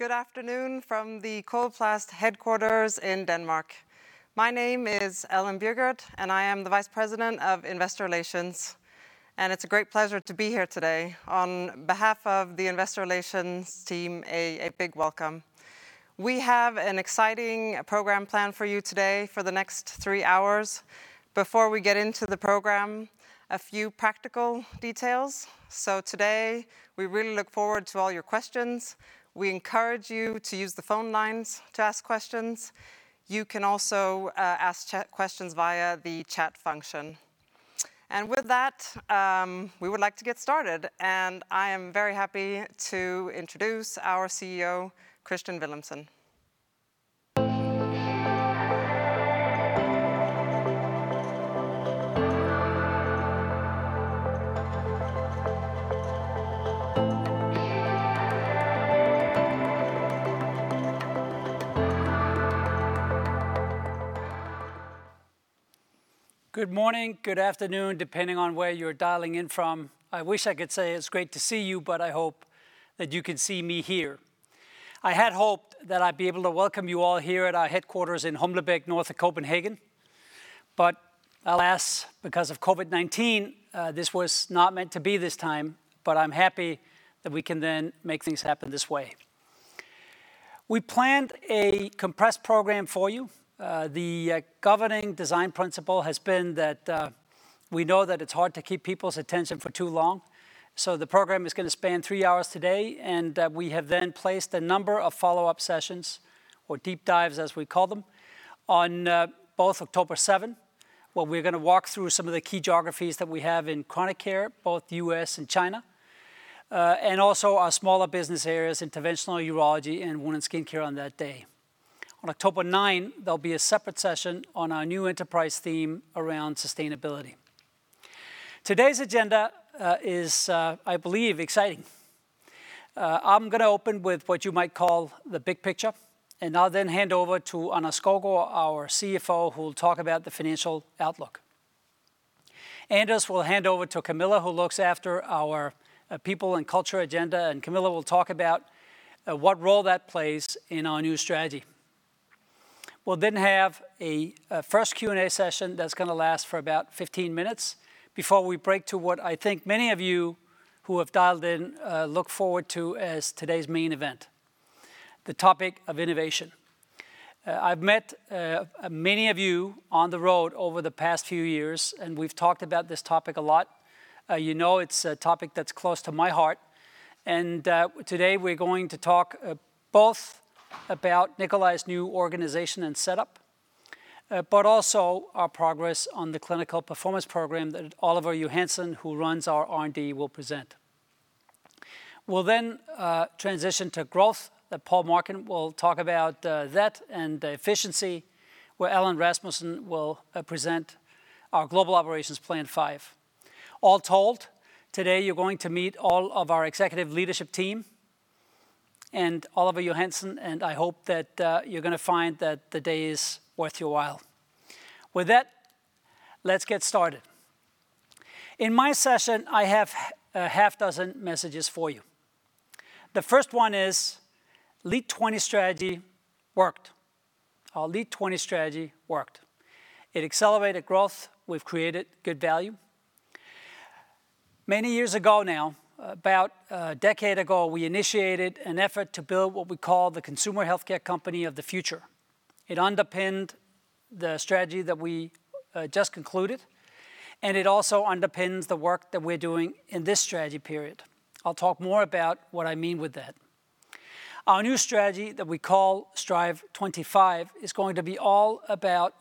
Good afternoon from the Coloplast headquarters in Denmark. My name is Ellen Bjurgert, and I am the Vice President of Investor Relations, and it's a great pleasure to be here today. On behalf of the investor relations team, a big welcome. We have an exciting program planned for you today for the next three hours. Before we get into the program, a few practical details. Today, we really look forward to all your questions. We encourage you to use the phone lines to ask questions. You can also ask chat questions via the chat function. With that, we would like to get started, and I am very happy to introduce our CEO, Kristian Villumsen. Good morning, good afternoon, depending on where you're dialing in from. I wish I could say it's great to see you, but I hope that you can see me here. I had hoped that I'd be able to welcome you all here at our headquarters in Humlebæk, north of Copenhagen. Alas, because of COVID-19, this was not meant to be this time, but I'm happy that we can then make things happen this way. We planned a compressed program for you. The governing design principle has been that we know that it's hard to keep people's attention for too long, so the program is going to span three hours today, and we have then placed a number of follow-up sessions, or deep dives, as we call them, on both October 7, where we're going to walk through some of the key geographies that we have in Chronic Care, both U.S. and China, and also our smaller business areas, Interventional Urology and Wound & Skin Care on that day. On October 9, there'll be a separate session on our new enterprise theme around sustainability. Today's agenda is, I believe, exciting. I'm going to open with what you might call the big picture, and I'll then hand over to Anders Skovgaard, our CFO, who will talk about the financial outlook. Anders will hand over to Camilla, who looks after our People and Culture agenda, and Camilla will talk about what role that plays in our new strategy. We'll have a first Q&A session that's going to last for about 15 minutes before we break to what I think many of you who have dialed in look forward to as today's main event, the topic of innovation. I've met many of you on the road over the past few years, and we've talked about this topic a lot. You know it's a topic that's close to my heart, and today we're going to talk both about Nicolai's new organization and setup, but also our progress on the Clinical Performance Program that Oliver Johansen, who runs our R&D, will present. We'll transition to growth, that Paul Marcun will talk about that and efficiency, where Allan Rasmussen will present our Global Operations Plan 5. All told, today you're going to meet all of our executive leadership team and Oliver Johansen, and I hope that you're going to find that the day is worth your while. With that, let's get started. In my session, I have a half dozen messages for you. The first one is: LEAD20 strategy worked. Our LEAD20 strategy worked. It accelerated growth. We've created good value. Many years ago now, about a decade ago, we initiated an effort to build what we call the consumer healthcare company of the future. It underpinned the strategy that we just concluded, and it also underpins the work that we're doing in this strategy period. I'll talk more about what I mean with that. Our new strategy that we call Strive25 is going to be all about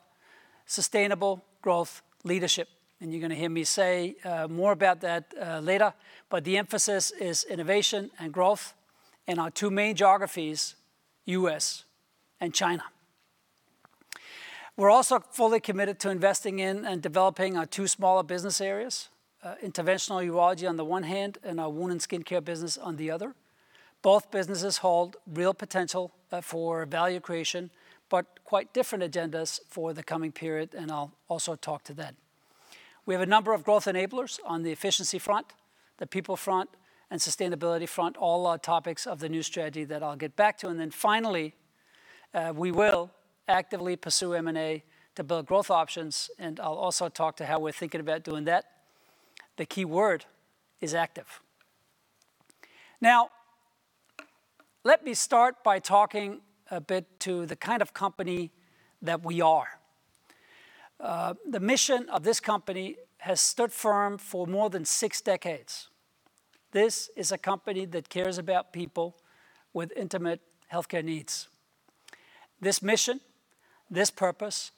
sustainable growth leadership, and you're going to hear me say more about that later. The emphasis is innovation and growth in our two main geographies, U.S. and China. We're also fully committed to investing in and developing our two smaller business areas, Interventional Urology on the one hand, and our Wound & Skin Care business on the other. Both businesses hold real potential for value creation, but quite different agendas for the coming period, and I'll also talk to that. We have a number of growth enablers on the efficiency front, the people front, and sustainability front, all are topics of the new strategy that I'll get back to. Finally, we will actively pursue M&A to build growth options, and I'll also talk to how we're thinking about doing that. The key word is active. Let me start by talking a bit to the kind of company that we are. The mission of this company has stood firm for more than six decades. This is a company that cares about people with intimate healthcare needs. This purpose,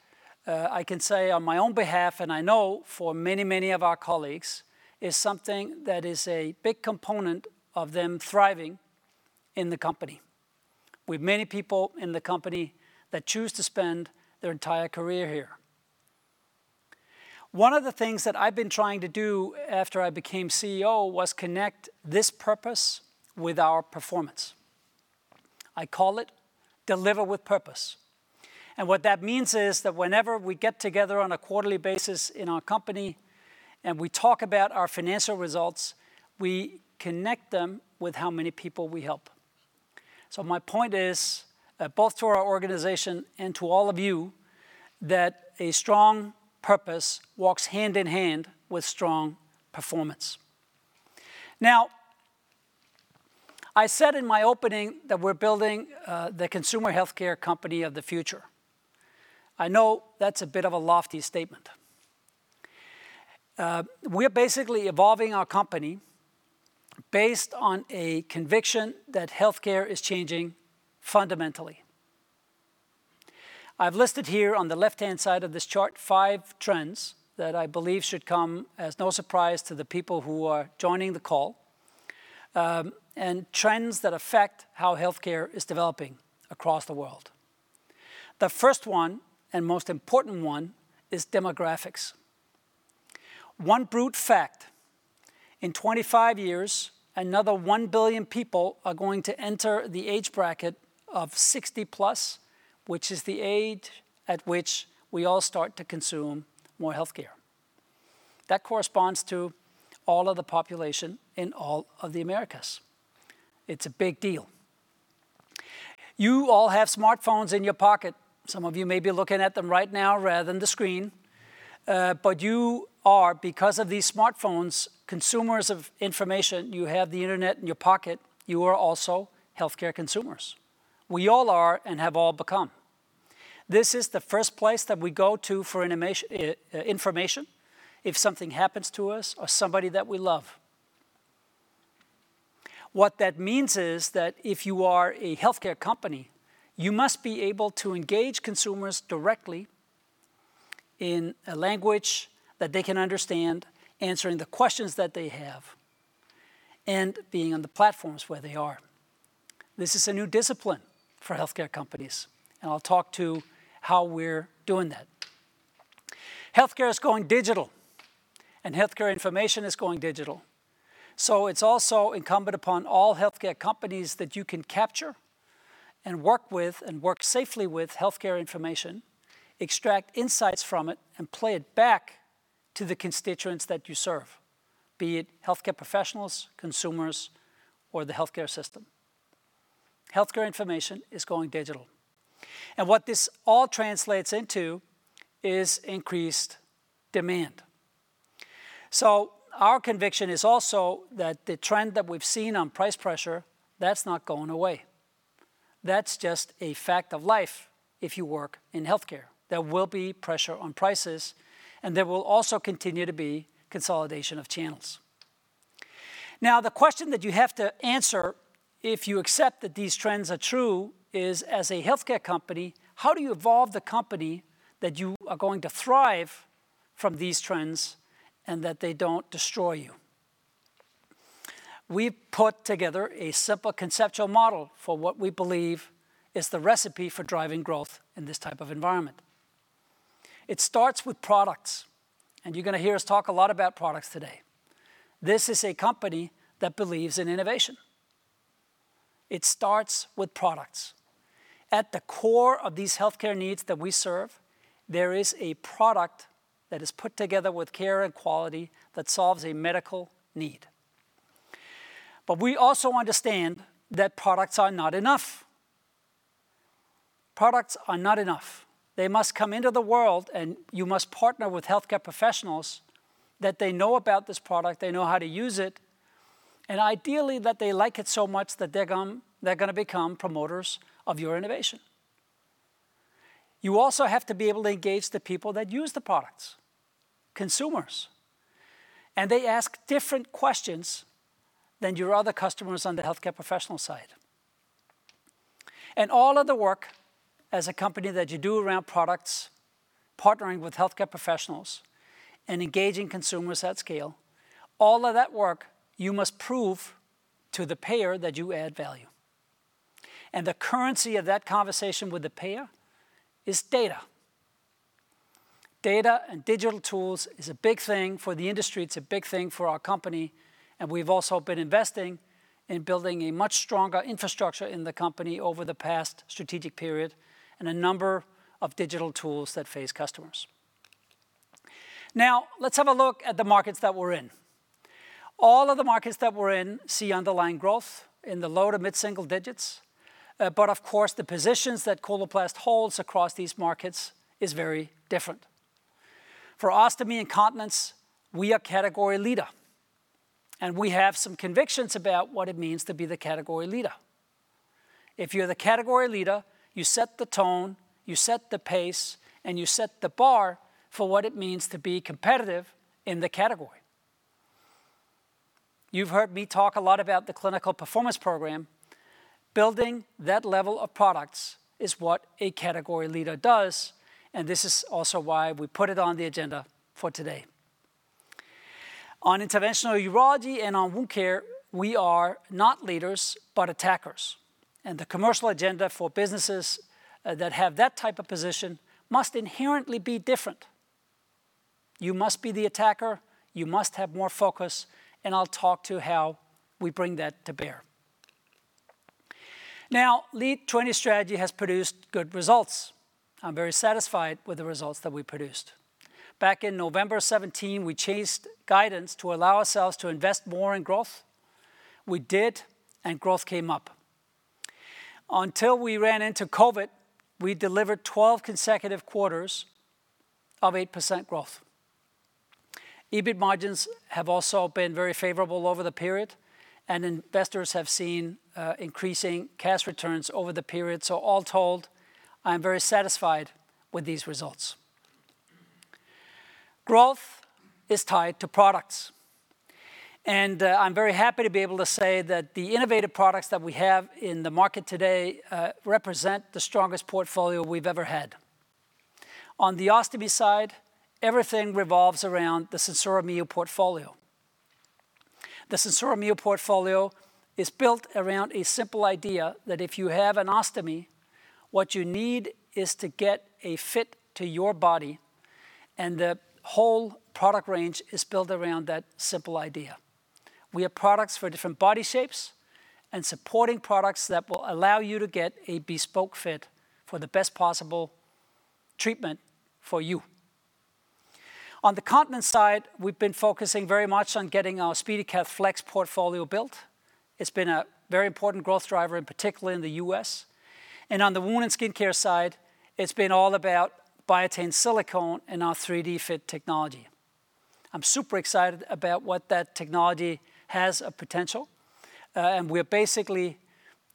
I can say on my own behalf, and I know for many of our colleagues, is something that is a big component of them thriving in the company. We have many people in the company that choose to spend their entire career here. One of the things that I've been trying to do after I became CEO was connect this purpose with our performance. I call it deliver with purpose. What that means is that whenever we get together on a quarterly basis in our company, and we talk about our financial results, we connect them with how many people we help. My point is that both to our organization and to all of you, that a strong purpose walks hand in hand with strong performance. I said in my opening that we're building the consumer healthcare company of the future. I know that's a bit of a lofty statement. We're basically evolving our company based on a conviction that healthcare is changing fundamentally. I've listed here on the left-hand side of this chart five trends that I believe should come as no surprise to the people who are joining the call, and trends that affect how healthcare is developing across the world. The first one, and most important one, is demographics. One brute fact, in 25 years, another 1 billion people are going to enter the age bracket of 60 plus, which is the age at which we all start to consume more healthcare. That corresponds to all of the population in all of the Americas. It's a big deal. You all have smartphones in your pocket. Some of you may be looking at them right now rather than the screen. You are, because of these smartphones, consumers of information. You have the internet in your pocket. You are also healthcare consumers. We all are and have all become. This is the first place that we go to for information if something happens to us or somebody that we love. What that means is that if you are a healthcare company, you must be able to engage consumers directly in a language that they can understand, answering the questions that they have, and being on the platforms where they are. This is a new discipline for healthcare companies. I'll talk to how we're doing that. Healthcare is going digital, and healthcare information is going digital. It's also incumbent upon all healthcare companies that you can capture and work with, and work safely with healthcare information, extract insights from it, and play it back to the constituents that you serve, be it healthcare professionals, consumers, or the healthcare system. Healthcare information is going digital. What this all translates into is increased demand. Our conviction is also that the trend that we've seen on price pressure, that's not going away. That's just a fact of life if you work in healthcare. There will be pressure on prices, and there will also continue to be consolidation of channels. The question that you have to answer if you accept that these trends are true is, as a healthcare company, how do you evolve the company that you are going to thrive from these trends and that they don't destroy you? We've put together a simple conceptual model for what we believe is the recipe for driving growth in this type of environment. It starts with products, and you're going to hear us talk a lot about products today. This is a company that believes in innovation. It starts with products. At the core of these healthcare needs that we serve, there is a product that is put together with care and quality that solves a medical need. We also understand that products are not enough. Products are not enough. They must come into the world, and you must partner with healthcare professionals that they know about this product, they know how to use it, and ideally, that they like it so much that they're going to become promoters of your innovation. You also have to be able to engage the people that use the products, consumers, and they ask different questions than your other customers on the healthcare professional side. All of the work as a company that you do around products, partnering with healthcare professionals, and engaging consumers at scale, all of that work, you must prove to the payer that you add value. The currency of that conversation with the payer is data. Data and digital tools is a big thing for the industry. It's a big thing for our company, and we've also been investing in building a much stronger infrastructure in the company over the past strategic period and a number of digital tools that face customers. Now, let's have a look at the markets that we're in. All of the markets that we're in see underlying growth in the low to mid-single digits. Of course, the positions that Coloplast holds across these markets is very different. For Ostomy and Continence, we are category leader, and we have some convictions about what it means to be the category leader. If you're the category leader, you set the tone, you set the pace, and you set the bar for what it means to be competitive in the category. You've heard me talk a lot about the Clinical Performance Program. Building that level of products is what a category leader does, and this is also why we put it on the agenda for today. On Interventional Urology and on Wound Care, we are not leaders, but attackers. The commercial agenda for businesses that have that type of position must inherently be different. You must be the attacker, you must have more focus, and I'll talk to how we bring that to bear. Now, LEAD20 strategy has produced good results. I'm very satisfied with the results that we produced. Back in November 2017, we changed guidance to allow ourselves to invest more in growth. We did, and growth came up. Until we ran into COVID, we delivered 12 consecutive quarters of 8% growth. EBIT margins have also been very favorable over the period, and investors have seen increasing cash returns over the period. All told, I am very satisfied with these results. Growth is tied to products, I'm very happy to be able to say that the innovative products that we have in the market today represent the strongest portfolio we've ever had. On the ostomy side, everything revolves around the SenSura Mio portfolio. The SenSura Mio portfolio is built around a simple idea that if you have an ostomy, what you need is to get a fit to your body, and the whole product range is built around that simple idea. We have products for different body shapes and supporting products that will allow you to get a bespoke fit for the best possible treatment for you. On the Continence side, we've been focusing very much on getting our SpeediCath Flex portfolio built. It's been a very important growth driver, in particular in the U.S. On the Wound & Skin Care side, it's been all about Biatain Silicone and our 3DFit Technology. I'm super excited about what that technology has a potential. We're basically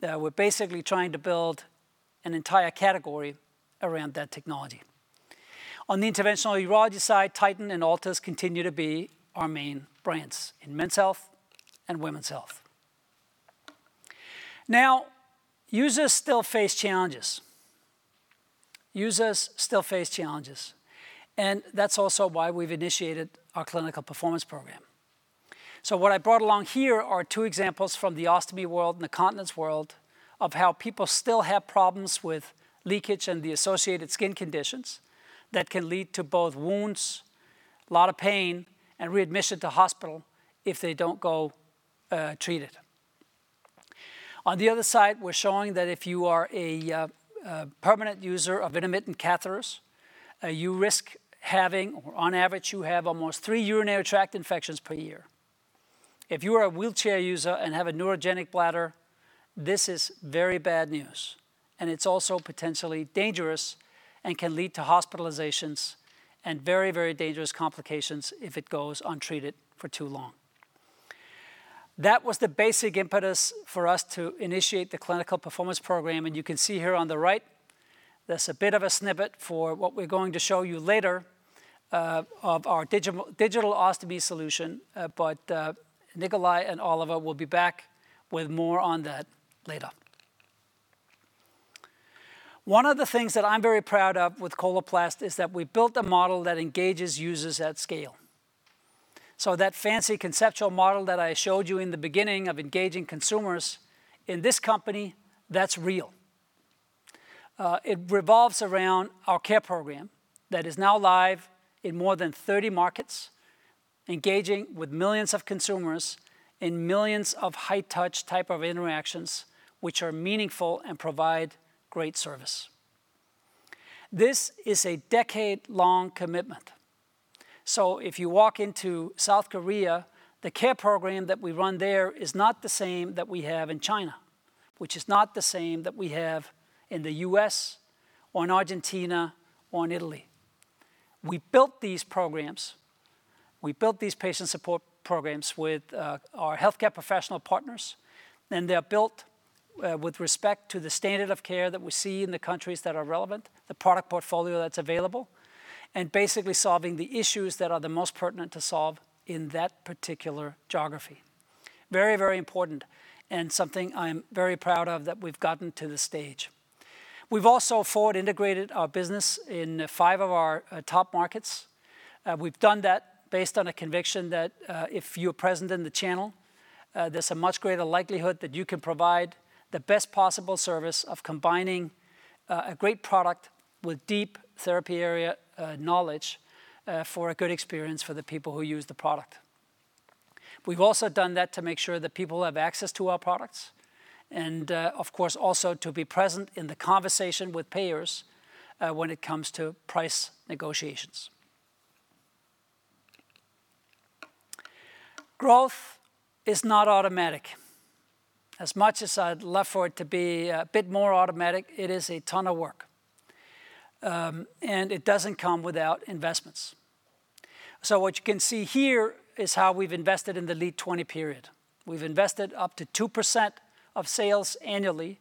trying to build an entire category around that technology. On the Interventional Urology side, Titan and Altis continue to be our main brands in men's health and women's health. Now, users still face challenges. Users still face challenges, and that's also why we've initiated our Clinical Performance Program. What I brought along here are two examples from the Ostomy world and the Continence world of how people still have problems with leakage and the associated skin conditions that can lead to both wounds, a lot of pain, and readmission to hospital if they don't go treated. On the other side, we're showing that if you are a permanent user of intermittent catheters, you risk having, or on average, you have almost three urinary tract infections per year. If you are a wheelchair user and have a neurogenic bladder, this is very bad news, and it's also potentially dangerous and can lead to hospitalizations and very, very dangerous complications if it goes untreated for too long. That was the basic impetus for us to initiate the Clinical Performance Program, and you can see here on the right, there's a bit of a snippet for what we're going to show you later, of our Digital Ostomy Solutions. Nicolai and Oliver will be back with more on that later. One of the things that I'm very proud of with Coloplast is that we built a model that engages users at scale. That fancy conceptual model that I showed you in the beginning of engaging consumers, in this company, that's real. It revolves around our Care program that is now live in more than 30 markets, engaging with millions of consumers in millions of high-touch type of interactions, which are meaningful and provide great service. This is a decade-long commitment. If you walk into South Korea, the Care program that we run there is not the same that we have in China, which is not the same that we have in the U.S. or in Argentina or in Italy. We built these programs, we built these patient support programs with our healthcare professional partners, and they are built with respect to the standard of care that we see in the countries that are relevant, the product portfolio that's available, and basically solving the issues that are the most pertinent to solve in that particular geography. Very, very important and something I am very proud of that we've gotten to this stage. We've also forward-integrated our business in five of our top markets. We've done that based on a conviction that, if you're present in the channel, there's a much greater likelihood that you can provide the best possible service of combining a great product with deep therapy area knowledge, for a good experience for the people who use the product. We've also done that to make sure that people have access to our products, and, of course, also to be present in the conversation with payers, when it comes to price negotiations. Growth is not automatic. As much as I'd love for it to be a bit more automatic, it is a ton of work. It doesn't come without investments. What you can see here is how we've invested in the LEAD20 period. We've invested up to 2% of sales annually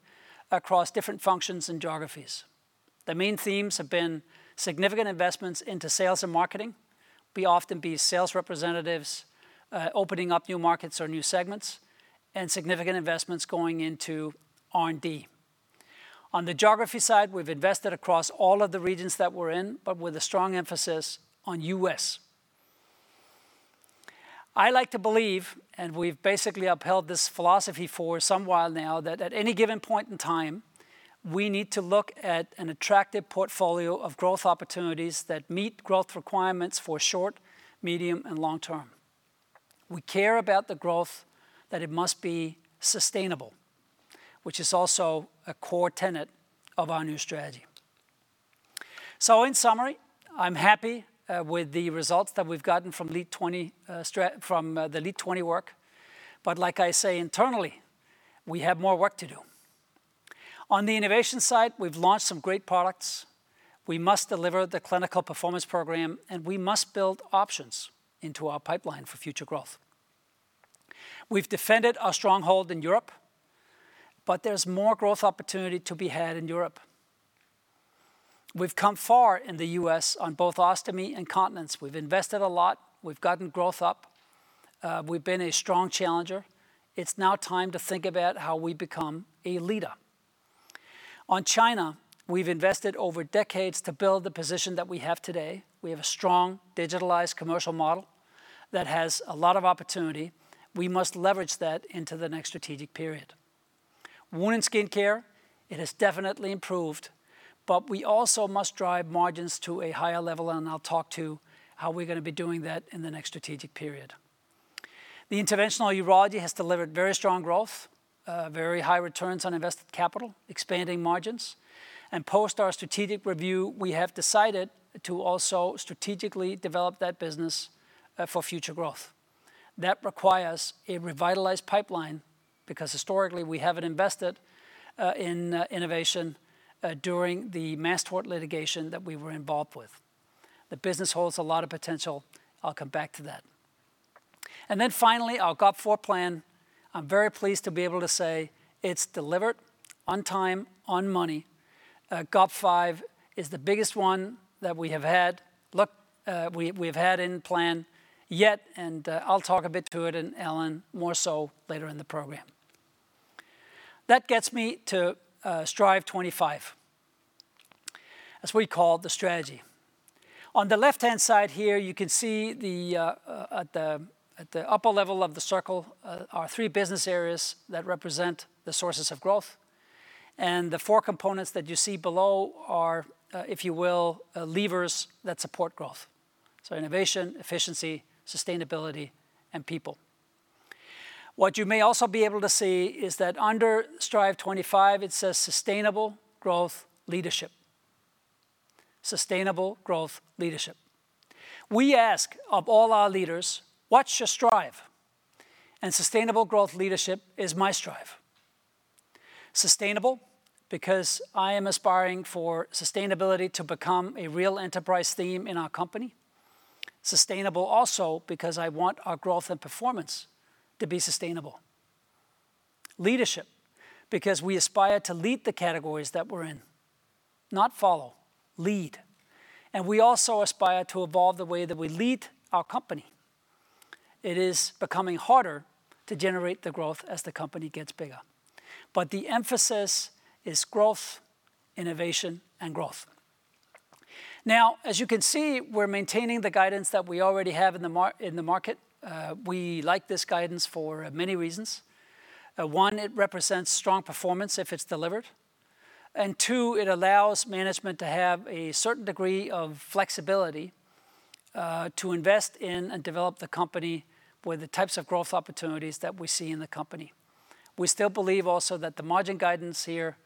across different functions and geographies. The main themes have been significant investments into sales and marketing, be often sales representatives, opening up new markets or new segments, and significant investments going into R&D. On the geography side, we've invested across all of the regions that we're in, but with a strong emphasis on U.S. I like to believe, and we've basically upheld this philosophy for some while now, that at any given point in time, we need to look at an attractive portfolio of growth opportunities that meet growth requirements for short, medium, and long term. We care about the growth that it must be sustainable, which is also a core tenet of our new strategy. In summary, I'm happy with the results that we've gotten from the LEAD20 work, but like I say internally, we have more work to do. On the innovation side, we've launched some great products. We must deliver the Clinical Performance Program, and we must build options into our pipeline for future growth. We've defended our stronghold in Europe, but there's more growth opportunity to be had in Europe. We've come far in the U.S. on both Ostomy and Continence. We've invested a lot. We've gotten growth up. We've been a strong challenger. It's now time to think about how we become a leader. On China, we've invested over decades to build the position that we have today. We have a strong digitalized commercial model that has a lot of opportunity. We must leverage that into the next strategic period. Wound & Skin Care, it has definitely improved, but we also must drive margins to a higher level, and I'll talk to how we're going to be doing that in the next strategic period. The Interventional Urology has delivered very strong growth, very high returns on invested capital, expanding margins, and post our strategic review, we have decided to also strategically develop that business for future growth. That requires a revitalized pipeline because historically we haven't invested in innovation during the mass tort litigation that we were involved with. The business holds a lot of potential. I'll come back to that. Finally, our GOp4 plan. I'm very pleased to be able to say it's delivered on time, on money. GOp5 is the biggest one that we have had in plan yet. I'll talk a bit to it and Allan more so later in the program. That gets me to Strive25. That's what we call the strategy. On the left-hand side here, you can see at the upper level of the circle are three business areas that represent the sources of growth. The four components that you see below are, if you will, levers that support growth. Innovation, efficiency, sustainability, and people. What you may also be able to see is that under Strive25, it says sustainable growth leadership. Sustainable growth leadership. We ask of all our leaders, "What's your strive?" Sustainable growth leadership is my strive. Sustainable, because I am aspiring for sustainability to become a real enterprise theme in our company. Sustainable also because I want our growth and performance to be sustainable. Leadership, because we aspire to lead the categories that we're in, not follow, lead. We also aspire to evolve the way that we lead our company. It is becoming harder to generate the growth as the company gets bigger. The emphasis is growth, innovation, and growth. As you can see, we're maintaining the guidance that we already have in the market. We like this guidance for many reasons. One, it represents strong performance if it's delivered, and two, it allows management to have a certain degree of flexibility to invest in and develop the company with the types of growth opportunities that we see in the company. We still believe also that the margin guidance here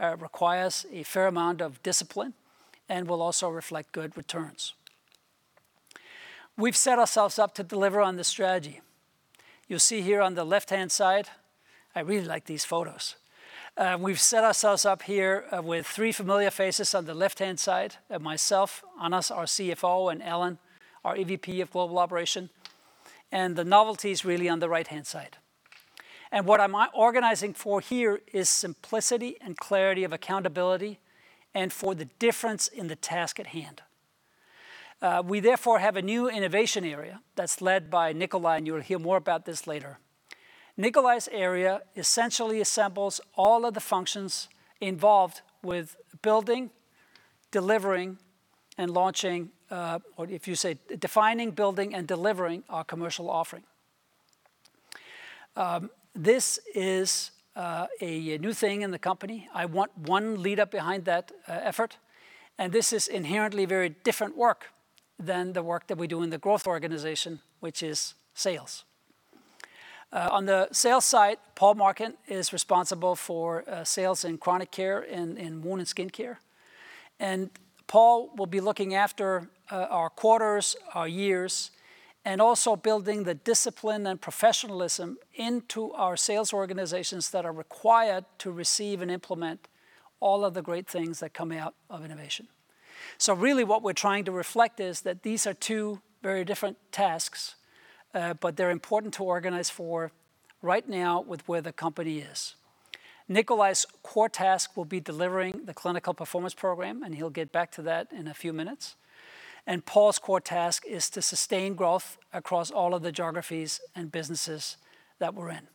requires a fair amount of discipline and will also reflect good returns. We've set ourselves up to deliver on the strategy. You'll see here on the left-hand side, I really like these photos. We've set ourselves up here with three familiar faces on the left-hand side of myself, Anders, our CFO, and Allan, our EVP of Global Operations. The novelty is really on the right-hand side. What I'm organizing for here is simplicity and clarity of accountability and for the difference in the task at hand. We therefore have a new innovation area that's led by Nicolai, you'll hear more about this later. Nicolai's area essentially assembles all of the functions involved with building, delivering, and launching, or if you say, defining, building, and delivering our commercial offering. This is a new thing in the company. I want one leader behind that effort. This is inherently very different work than the work that we do in the growth organization, which is sales. On the sales side, Paul Marcun is responsible for sales in Chronic Care and in Wound & Skin Care. Paul will be looking after our quarters, our years, and also building the discipline and professionalism into our sales organizations that are required to receive and implement all of the great things that are coming out of innovation. Really what we're trying to reflect is that these are two very different tasks, but they're important to organize for right now with where the company is. Nicolai's core task will be delivering the Clinical Performance Program, and he'll get back to that in a few minutes. Paul's core task is to sustain growth across all of the geographies and businesses that we're in.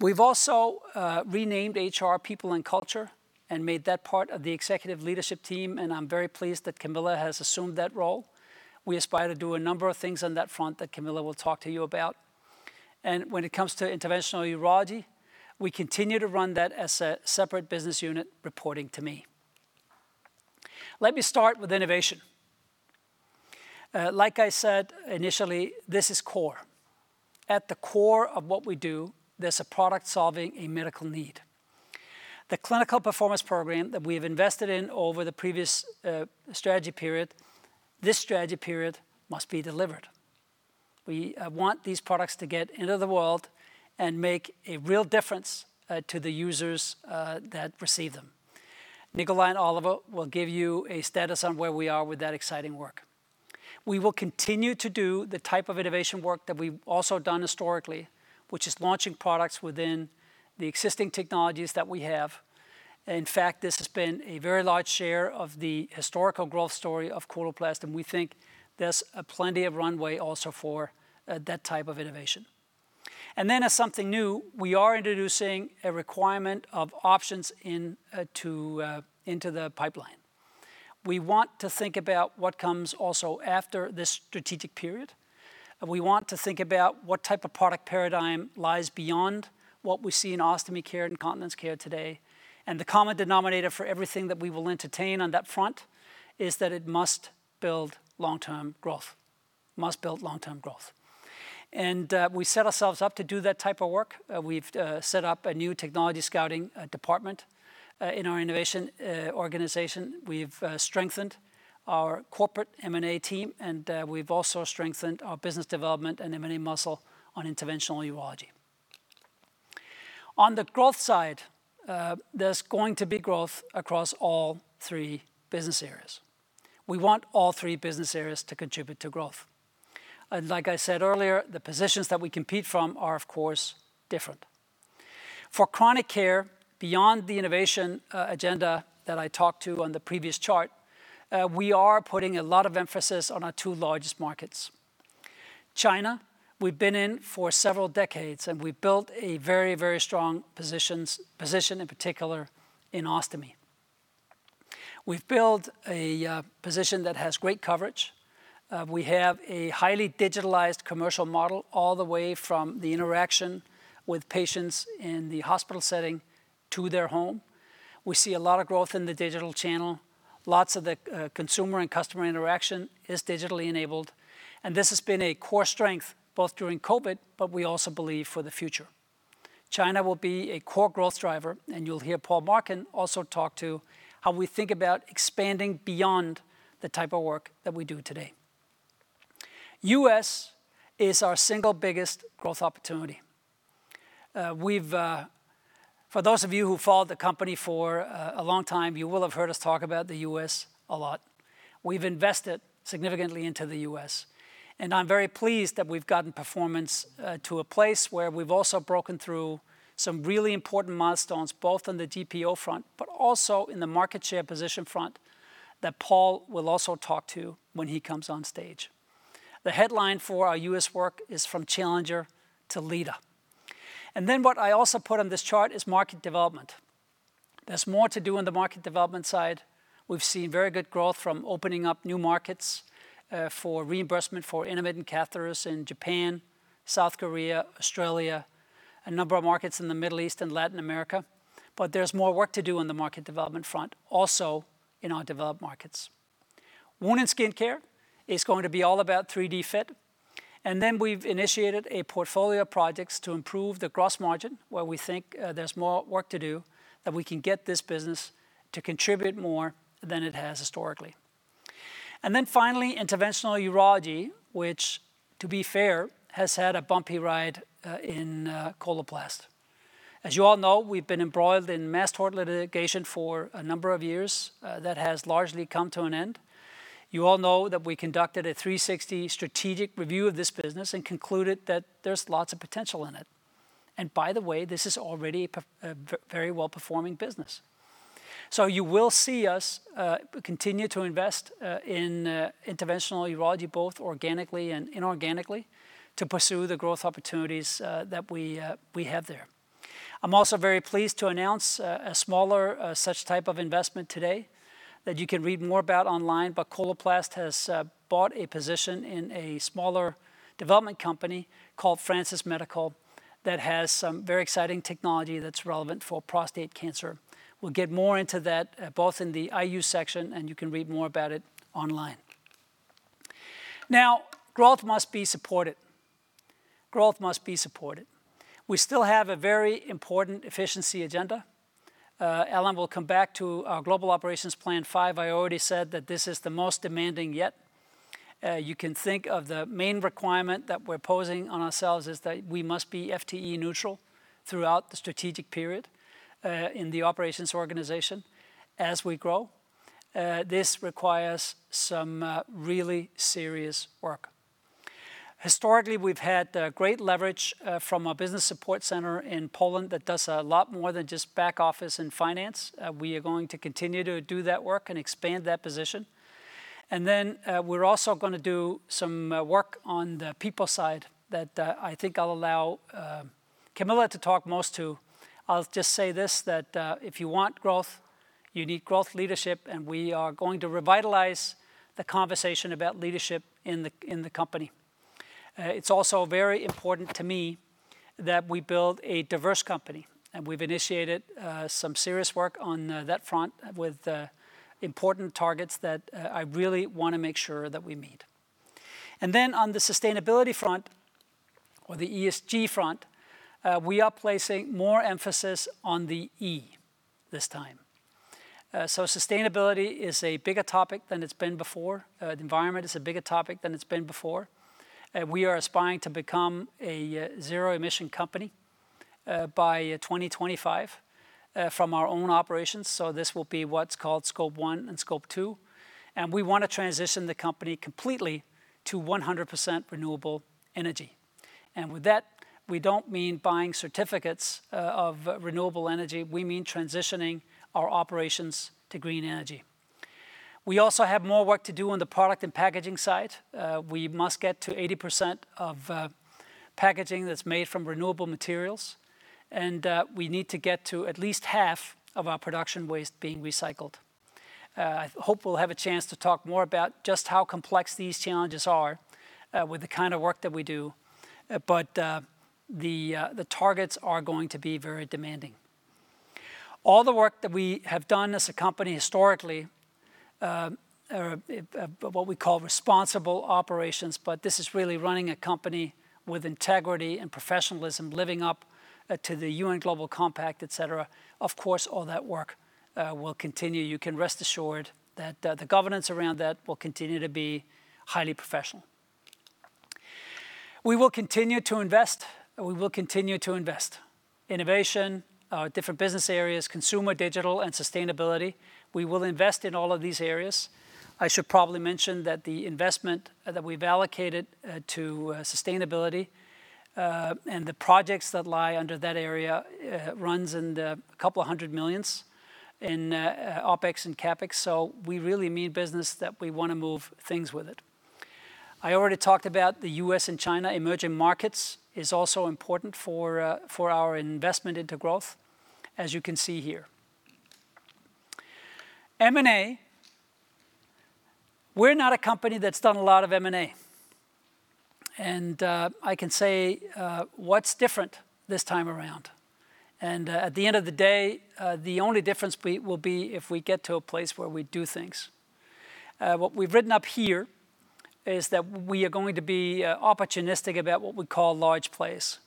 We've also renamed HR, People and Culture, and made that part of the executive leadership team, and I'm very pleased that Camilla has assumed that role. We aspire to do a number of things on that front that Camilla will talk to you about. When it comes to Interventional Urology, we continue to run that as a separate business unit reporting to me. Let me start with innovation. Like I said initially, this is core. At the core of what we do, there's a product solving a medical need. The Clinical Performance Program that we've invested in over the previous strategy period, this strategy period must be delivered. We want these products to get into the world and make a real difference to the users that receive them. Nicolai and Oliver will give you a status on where we are with that exciting work. We will continue to do the type of innovation work that we've also done historically, which is launching products within the existing technologies that we have. In fact, this has been a very large share of the historical growth story of Coloplast, and we think there's plenty of runway also for that type of innovation. As something new, we are introducing a requirement of options into the pipeline. We want to think about what comes also after this strategic period. We want to think about what type of product paradigm lies beyond what we see in Ostomy Care and Continence Care today. The common denominator for everything that we will entertain on that front is that it must build long-term growth. Must build long-term growth. We set ourselves up to do that type of work. We've set up a new technology scouting department, in our innovation organization. We've strengthened our corporate M&A team. We've also strengthened our business development and M&A muscle on Interventional Urology. On the growth side, there's going to be growth across all three business areas. We want all three business areas to contribute to growth. Like I said earlier, the positions that we compete from are, of course, different. For Chronic Care, beyond the innovation agenda that I talked to on the previous chart, we are putting a lot of emphasis on our two largest markets. China, we've been in for several decades. We built a very strong position, in particular in ostomy. We've built a position that has great coverage. We have a highly digitalized commercial model all the way from the interaction with patients in the hospital setting to their home. We see a lot of growth in the digital channel. Lost of consumer and customer interaction is digitally enabled. This has been a core strength both during COVID, but we also believe for the future. China will be a core growth driver, you'll hear Paul Marcun also talk to how we think about expanding beyond the type of work that we do today. U.S. is our single biggest growth opportunity. For those of you who followed the company for a long time, you will have heard us talk about the U.S. a lot. We've invested significantly into the U.S. I'm very pleased that we've gotten performance to a place where we've also broken through some really important milestones, both on the GPO front, but also in the market share position front, that Paul will also talk to when he comes on stage. The headline for our U.S. work is from challenger to leader. What I also put on this chart is market development. There's more to do on the market development side. We've seen very good growth from opening up new markets, for reimbursement for intermittent catheters in Japan, South Korea, Australia, a number of markets in the Middle East and Latin America. There's more work to do on the market development front, also in our developed markets. Wound & Skin Care is going to be all about 3DFit. We've initiated a portfolio of projects to improve the gross margin, where we think there's more work to do, that we can get this business to contribute more than it has historically. Finally, Interventional Urology, which to be fair, has had a bumpy ride in Coloplast. As you all know, we've been embroiled in mass tort litigation for a number of years. That has largely come to an end. You all know that we conducted a 360 strategic review of this business and concluded that there's lots of potential in it. By the way, this is already a very well-performing business. You will see us continue to invest in Interventional Urology, both organically and inorganically, to pursue the growth opportunities that we have there. I'm also very pleased to announce a smaller such type of investment today that you can read more about online. Coloplast has bought a position in a smaller development company called Francis Medical that has some very exciting technology that's relevant for prostate cancer. We'll get more into that both in the IU section, and you can read more about it online. Growth must be supported. Growth must be supported. We still have a very important efficiency agenda. Allan will come back to our Global Operations Plan 5. I already said that this is the most demanding yet. You can think of the main requirement that we're posing on ourselves is that we must be FTE neutral throughout the strategic period, in the operations organization, as we grow. This requires some really serious work. Historically, we've had great leverage from our business support center in Poland that does a lot more than just back office and finance. We are going to continue to do that work and expand that position. Then, we're also going to do some work on the people side that I think I'll allow Camilla to talk most to. I'll just say this, that if you want growth, you need growth leadership, and we are going to revitalize the conversation about leadership in the company. It's also very important to me that we build a diverse company, and we've initiated some serious work on that front with important targets that I really want to make sure that we meet. Then on the sustainability front, or the ESG front, we are placing more emphasis on the E this time. Sustainability is a bigger topic than it's been before. The environment is a bigger topic than it's been before. We are aspiring to become a zero-emission company by 2025 from our own operations, so this will be what's called Scope 1 and Scope 2. We want to transition the company completely to 100% renewable energy. With that, we don't mean buying certificates of renewable energy. We mean transitioning our operations to green energy. We also have more work to do on the product and packaging side. We must get to 80% of packaging that's made from renewable materials, and we need to get to at least half of our production waste being recycled. I hope we'll have a chance to talk more about just how complex these challenges are with the kind of work that we do. The targets are going to be very demanding. All the work that we have done as a company historically, what we call responsible operations, but this is really running a company with integrity and professionalism, living up to the UN Global Compact, et cetera. Of course, all that work will continue. You can rest assured that the governance around that will continue to be highly professional. We will continue to invest. Innovation, different business areas, consumer digital, and sustainability. We will invest in all of these areas. I should probably mention that the investment that we've allocated to sustainability, and the projects that lie under that area, runs in the couple of hundred millions in OpEx and CapEx. We really mean business that we want to move things with it. I already talked about the U.S. and China. Emerging markets is also important for our investment into growth, as you can see here. M&A. We're not a company that's done a lot of M&A. I can say what's different this time around. At the end of the day, the only difference will be if we get to a place where we do things. What we've written up here is that we are going to be opportunistic about what we call large plays.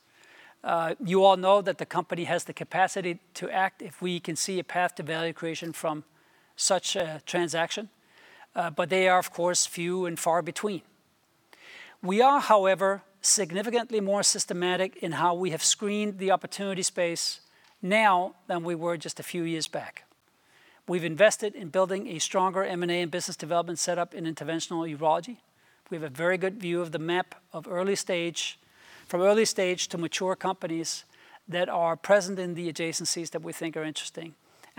You all know that the company has the capacity to act if we can see a path to value creation from such a transaction, but they are, of course, few and far between. We are, however, significantly more systematic in how we have screened the opportunity space now than we were just a few years back. We've invested in building a stronger M&A and business development setup in Interventional Urology. We have a very good view of the map from early stage to mature companies that are present in the adjacencies that we think are interesting.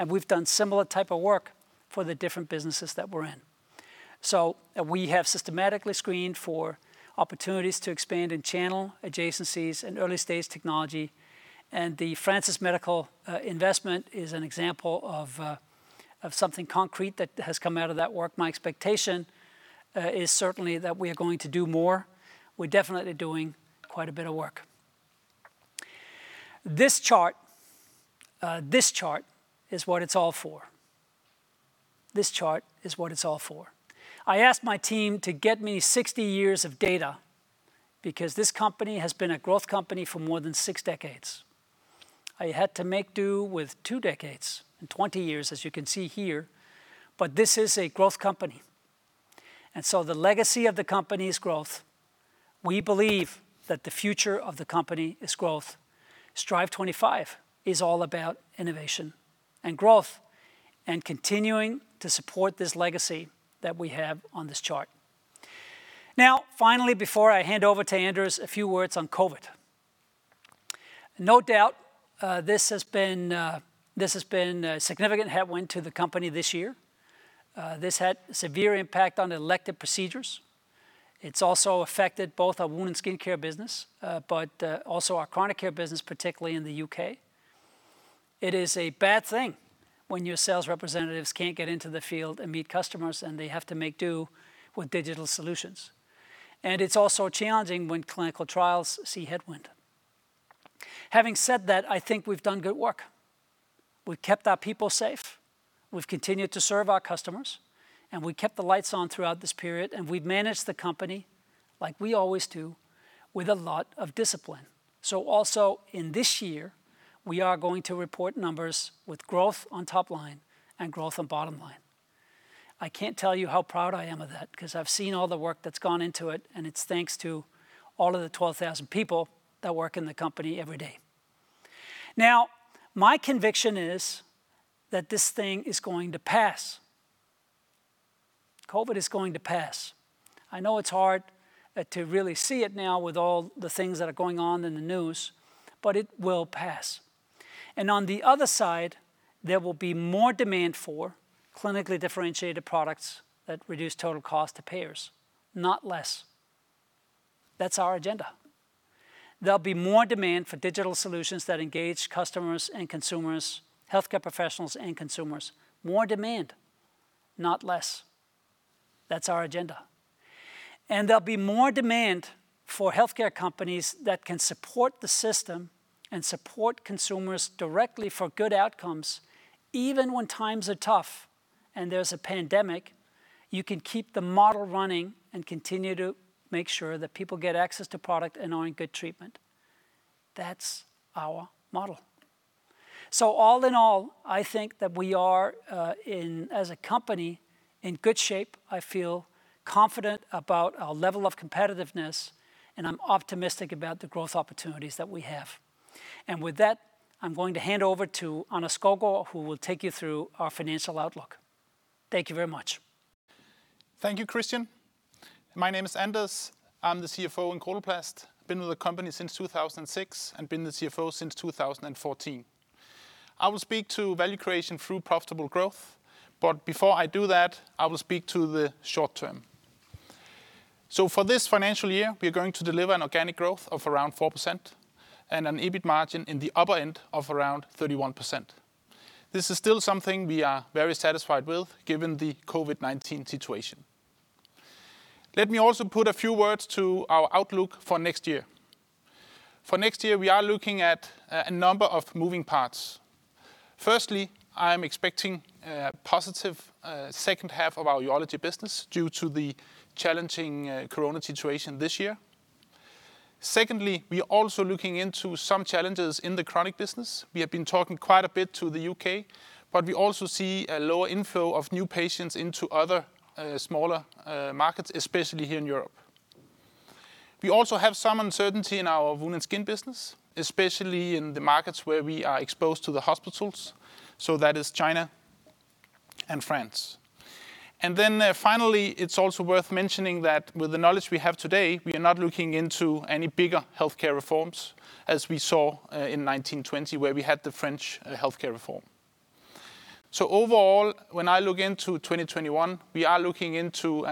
We've done similar type of work for the different businesses that we're in. We have systematically screened for opportunities to expand in channel adjacencies and early-stage technology, and the Francis Medical investment is an example of something concrete that has come out of that work. My expectation is certainly that we are going to do more. We're definitely doing quite a bit of work. This chart is what it's all for. I asked my team to get me 60 years of data because this company has been a growth company for more than six decades. I had to make do with two decades and 20 years, as you can see here. This is a growth company. The legacy of the company is growth. We believe that the future of the company is growth. Strive25 is all about innovation and growth and continuing to support this legacy that we have on this chart. Now, finally, before I hand over to Anders, a few words on COVID-19. No doubt, this has been a significant headwind to the company this year. This had a severe impact on elective procedures. It's also affected both our Wound & Skin Care business, also our Chronic Care business, particularly in the U.K. It is a bad thing when your sales representatives can't get into the field and meet customers, they have to make do with digital solutions. It's also challenging when clinical trials see headwind. Having said that, I think we've done good work. We've kept our people safe. We've continued to serve our customers, we kept the lights on throughout this period, we've managed the company like we always do, with a lot of discipline. Also in this year, we are going to report numbers with growth on top line and growth on bottom line. I can't tell you how proud I am of that, because I've seen all the work that's gone into it, and it's thanks to all of the 12,000 people that work in the company every day. My conviction is that this thing is going to pass. COVID is going to pass. I know it's hard to really see it now with all the things that are going on in the news, but it will pass. On the other side, there will be more demand for clinically differentiated products that reduce total cost to payers, not less. That's our agenda. There'll be more demand for digital solutions that engage customers and consumers, healthcare professionals and consumers. More demand, not less. That's our agenda. There will be more demand for healthcare companies that can support the system and support consumers directly for good outcomes, even when times are tough and there's a pandemic, you can keep the model running and continue to make sure that people get access to product and are in good treatment. That's our model. All in all, I think that we are, as a company, in good shape. I feel confident about our level of competitiveness, and I'm optimistic about the growth opportunities that we have. With that, I'm going to hand over to Anders Skovgaard, who will take you through our financial outlook. Thank you very much. Thank you, Kristian. My name is Anders. I'm the CFO in Coloplast. Been with the company since 2006 and been the CFO since 2014. I will speak to value creation through profitable growth, but before I do that, I will speak to the short-term. For this financial year, we're going to deliver an organic growth of around 4% and an EBIT margin in the upper end of around 31%. This is still something we are very satisfied with given the COVID-19 situation. Let me also put a few words to our outlook for next year. For next year, we are looking at a number of moving parts. Firstly, I am expecting a positive second half of our Urology business due to the challenging Corona situation this year. Secondly, we are also looking into some challenges in the Chronic business. We have been talking quite a bit to the U.K., but we also see a lower inflow of new patients into other smaller markets, especially here in Europe. We also have some uncertainty in our Wound & Skin Care business, especially in the markets where we are exposed to the hospitals. That is China and France. Then finally, it's also worth mentioning that with the knowledge we have today, we are not looking into any bigger healthcare reforms as we saw in 2020, where we had the French healthcare reform. Overall, when I look into 2021, we are looking into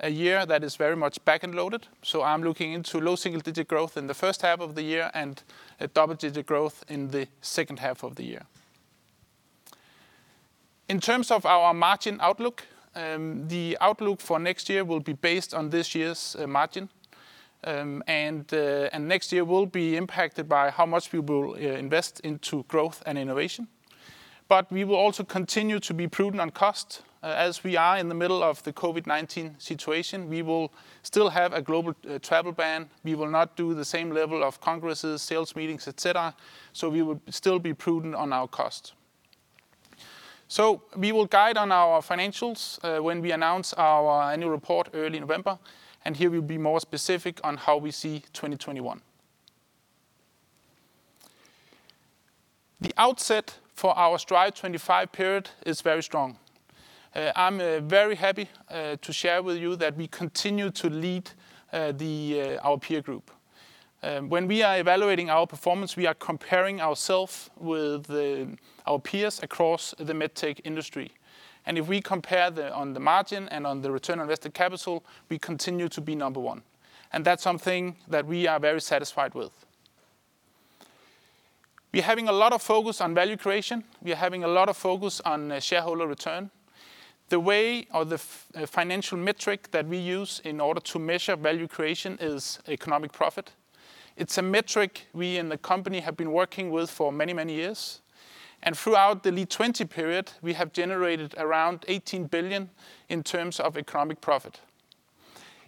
a year that is very much back-end loaded. I'm looking into low single-digit growth in the first half of the year and a double-digit growth in the second half of the year. In terms of our margin outlook, the outlook for next year will be based on this year's margin. Next year will be impacted by how much we will invest into growth and innovation. We will also continue to be prudent on cost, as we are in the middle of the COVID-19 situation. We will still have a global travel ban. We will not do the same level of congresses, sales meetings, et cetera. We will still be prudent on our cost. We will guide on our financials when we announce our annual report early November, and here we'll be more specific on how we see 2021. The outset for our Strive25 period is very strong. I'm very happy to share with you that we continue to lead our peer group. When we are evaluating our performance, we are comparing ourselves with our peers across the med tech industry. If we compare on the margin and on the return on invested capital, we continue to be number one. That's something that we are very satisfied with. We're having a lot of focus on value creation. We are having a lot of focus on shareholder return. The way or the financial metric that we use in order to measure value creation is economic profit. It's a metric we in the company have been working with for many, many years. Throughout the LEAD20 period, we have generated around 18 billion in terms of economic profit.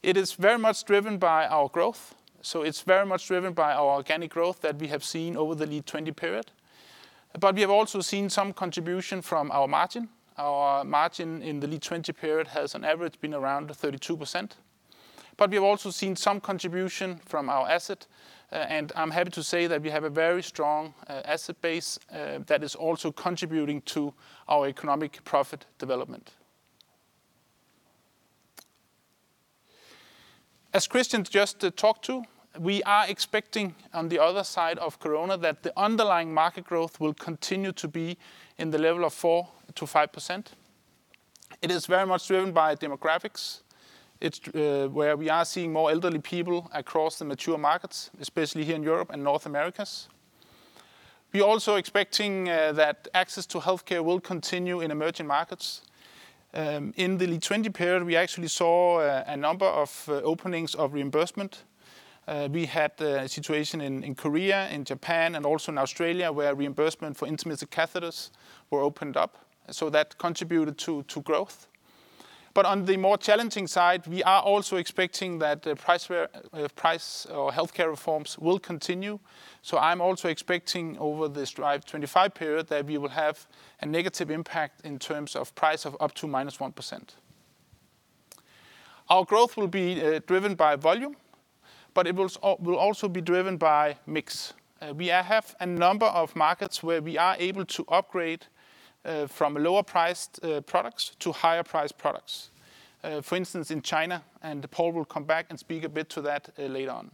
It is very much driven by our growth. It's very much driven by our organic growth that we have seen over the LEAD20 period. We have also seen some contribution from our margin. Our margin in the LEAD20 period has on average been around 32%. We have also seen some contribution from our asset, and I'm happy to say that we have a very strong asset base that is also contributing to our economic profit development. As Kristian just talked to, we are expecting on the other side of Corona that the underlying market growth will continue to be in the level of 4%-5%. It is very much driven by demographics. It's where we are seeing more elderly people across the mature markets, especially here in Europe and North America. We're also expecting that access to healthcare will continue in emerging markets. In the LEAD20 period, we actually saw a number of openings of reimbursement. We had a situation in Korea, in Japan, and also in Australia, where reimbursement for intermittent catheters were opened up. That contributed to growth. On the more challenging side, we are also expecting that price or healthcare reforms will continue. I'm also expecting over this Strive25 period that we will have a negative impact in terms of price of up to minus 1%. Our growth will be driven by volume, but it will also be driven by mix. We have a number of markets where we are able to upgrade from lower-priced products to higher-priced products. For instance, in China, and Paul will come back and speak a bit to that later on.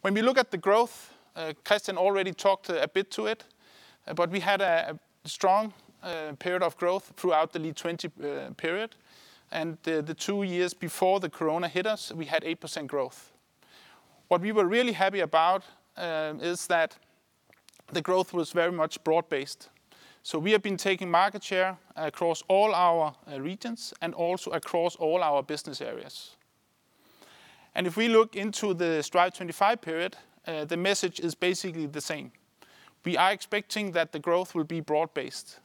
When we look at the growth, Kristian already talked a bit to it, we had a strong period of growth throughout the LEAD20 period. The two years before the corona hit us, we had 8% growth. What we were really happy about is that the growth was very much broad-based. We have been taking market share across all our regions and also across all our business areas. If we look into the Strive25 period, the message is basically the same. We are expecting that the growth will be broad based.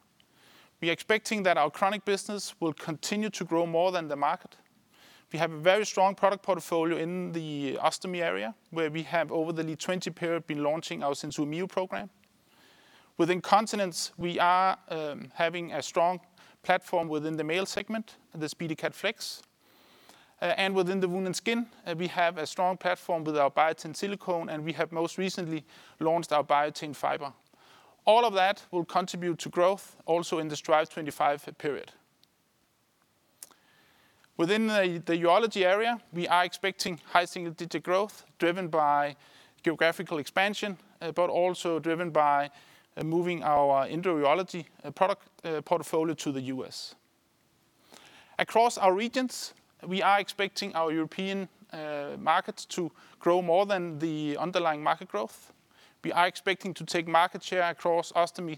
We are expecting that our Chronic Care business will continue to grow more than the market. We have a very strong product portfolio in the ostomy area, where we have over the LEAD20 period been launching our SenSura Mio program. Within Continence, we are having a strong platform within the male segment, the SpeediCath Flex. Within the Wound & Skin, we have a strong platform with our Biatain Silicone, and we have most recently launched our Biatain Fiber. All of that will contribute to growth in the Strive25 period. Within the Urology area, we are expecting high-single-digit growth driven by geographical expansion, but also driven by moving our Interventional Urology product portfolio to the U.S. Across our regions, we are expecting our European markets to grow more than the underlying market growth. We are expecting to take market share across Ostomy,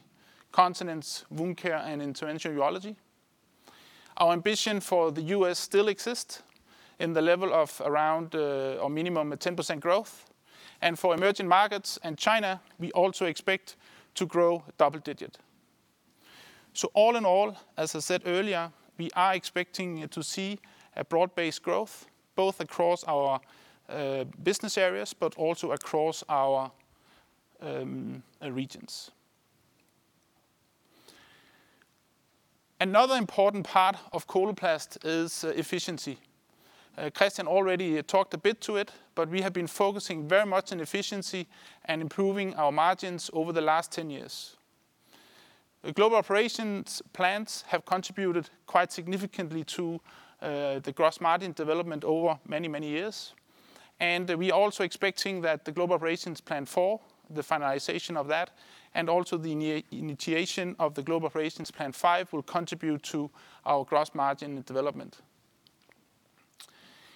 Continence, Wound Care and Interventional Urology. Our ambition for the U.S. still exists in the level of around or minimum 10% growth. For emerging markets and China, we also expect to grow double-digit. All in all, as I said earlier, we are expecting to see a broad-based growth, both across our business areas, but also across our regions. Another important part of Coloplast is efficiency. Kristian already talked a bit to it, we have been focusing very much on efficiency and improving our margins over the last 10 years. Global Operations Plans have contributed quite significantly to the gross margin development over many years. We are also expecting that the Global Operations Plan 4, the finalization of that, and also the initiation of the Global Operations Plan 5 will contribute to our gross margin development.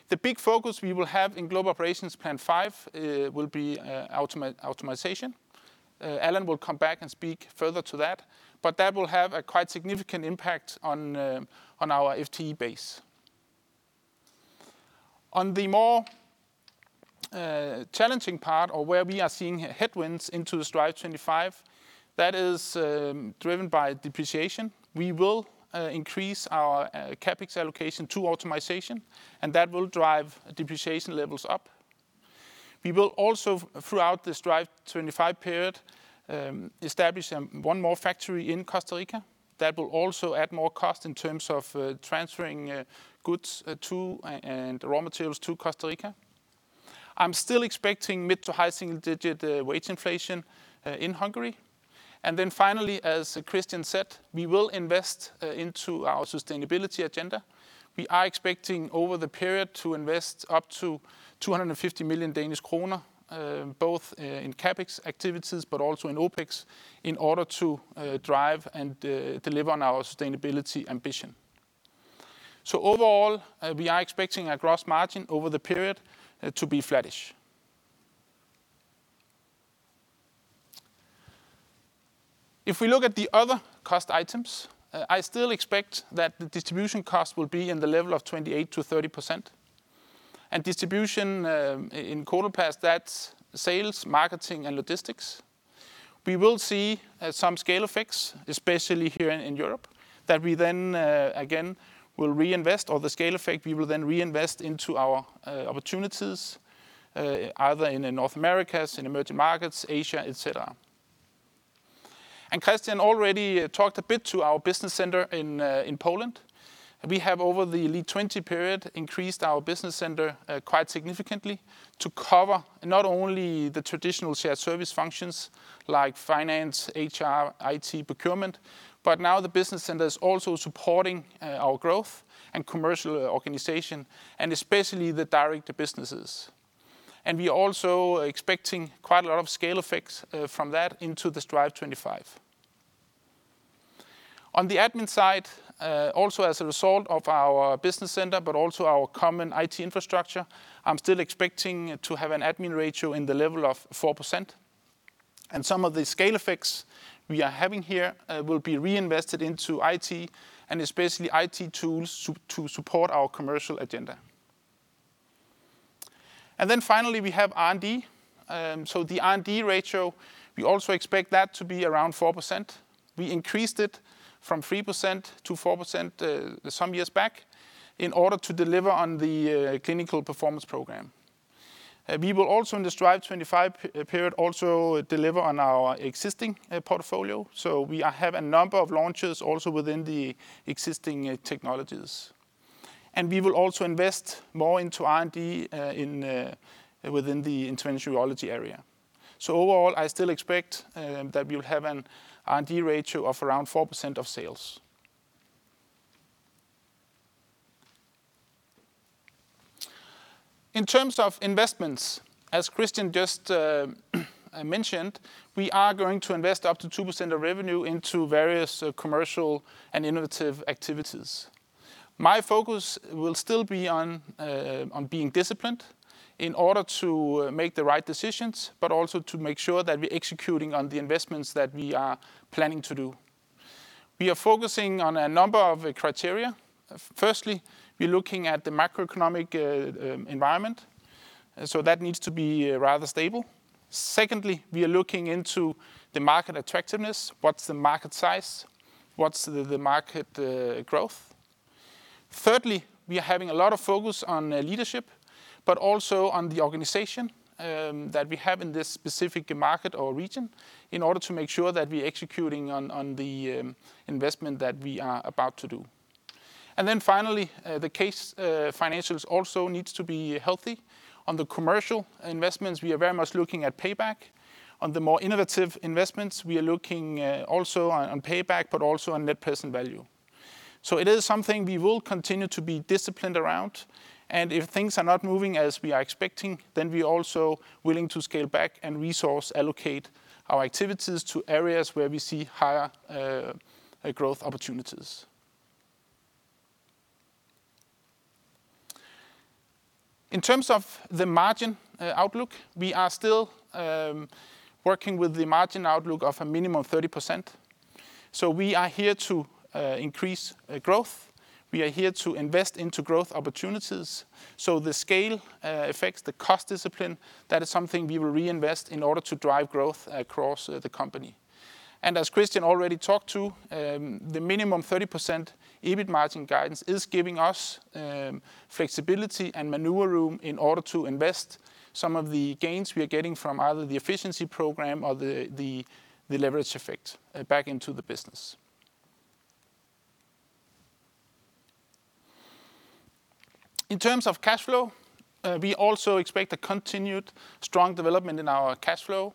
The big focus we will have in Global Operations Plan 5 will be automatization. Allan will come back and speak further to that, but that will have a quite significant impact on our FTE base. On the more challenging part or where we are seeing headwinds into the Strive25, that is driven by depreciation. We will increase our CapEx allocation to automatization, and that will drive depreciation levels up. We will also, throughout this Strive25 period, establish one more factory in Costa Rica. That will also add more cost in terms of transferring goods and raw materials to Costa Rica. I'm still expecting mid to high single-digit wage inflation in Hungary. Finally, as Kristian said, we will invest into our sustainability agenda. We are expecting over the period to invest up to 250 million Danish kroner, both in CapEx activities, but also in OpEx in order to drive and deliver on our sustainability ambition. Overall, we are expecting a gross margin over the period to be flattish. If we look at the other cost items, I still expect that the distribution cost will be in the level of 28%-30%. Distribution in Coloplast, that's sales, marketing, and logistics. We will see some scale effects, especially here in Europe, that we then again will reinvest, or the scale effect we will then reinvest into our opportunities, either in the North Americas, in emerging markets, Asia, et cetera. Kristian already talked a bit to our business center in Poland. We have over the LEAD20 period increased our business center quite significantly to cover not only the traditional shared service functions like finance, HR, IT, procurement, but now the business center is also supporting our growth and commercial organization, and especially the direct businesses. We are also expecting quite a lot of scale effects from that into the Strive25. On the admin side, also as a result of our business center, but also our common IT infrastructure, I'm still expecting to have an admin ratio in the level of 4%. Some of the scale effects we are having here will be reinvested into IT and especially IT tools to support our commercial agenda. Finally, we have R&D. The R&D ratio, we also expect that to be around 4%. We increased it from 3%-4% some years back in order to deliver on the Clinical Performance Program. We will also, in the Strive25 period, deliver on our existing portfolio. We have a number of launches also within the existing technologies. We will also invest more into R&D within the Interventional Urology area. Overall, I still expect that we'll have an R&D ratio of around 4% of sales. In terms of investments, as Kristian just mentioned, we are going to invest up to 2% of revenue into various commercial and innovative activities. My focus will still be on being disciplined in order to make the right decisions, but also to make sure that we're executing on the investments that we are planning to do. We are focusing on a number of criteria. Firstly, we're looking at the macroeconomic environment, so that needs to be rather stable. Secondly, we are looking into the market attractiveness, what's the market size? What's the market growth? Thirdly, we are having a lot of focus on leadership, but also on the organization that we have in this specific market or region in order to make sure that we're executing on the investment that we are about to do. Finally, the case financials also needs to be healthy. On the commercial investments, we are very much looking at payback. On the more innovative investments, we are looking also on payback, but also on net present value. It is something we will continue to be disciplined around, and if things are not moving as we are expecting, then we're also willing to scale back and resource allocate our activities to areas where we see higher growth opportunities. In terms of the margin outlook, we are still working with the margin outlook of a minimum of 30%. We are here to increase growth. We are here to invest into growth opportunities. The scale affects the cost discipline. That is something we will reinvest in order to drive growth across the company. As Kristian already talked to, the minimum 30% EBIT margin guidance is giving us flexibility and maneuver room in order to invest some of the gains we are getting from either the efficiency program or the leverage effect back into the business. In terms of cash flow, we also expect a continued strong development in our cash flow.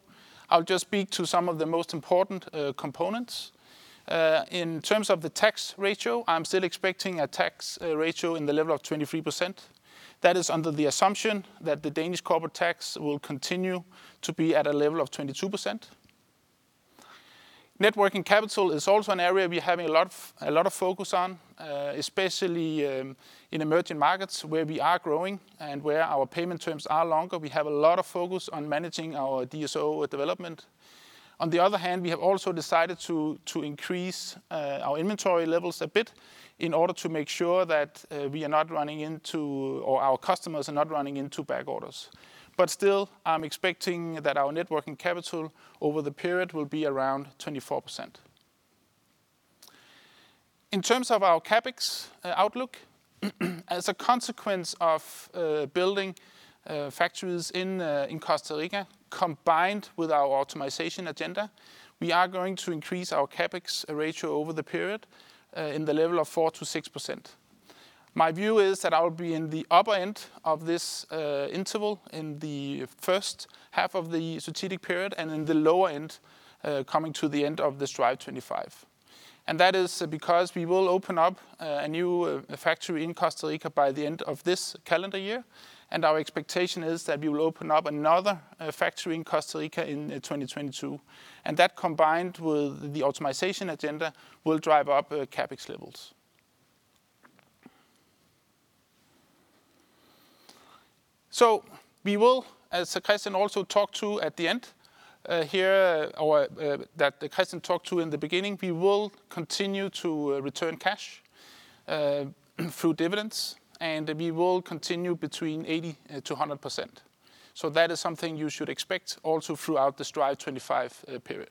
I'll just speak to some of the most important components. In terms of the tax ratio, I'm still expecting a tax ratio in the level of 23%. That is under the assumption that the Danish corporate tax will continue to be at a level of 22%. Net working capital is also an area we're having a lot of focus on, especially in emerging markets where we are growing and where our payment terms are longer. We have a lot of focus on managing our DSO development. On the other hand, we have also decided to increase our inventory levels a bit in order to make sure that our customers are not running into back orders. But still, I'm expecting that our net working capital over the period will be around 24%. In terms of our CapEx outlook, as a consequence of building factories in Costa Rica, combined with our optimization agenda, we are going to increase our CapEx ratio over the period in the level of 4%-6%. My view is that I'll be in the upper end of this interval in the first half of the strategic period and in the lower end, coming to the end of the Strive25. That is because we will open up a new factory in Costa Rica by the end of this calendar year. Our expectation is that we will open up another factory in Costa Rica in 2022, and that combined with the optimization agenda, will drive up CapEx levels. We will, as Kristian also talked to at the end here, or that Kristian talked to in the beginning, we will continue to return cash through dividends, and we will continue between 80%-100%. That is something you should expect also throughout the Strive25 period.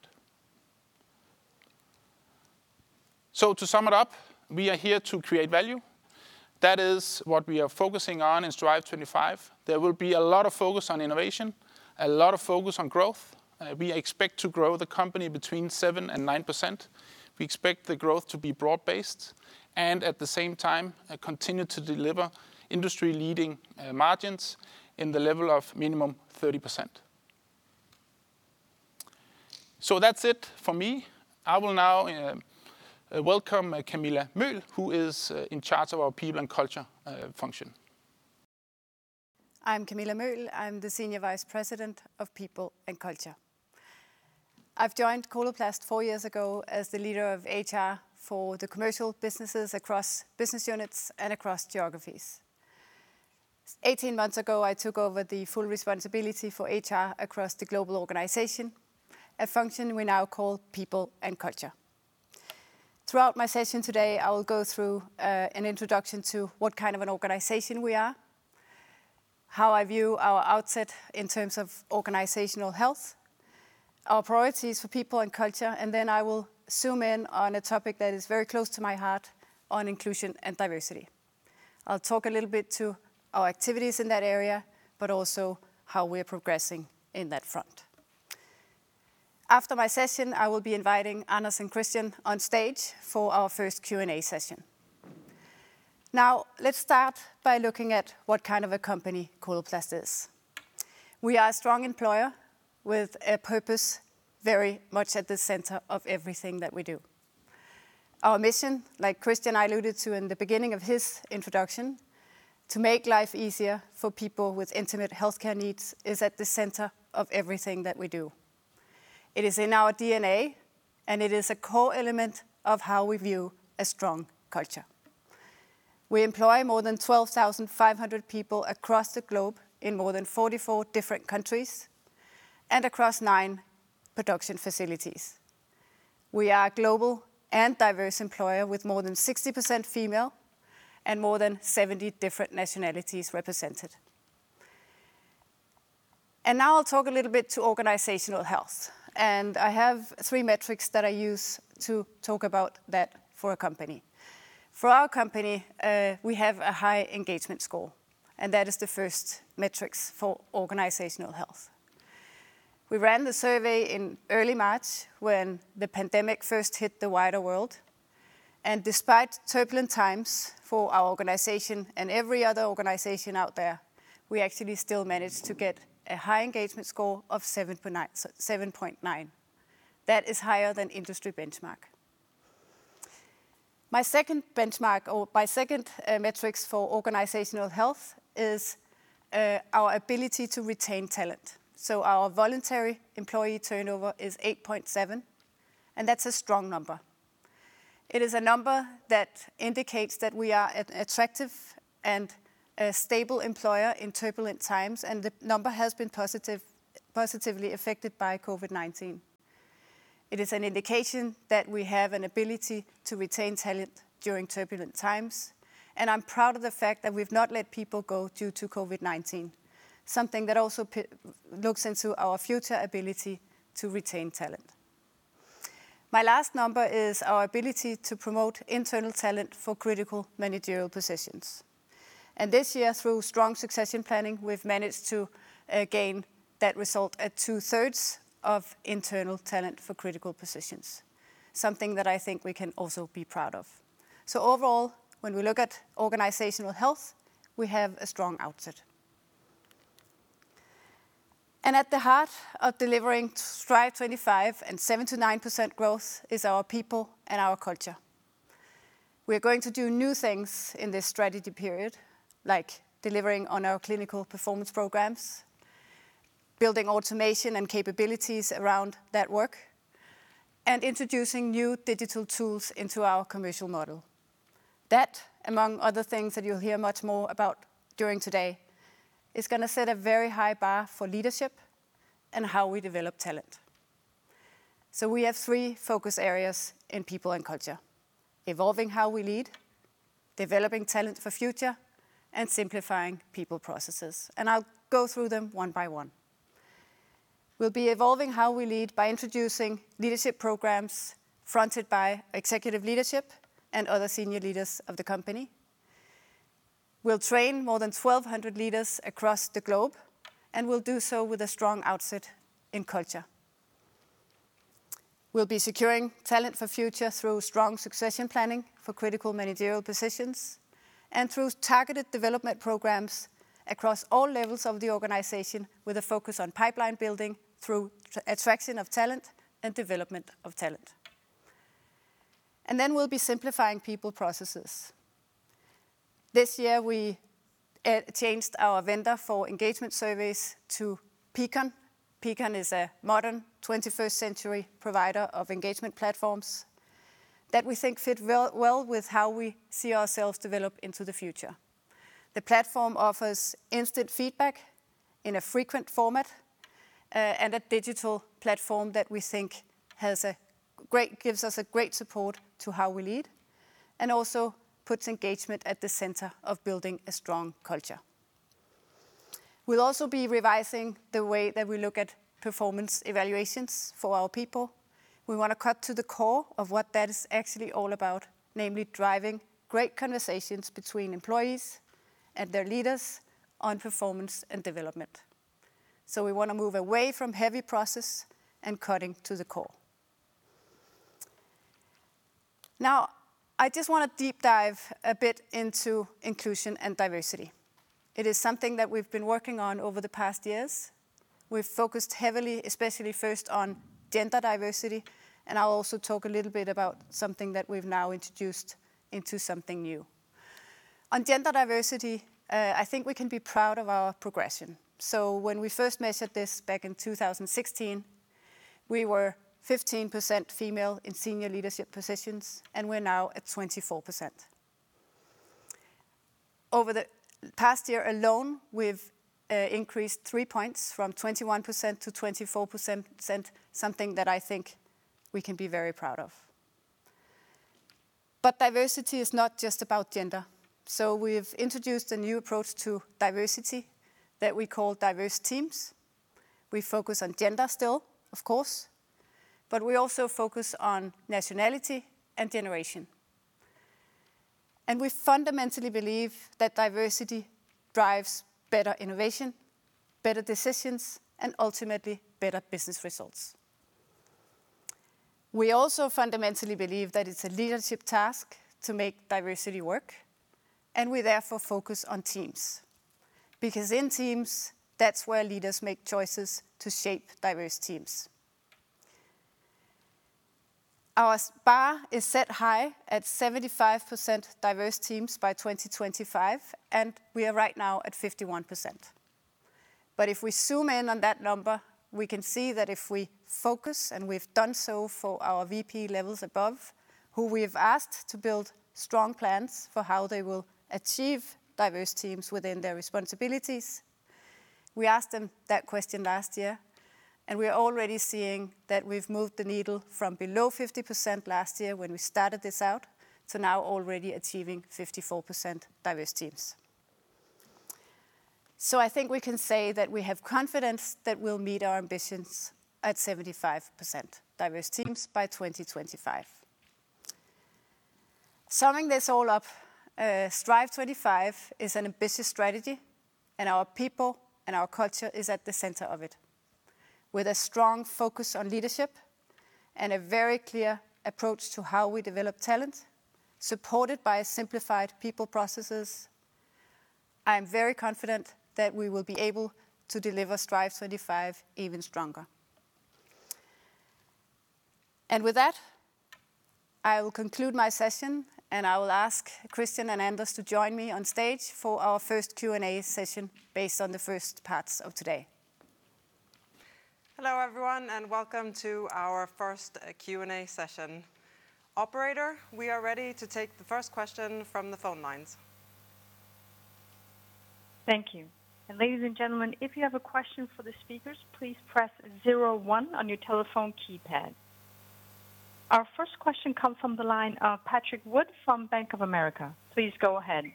To sum it up, we are here to create value. That is what we are focusing on in Strive25. There will be a lot of focus on innovation, a lot of focus on growth. We expect to grow the company between 7%-9%. We expect the growth to be broad-based and at the same time continue to deliver industry-leading margins in the level of minimum 30%. That's it from me. I will now welcome Camilla Møhl, who is in charge of our People and Culture function. I'm Camilla Møhl. I'm the Senior Vice President of People and Culture. I've joined Coloplast four years ago as the leader of HR for the commercial businesses across business units and across geographies. 18 months ago, I took over the full responsibility for HR across the global organization, a function we now call People and Culture. Throughout my session today, I will go through an introduction to what kind of an organization we are, how I view our outset in terms of organizational health, our priorities for People and Culture, and then I will zoom in on a topic that is very close to my heart on inclusion and diversity. I'll talk a little bit to our activities in that area, but also how we're progressing in that front. After my session, I will be inviting Anders and Kristian on stage for our first Q&A session. Let's start by looking at what kind of a company Coloplast is. We are a strong employer with a purpose very much at the center of everything that we do. Our mission, like Kristian alluded to in the beginning of his introduction, to make life easier for people with intimate healthcare needs, is at the center of everything that we do. It is in our DNA, and it is a core element of how we view a strong culture. We employ more than 12,500 people across the globe in more than 44 different countries, across nine production facilities. We are a global and diverse employer with more than 60% female and more than 70 different nationalities represented. Now I'll talk a little bit to organizational health, I have three metrics that I use to talk about that for a company. For our company, we have a high engagement score. That is the first metrics for organizational health. We ran the survey in early March when the pandemic first hit the wider world. Despite turbulent times for our organization and every other organization out there, we actually still managed to get a high engagement score of 7.9. That is higher than industry benchmark. My second benchmark or my second metrics for organizational health is our ability to retain talent. Our voluntary employee turnover is 8.7. That's a strong number. It is a number that indicates that we are an attractive and a stable employer in turbulent times. The number has been positively affected by COVID-19. It is an indication that we have an ability to retain talent during turbulent times, and I'm proud of the fact that we've not let people go due to COVID-19, something that also looks into our future ability to retain talent. My last number is our ability to promote internal talent for critical managerial positions. This year, through strong succession planning, we've managed to gain that result at two-thirds of internal talent for critical positions. Something that I think we can also be proud of. Overall, when we look at organizational health, we have a strong outset. At the heart of delivering Strive25 and 7%-9% growth is our people and our culture. We're going to do new things in this strategy period, like delivering on our Clinical Performance Programs, building automation and capabilities around that work, and introducing new digital tools into our commercial model. That, among other things that you'll hear much more about during today, is going to set a very high bar for leadership and how we develop talent. We have three focus areas in People and Culture, evolving how we lead, developing talent for future, and simplifying people processes. I'll go through them one by one. We'll be evolving how we lead by introducing leadership programs fronted by executive leadership and other senior leaders of the company. We'll train more than 1,200 leaders across the globe, and we'll do so with a strong outset in culture. We'll be securing talent for future through strong succession planning for critical managerial positions and through targeted development programs across all levels of the organization with a focus on pipeline building through attraction of talent and development of talent. We'll be simplifying people processes. This year we changed our vendor for engagement surveys to Peakon. Peakon is a modern 21st century provider of engagement platforms that we think fit well with how we see ourselves develop into the future. The platform offers instant feedback in a frequent format, and a digital platform that we think gives us a great support to how we lead and also puts engagement at the center of building a strong culture. We'll also be revising the way that we look at performance evaluations for our people. We want to cut to the core of what that is actually all about, namely driving great conversations between employees and their leaders on performance and development. We want to move away from heavy process and cutting to the core. I just want to deep dive a bit into inclusion and diversity. It is something that we've been working on over the past years. We've focused heavily, especially first on gender diversity, and I'll also talk a little bit about something that we've now introduced into something new. On gender diversity, I think we can be proud of our progression. When we first measured this back in 2016, we were 15% female in senior leadership positions, and we're now at 24%. Over the past year alone, we've increased three points from 21%-24%, something that I think we can be very proud of. Diversity is not just about gender. We've introduced a new approach to diversity that we call Diverse Teams. We focus on gender still, of course, but we also focus on nationality and generation. We fundamentally believe that diversity drives better innovation, better decisions, and ultimately, better business results. We also fundamentally believe that it's a leadership task to make diversity work, and we therefore focus on teams. Because in teams, that's where leaders make choices to shape Diverse Teams. Our bar is set high at 75% diverse teams by 2025, and we are right now at 51%. If we zoom in on that number, we can see that if we focus, and we've done so for our VP levels above, who we've asked to build strong plans for how they will achieve diverse teams within their responsibilities. We asked them that question last year, and we are already seeing that we've moved the needle from below 50% last year when we started this out, to now already achieving 54% diverse teams. I think we can say that we have confidence that we'll meet our ambitions at 75% diverse teams by 2025. Summing this all up, Strive25 is an ambitious strategy, and our people and our culture is at the center of it. With a strong focus on leadership and a very clear approach to how we develop talent, supported by simplified people processes, I am very confident that we will be able to deliver Strive25 even stronger. With that, I will conclude my session, and I will ask Kristian and Anders to join me on stage for our first Q&A session based on the first parts of today. Hello, everyone, and welcome to our first Q&A session. Operator, we are ready to take the first question from the phone lines. Thank you. Ladies and gentlemen, if you have a question for the speakers, please press zero one on your telephone keypad. Our first question comes from the line of Patrick Wood from Bank of America. Please go ahead.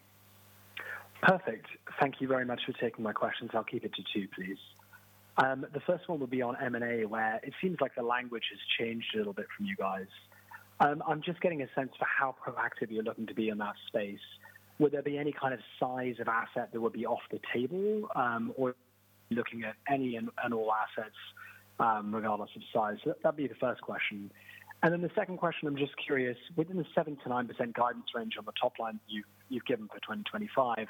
Perfect. Thank you very much for taking my questions. I'll keep it to two, please. The first one will be on M&A, where it seems like the language has changed a little bit from you guys. I'm just getting a sense for how proactive you're looking to be in that space. Would there be any kind of size of asset that would be off the table? Looking at any and all assets, regardless of size? That'd be the first question. The second question, I'm just curious, within the 7%-9% guidance range on the top line you've given for 2025,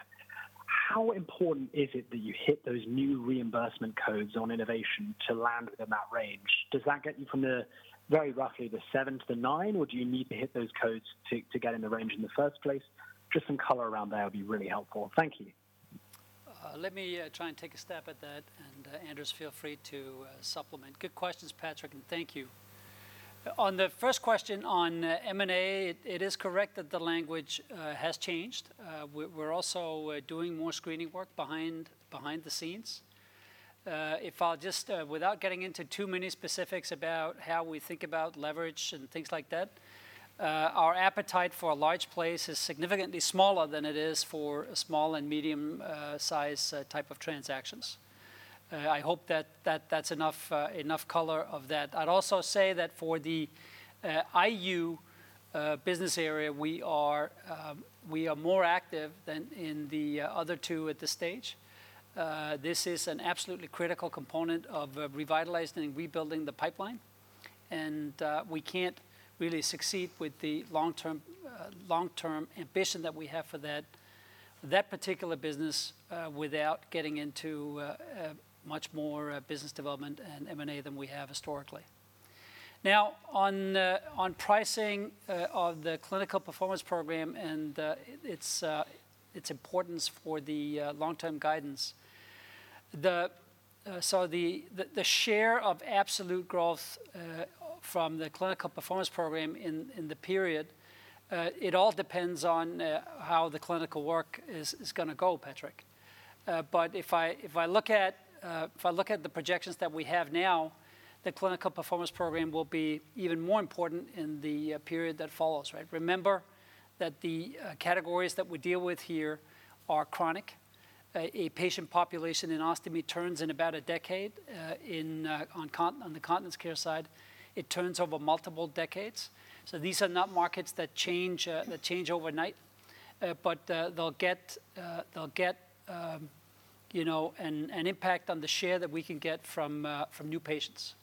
how important is it that you hit those new reimbursement codes on innovation to land within that range? Does that get you from the, very roughly, the 7%-9%? Do you need to hit those codes to get in the range in the first place? Just some color around that would be really helpful. Thank you. Let me try and take a stab at that, and Anders, feel free to supplement. Good questions, Patrick, and thank you. On the first question on M&A, it is correct that the language has changed. We're also doing more screening work behind the scenes. Without getting into too many specifics about how we think about leverage and things like that, our appetite for a large place is significantly smaller than it is for a small and medium size type of transactions. I hope that's enough color of that. I'd also say that for the IU business area, we are more active than in the other two at this stage. This is an absolutely critical component of revitalizing and rebuilding the pipeline. We can't really succeed with the long-term ambition that we have for that particular business without getting into much more business development and M&A than we have historically. Now, on pricing of the Clinical Performance Program and its importance for the long-term guidance. The share of absolute growth from the Clinical Performance Program in the period, it all depends on how the clinical work is going to go, Patrick. If I look at the projections that we have now, the Clinical Performance Program will be even more important in the period that follows. Remember that the categories that we deal with here are Chronic. A patient population in Ostomy turns in about a decade. On the Continence Care side, it turns over multiple decades. These are not markets that change overnight. They'll get an impact on the share that we can get from new patients.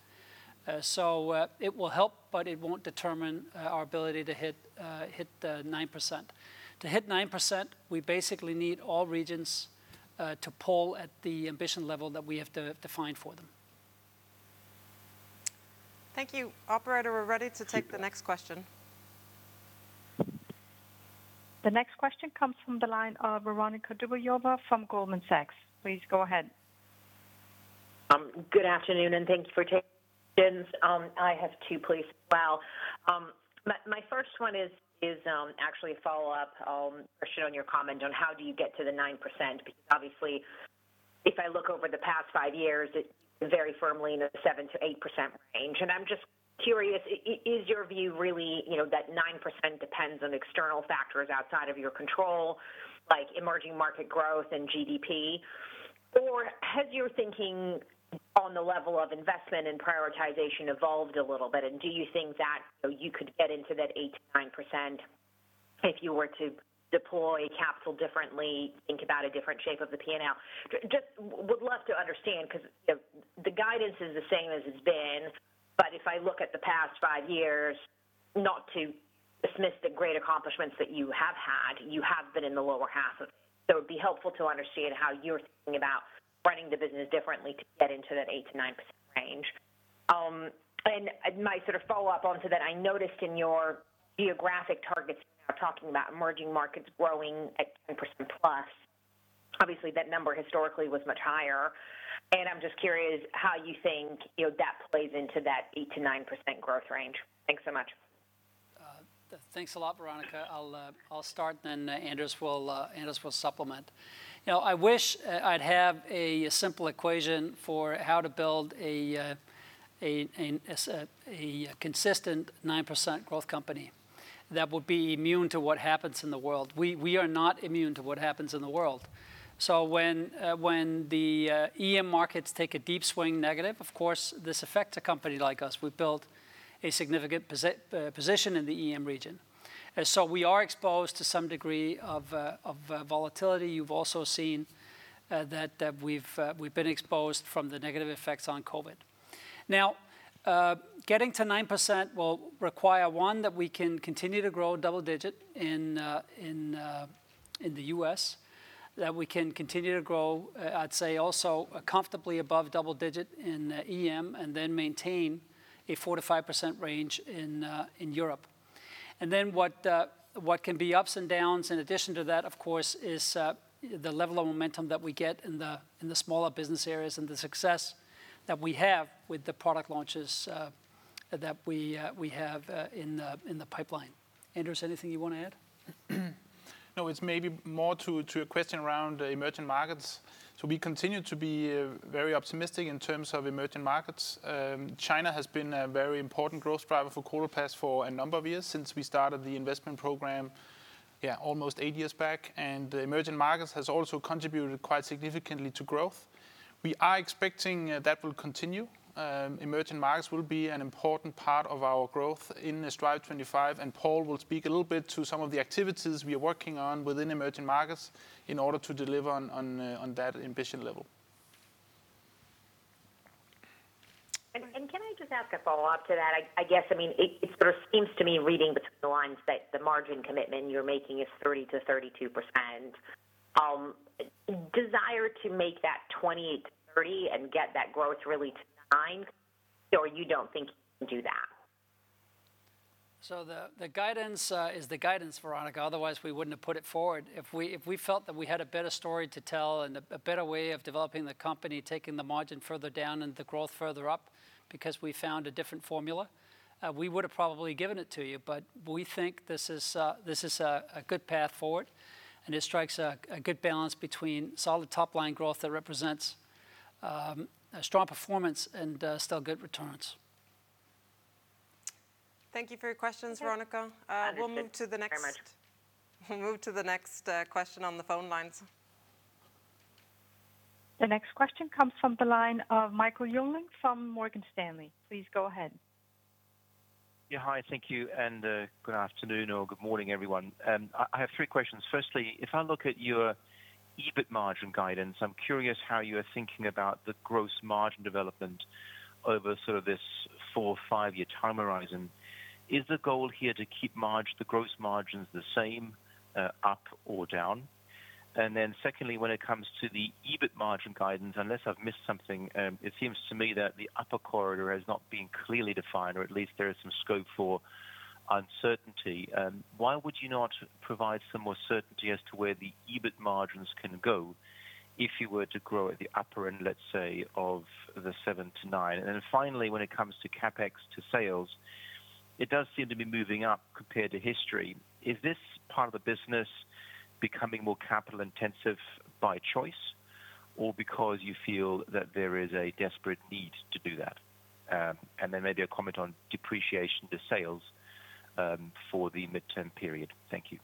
It will help, but it won't determine our ability to hit the 9%. To hit 9%, we basically need all regions to pull at the ambition level that we have defined for them. Thank you. Operator, we're ready to take the next question. The next question comes from the line of Veronika Dubajova from Goldman Sachs. Please go ahead. Good afternoon. Thanks for taking questions. I have two, please, as well. My first one is actually a follow-up question on your comment on how do you get to the 9%, because obviously if I look over the past five years, it's very firmly in the 7%-8% range. I'm just curious, is your view really that 9% depends on external factors outside of your control, like emerging market growth and GDP? Has your thinking on the level of investment and prioritization evolved a little bit, and do you think that you could get into that 8%-9% if you were to deploy capital differently, think about a different shape of the P&L? Just would love to understand, because the guidance is the same as it's been. If I look at the past five years, not to dismiss the great accomplishments that you have had, you have been in the lower half of it. It'd be helpful to understand how you're thinking about running the business differently to get into that 8%-9% range. My sort of follow-up onto that, I noticed in your geographic targets, you are talking about emerging markets growing at 10%+. Obviously, that number historically was much higher. I'm just curious how you think that plays into that 8%-9% growth range. Thanks so much. Thanks a lot, Veronika. I'll start then Anders will supplement. I wish I'd have a simple equation for how to build a consistent 9% growth company that will be immune to what happens in the world. We are not immune to what happens in the world. When the EM markets take a deep swing negative, of course, this affects a company like us. We've built a significant position in the EM region. We are exposed to some degree of volatility. You've also seen that we've been exposed from the negative effects on COVID-19. Now, getting to 9% will require, one, that we can continue to grow double digit in the U.S., that we can continue to grow, I'd say, also comfortably above double digit in EM, and then maintain a 4%-5% range in Europe. What can be ups and downs in addition to that, of course, is the level of momentum that we get in the smaller business areas and the success that we have with the product launches that we have in the pipeline. Anders, anything you want to add? No, it's maybe more to a question around emerging markets. We continue to be very optimistic in terms of emerging markets. China has been a very important growth driver for Coloplast for a number of years, since we started the investment program almost eight years back, and emerging markets has also contributed quite significantly to growth. We are expecting that will continue. Emerging markets will be an important part of our growth in Strive25, and Paul will speak a little bit to some of the activities we are working on within emerging markets in order to deliver on that ambition level. Can I just ask a follow-up to that? I guess, it sort of seems to me reading between the lines that the margin commitment you're making is 30%-32%. Desire to make that 20%-30% and get that growth really to 9%, or you don't think you can do that? The guidance is the guidance, Veronika. Otherwise, we wouldn't have put it forward. If we felt that we had a better story to tell and a better way of developing the company, taking the margin further down and the growth further up, because we found a different formula, we would've probably given it to you. We think this is a good path forward, and it strikes a good balance between solid top-line growth that represents a strong performance and still good returns. Thank you for your questions, Veronika. Okay. Understood. Very much. We'll move to the next question on the phone lines. The next question comes from the line of Michael Jüngling from Morgan Stanley. Please go ahead. Yeah. Hi, thank you, and good afternoon or good morning, everyone. I have three questions. Firstly, if I look at your EBIT margin guidance, I'm curious how you are thinking about the gross margin development over sort of this four- or five-year time horizon. Is the goal here to keep the gross margins the same, up or down? Secondly, when it comes to the EBIT margin guidance, unless I've missed something, it seems to me that the upper corridor has not been clearly defined, or at least there is some scope for uncertainty. Why would you not provide some more certainty as to where the EBIT margins can go if you were to grow at the upper end, let's say, of the 7%-9%? Finally, when it comes to CapEx to sales, it does seem to be moving up compared to history. Is this part of the business becoming more capital intensive by choice or because you feel that there is a desperate need to do that? Maybe a comment on depreciation to sales for the midterm period. Thank you.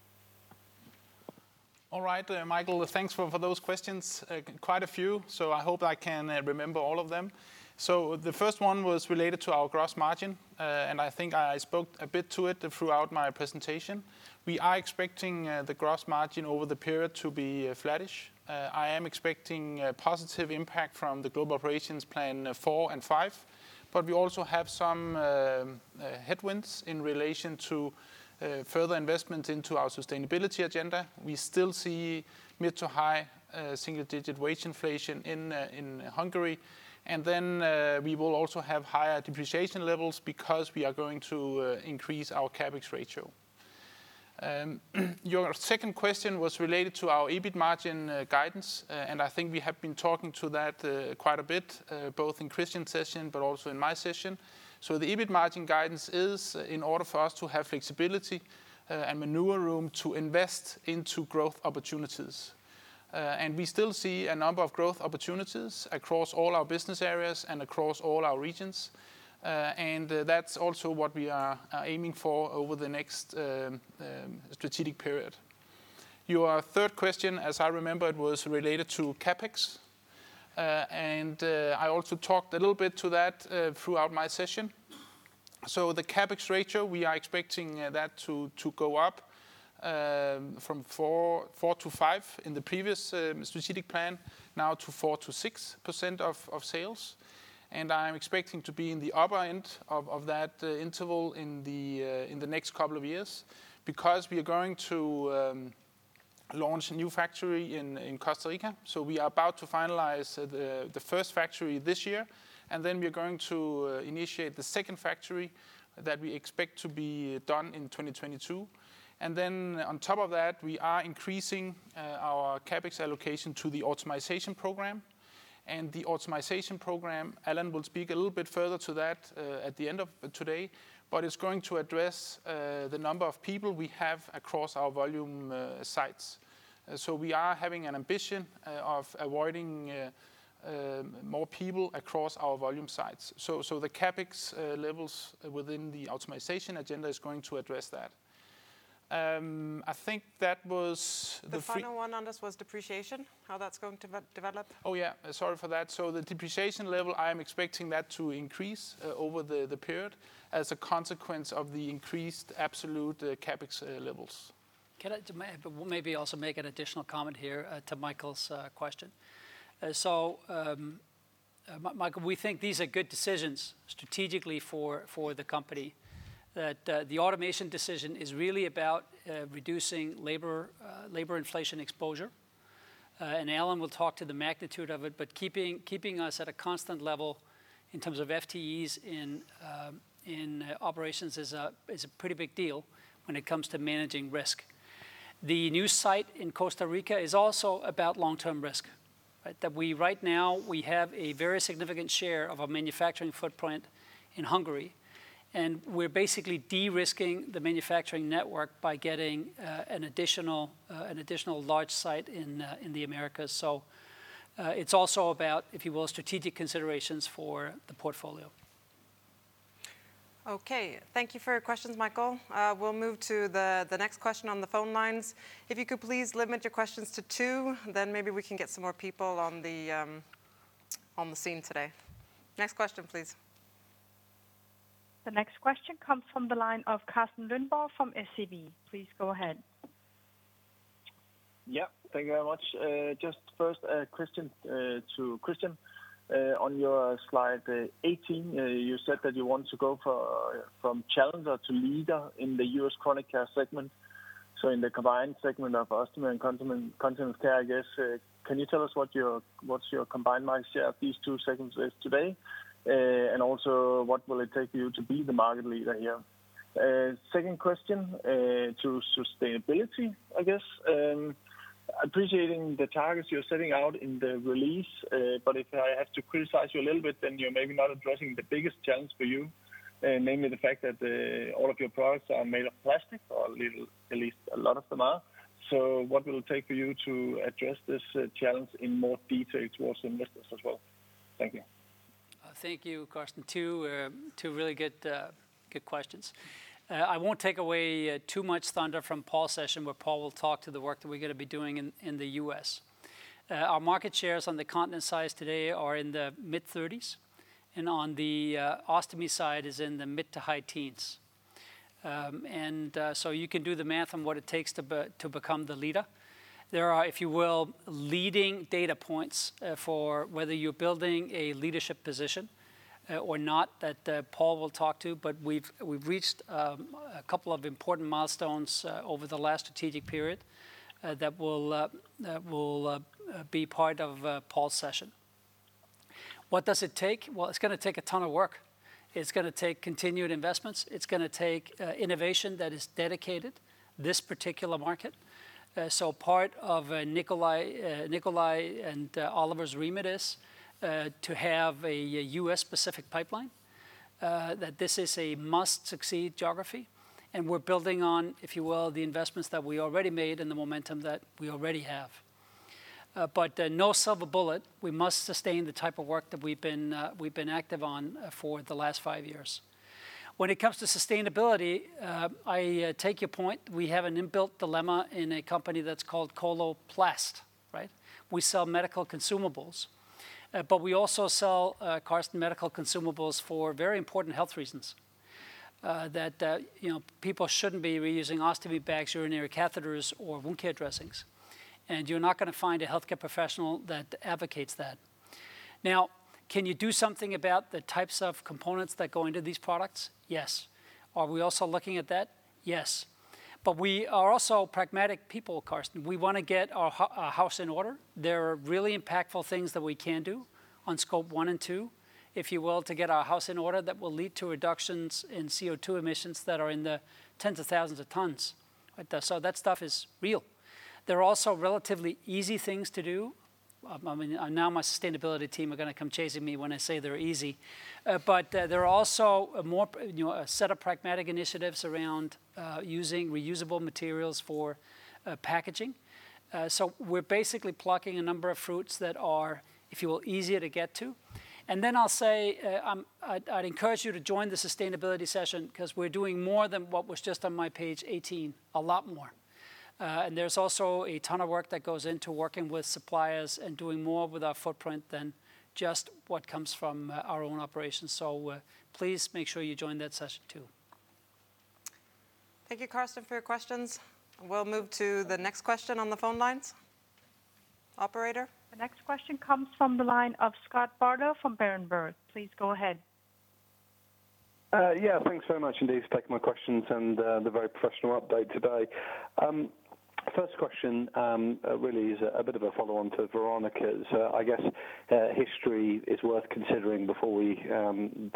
All right, Michael, thanks for those questions. Quite a few, I hope I can remember all of them. The first one was related to our gross margin, and I think I spoke a bit to it throughout my presentation. We are expecting the gross margin over the period to be flattish. I am expecting a positive impact from the GOp4 and GOp5, but we also have some headwinds in relation to further investment into our sustainability agenda. We still see mid to high single-digit wage inflation in Hungary. We will also have higher depreciation levels because we are going to increase our CapEx ratio. Your second question was related to our EBIT margin guidance, and I think we have been talking to that quite a bit, both in Kristian's session, but also in my session. The EBIT margin guidance is in order for us to have flexibility and maneuver room to invest into growth opportunities. We still see a number of growth opportunities across all our business areas and across all our regions. That's also what we are aiming for over the next strategic period. Your third question, as I remember it, was related to CapEx, and I also talked a little bit to that throughout my session. The CapEx ratio, we are expecting that to go up from 4%-5% in the previous strategic plan now to 4%-6% of sales. I'm expecting to be in the upper end of that interval in the next couple of years because we are going to launch a new factory in Costa Rica. We are about to finalize the first factory this year, and then we are going to initiate the second factory that we expect to be done in 2022. On top of that, we are increasing our CapEx allocation to the Automation Program. The Automation Program, Allan will speak a little bit further to that at the end of today, but it's going to address the number of people we have across our volume sites. We are having an ambition of avoiding more people across our volume sites. The CapEx levels within the Automation agenda is going to address that. The final one on this was depreciation, how that's going to develop. Oh, yeah, sorry for that. The depreciation level, I am expecting that to increase over the period as a consequence of the increased absolute CapEx levels. Can I maybe also make an additional comment here to Michael's question? Michael, we think these are good decisions strategically for the company, that the automation decision is really about reducing labor inflation exposure. Allan will talk to the magnitude of it, but keeping us at a constant level in terms of FTEs in operations is a pretty big deal when it comes to managing risk. The new site in Costa Rica is also about long-term risk, right? That right now we have a very significant share of our manufacturing footprint in Hungary, and we're basically de-risking the manufacturing network by getting an additional large site in the Americas. It's also about, if you will, strategic considerations for the portfolio. Okay. Thank you for your questions, Michael. We'll move to the next question on the phone lines. If you could please limit your questions to two, then maybe we can get some more people on the scene today. Next question, please. The next question comes from the line of Carsten Lønborg from SEB. Please go ahead. Yeah. Thank you very much. First question to Kristian. On your slide 18, you said that you want to go from challenger to leader in the U.S. Chronic Care segment, so in the combined segment of Ostomy and Continence Care, I guess. Can you tell us what's your combined market share of these two segments is today? Also, what will it take for you to be the market leader here? Second question to sustainability, I guess. Appreciating the targets you're setting out in the release, if I have to criticize you a little bit, you're maybe not addressing the biggest challenge for you, namely the fact that all of your products are made of plastic, or at least a lot of them are. What will it take for you to address this challenge in more detail towards investors as well? Thank you. Thank you, Carsten. Two really good questions. I won't take away too much thunder from Paul's session, but Paul will talk to the work that we're going to be doing in the U.S. Our market shares on the Continence side today are in the mid-30s, and on the Ostomy side is in the mid to high teens. You can do the math on what it takes to become the leader. There are, if you will, leading data points for whether you're building a leadership position or not that Paul will talk to. We've reached a couple of important milestones over the last strategic period that will be part of Paul's session. What does it take? Well, it's going to take a ton of work. It's going to take continued investments. It's going to take innovation that is dedicated to this particular market. Part of Nicolai and Oliver's remit is to have a U.S.-specific pipeline, that this is a must-succeed geography, and we're building on, if you will, the investments that we already made and the momentum that we already have. No silver bullet, we must sustain the type of work that we've been active on for the last five years. When it comes to sustainability, I take your point. We have an inbuilt dilemma in a company that's called Coloplast, right? We sell medical consumables. We also sell, Carsten, medical consumables for very important health reasons, that people shouldn't be reusing ostomy bags, urinary catheters, or wound care dressings. You're not going to find a healthcare professional that advocates that. Now, can you do something about the types of components that go into these products? Yes. Are we also looking at that? Yes. We are also pragmatic people, Carsten. We want to get our house in order. There are really impactful things that we can do on Scope 1 and Scope 2, if you will, to get our house in order that will lead to reductions in CO2 emissions that are in the tens of thousands of tons, right? That stuff is real. There are also relatively easy things to do. My sustainability team are going to come chasing me when I say they're easy. There are also a set of pragmatic initiatives around using reusable materials for packaging. We're basically plucking a number of fruits that are, if you will, easier to get to. I'll say, I'd encourage you to join the sustainability session because we're doing more than what was just on my page 18, a lot more. There's also a ton of work that goes into working with suppliers and doing more with our footprint than just what comes from our own operations. Please make sure you join that session too. Thank you, Carsten, for your questions. We'll move to the next question on the phone lines. Operator? The next question comes from the line of Scott Bardo from Berenberg. Please go ahead. Yeah. Thanks very much indeed for taking my questions and the very professional update today. First question really is a bit of a follow-on to Veronika's. I guess history is worth considering before we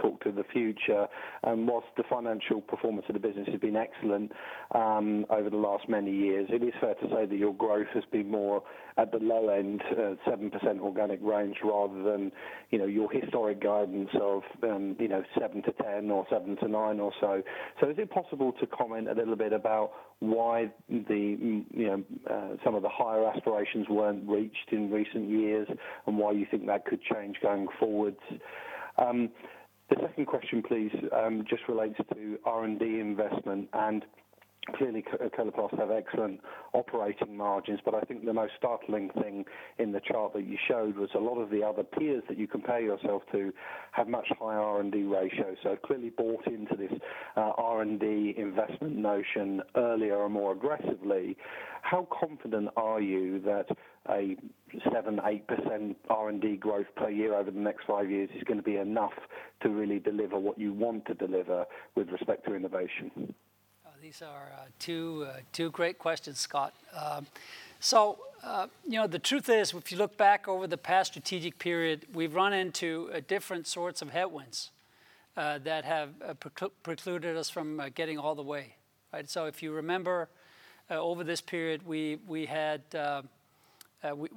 talk to the future. Whilst the financial performance of the business has been excellent over the last many years, it is fair to say that your growth has been more at the low end, 7% organic range, rather than your historic guidance of 7%-10% or 7%-9% or so. Is it possible to comment a little bit about why some of the higher aspirations weren't reached in recent years and why you think that could change going forward? The second question, please, just relates to R&D investment, and clearly Coloplast have excellent operating margins, but I think the most startling thing in the chart that you showed was a lot of the other peers that you compare yourself to have much higher R&D ratios, so have clearly bought into this R&D investment notion earlier and more aggressively. How confident are you that a 7%, 8% R&D growth per year over the next five years is going to be enough to really deliver what you want to deliver with respect to innovation? These are two great questions, Scott. The truth is, if you look back over the past strategic period, we've run into different sorts of headwinds that have precluded us from getting all the way. If you remember, over this period, we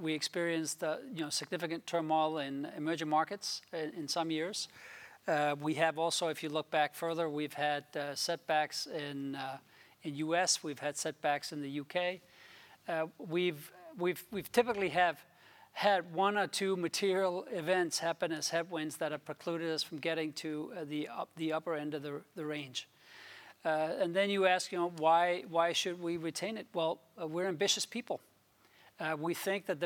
experienced significant turmoil in emerging markets in some years. We have also, if you look back further, we've had setbacks in U.S., we've had setbacks in the U.K. We've typically have had one or two material events happen as headwinds that have precluded us from getting to the upper end of the range. You ask why should we retain it? Well, we're ambitious people. We think that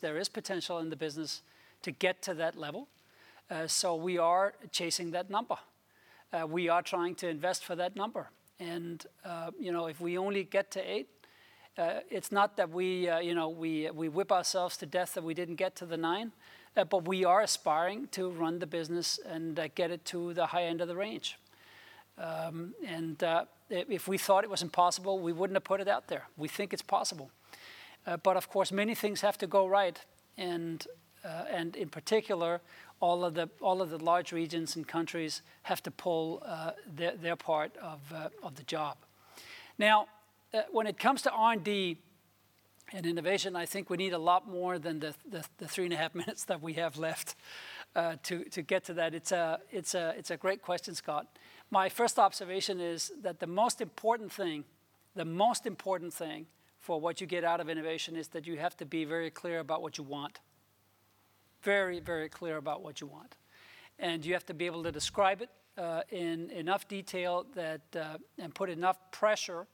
there is potential in the business to get to that level. We are chasing that number. We are trying to invest for that number. If we only get to eight, it's not that we whip ourselves to death that we didn't get to the nine, but we are aspiring to run the business and get it to the high end of the range. If we thought it was impossible, we wouldn't have put it out there. We think it's possible. Of course, many things have to go right, and in particular, all of the large regions and countries have to pull their part of the job. When it comes to R&D and innovation, I think we need a lot more than the three and a half minutes that we have left to get to that. It's a great question, Scott. My first observation is that the most important thing for what you get out of innovation is that you have to be very clear about what you want. Very clear about what you want. You have to be able to describe it in enough detail and put enough pressure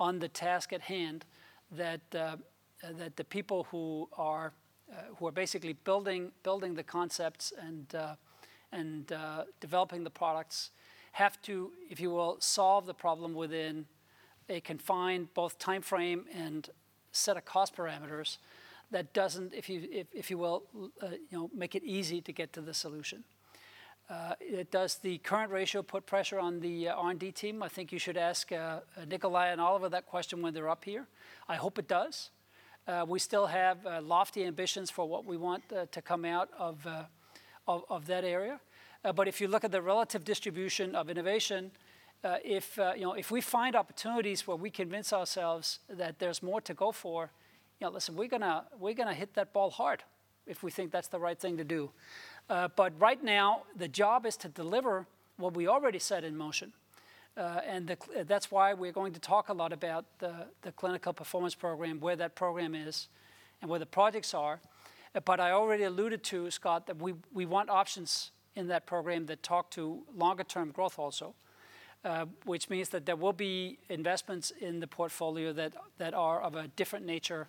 on the task at hand that the people who are basically building the concepts and developing the products have to, if you will, solve the problem within a confined both timeframe and set of cost parameters that doesn't, if you will, make it easy to get to the solution. Does the current ratio put pressure on the R&D team? I think you should ask Nicolai and Oliver that question when they're up here. I hope it does. We still have lofty ambitions for what we want to come out of that area. If you look at the relative distribution of innovation, if we find opportunities where we convince ourselves that there's more to go for, listen, we're going to hit that ball hard if we think that's the right thing to do. Right now, the job is to deliver what we already set in motion. That's why we're going to talk a lot about the Clinical Performance Program, where that program is, and where the projects are. I already alluded to, Scott, that we want options in that program that talk to longer term growth also, which means that there will be investments in the portfolio that are of a different nature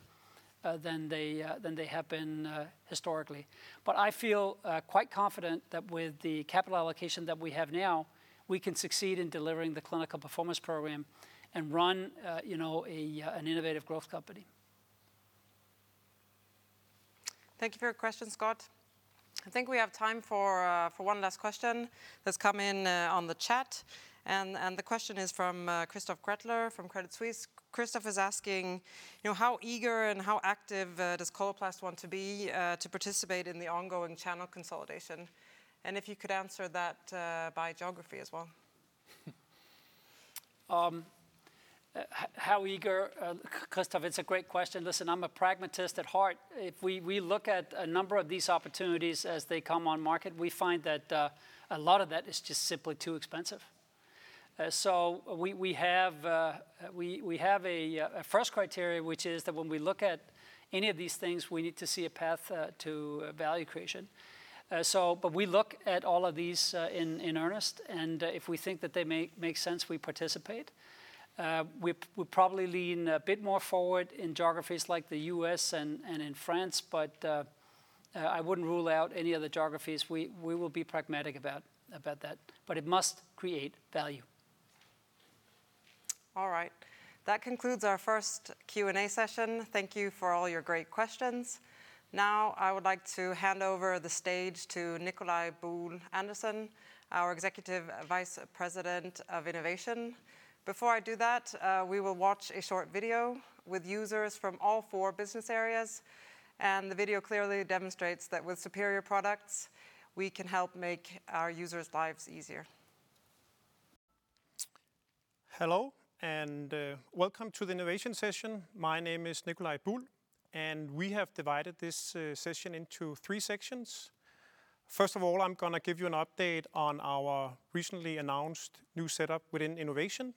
than they have been historically. I feel quite confident that with the capital allocation that we have now, we can succeed in delivering the Clinical Performance Program and run an innovative growth company. Thank you for your question, Scott. I think we have time for one last question that's come in on the chat, and the question is from Christoph Gretler from Credit Suisse. Christoph is asking how eager and how active does Coloplast want to be to participate in the ongoing channel consolidation? If you could answer that by geography as well. How eager, Christoph? It's a great question. Listen, I'm a pragmatist at heart. If we look at a number of these opportunities as they come on market, we find that a lot of that is just simply too expensive. We have a first criteria, which is that when we look at any of these things, we need to see a path to value creation. We look at all of these in earnest, and if we think that they make sense, we participate. We probably lean a bit more forward in geographies like the U.S. and in France, but I wouldn't rule out any other geographies. We will be pragmatic about that, but it must create value. All right. That concludes our first Q&A session. Thank you for all your great questions. Now, I would like to hand over the stage to Nicolai Buhl Andersen, our Executive Vice President of Innovation. Before I do that, we will watch a short video with users from all four business areas, and the video clearly demonstrates that with superior products, we can help make our users' lives easier. Hello, welcome to the innovation session. My name is Nicolai Buhl, and we have divided this session into three sections. First of all, I'm going to give you an update on our recently announced new setup within Innovation.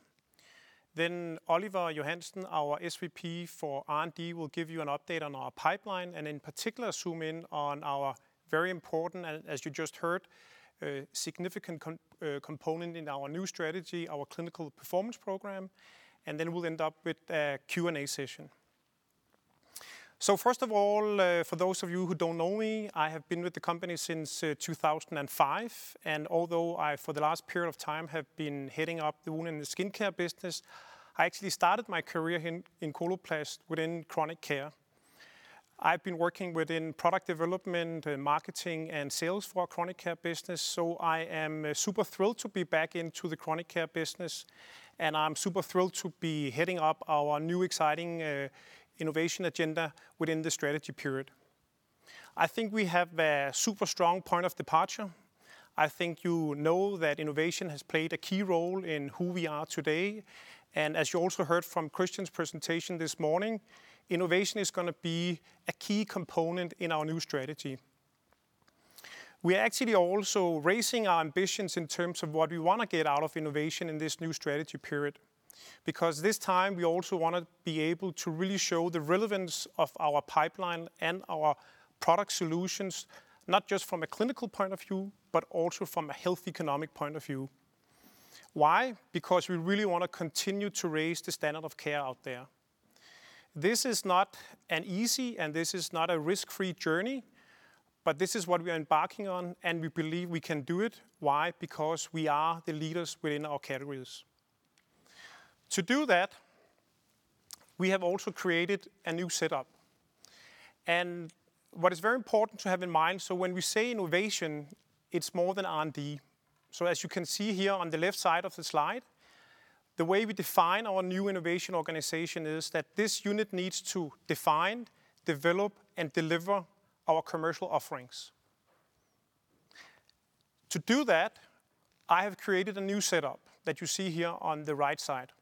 Then Oliver Johansen, our SVP for R&D, will give you an update on our pipeline, and in particular, zoom in on our very important, as you just heard, significant component in our new strategy, our Clinical Performance Program, and then we'll end up with a Q&A session. First of all, for those of you who don't know me, I have been with the company since 2005, and although I, for the last period of time, have been heading up the Wound & Skin Care business, I actually started my career in Coloplast within Chronic Care. I've been working within product development, marketing, and sales for our Chronic Care business. I am super thrilled to be back into the Chronic Care business, and I'm super thrilled to be heading up our new exciting innovation agenda within the strategy period. I think we have a super strong point of departure. I think you know that innovation has played a key role in who we are today. As you also heard from Kristian's presentation this morning, innovation is going to be a key component in our new strategy. We are actually also raising our ambitions in terms of what we want to get out of innovation in this new strategy period. Because this time, we also want to be able to really show the relevance of our pipeline and our product solutions, not just from a clinical point of view, but also from a health economic point of view. Why? We really want to continue to raise the standard of care out there. This is not an easy, and this is not a risk-free journey, but this is what we are embarking on, and we believe we can do it. Why? We are the leaders within our categories. To do that, we have also created a new setup, and what is very important to have in mind, so when we say innovation, it's more than R&D. As you can see here on the left side of the slide, the way we define our new innovation organization is that this unit needs to define, develop, and deliver our commercial offerings. To do that, I have created a new setup that you see here on the right side.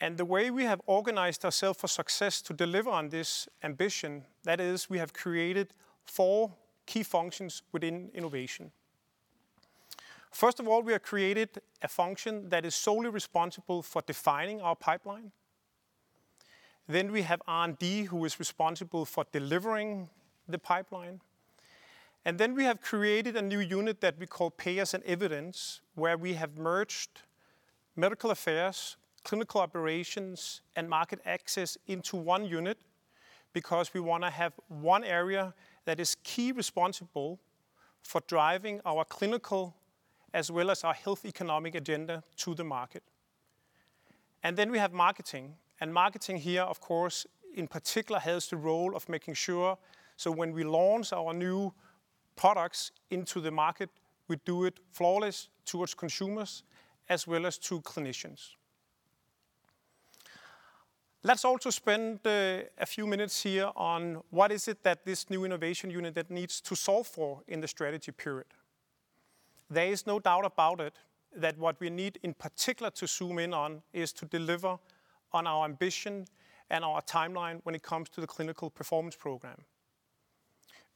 The way we have organized ourselves for success to deliver on this ambition, that is, we have created four key functions within Innovation. First of all, we have created a function that is solely responsible for defining our pipeline. We have R&D, who is responsible for delivering the pipeline. We have created a new unit that we call Payers & Evidence, where we have merged medical affairs, clinical operations, and market access into one unit, because we want to have one area that is key responsible for driving our clinical as well as our health economic agenda to the market. We have marketing, and marketing here, of course, in particular, has the role of making sure so when we launch our new products into the market, we do it flawless towards consumers as well as to clinicians. Let's also spend a few minutes here on what is it that this new innovation unit that needs to solve for in the strategy period. There is no doubt about it that what we need in particular to zoom in on is to deliver on our ambition and our timeline when it comes to the Clinical Performance Program.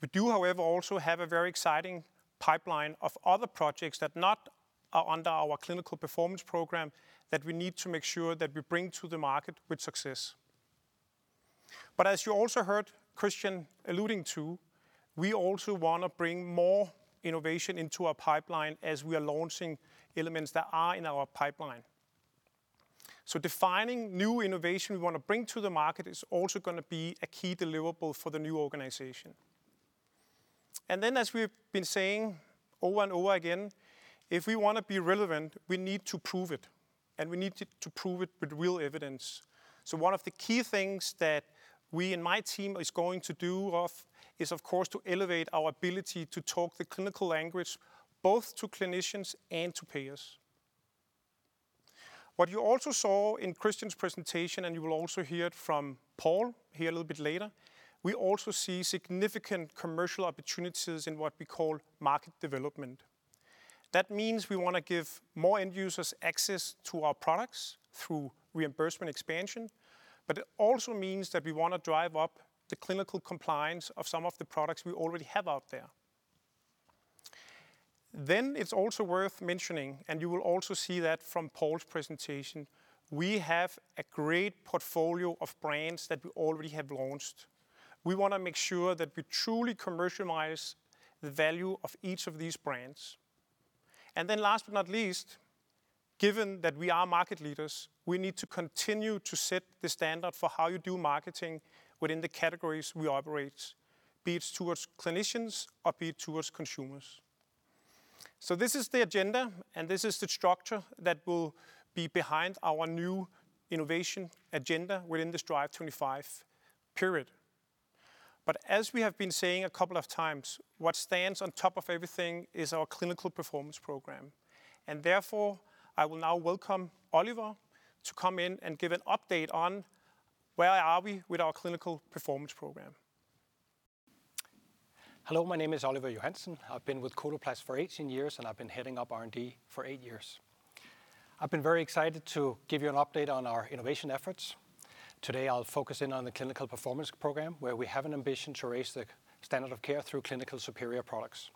We do, however, also have a very exciting pipeline of other projects that not are under our Clinical Performance Program that we need to make sure that we bring to the market with success. As you also heard Kristian alluding to, we also want to bring more innovation into our pipeline as we are launching elements that are in our pipeline. Defining new innovation we want to bring to the market is also going to be a key deliverable for the new organization. As we've been saying over and over again, if we want to be relevant, we need to prove it, and we need to prove it with real evidence. One of the key things that we in my team is going to do is, of course, to elevate our ability to talk the clinical language, both to clinicians and to payers. What you also saw in Kristian's presentation, and you will also hear it from Paul here a little bit later, we also see significant commercial opportunities in what we call Market Development. That means we want to give more end users access to our products through reimbursement expansion, but it also means that we want to drive up the clinical compliance of some of the products we already have out there. It's also worth mentioning, and you will also see that from Paul's presentation, we have a great portfolio of brands that we already have launched. We want to make sure that we truly commercialize the value of each of these brands. Last but not least, given that we are market leaders, we need to continue to set the standard for how you do marketing within the categories we operate, be it towards clinicians or be it towards consumers. This is the agenda, and this is the structure that will be behind our new innovation agenda within this Strive25 period. As we have been saying a couple of times, what stands on top of everything is our Clinical Performance Program. Therefore, I will now welcome Oliver to come in and give an update on where are we with our Clinical Performance Program. Hello, my name is Oliver Johansen. I've been with Coloplast for 18 years, and I've been heading up R&D for eight years. I've been very excited to give you an update on our innovation efforts. Today, I'll focus in on the Clinical Performance Program, where we have an ambition to raise the standard of care through clinical superior products.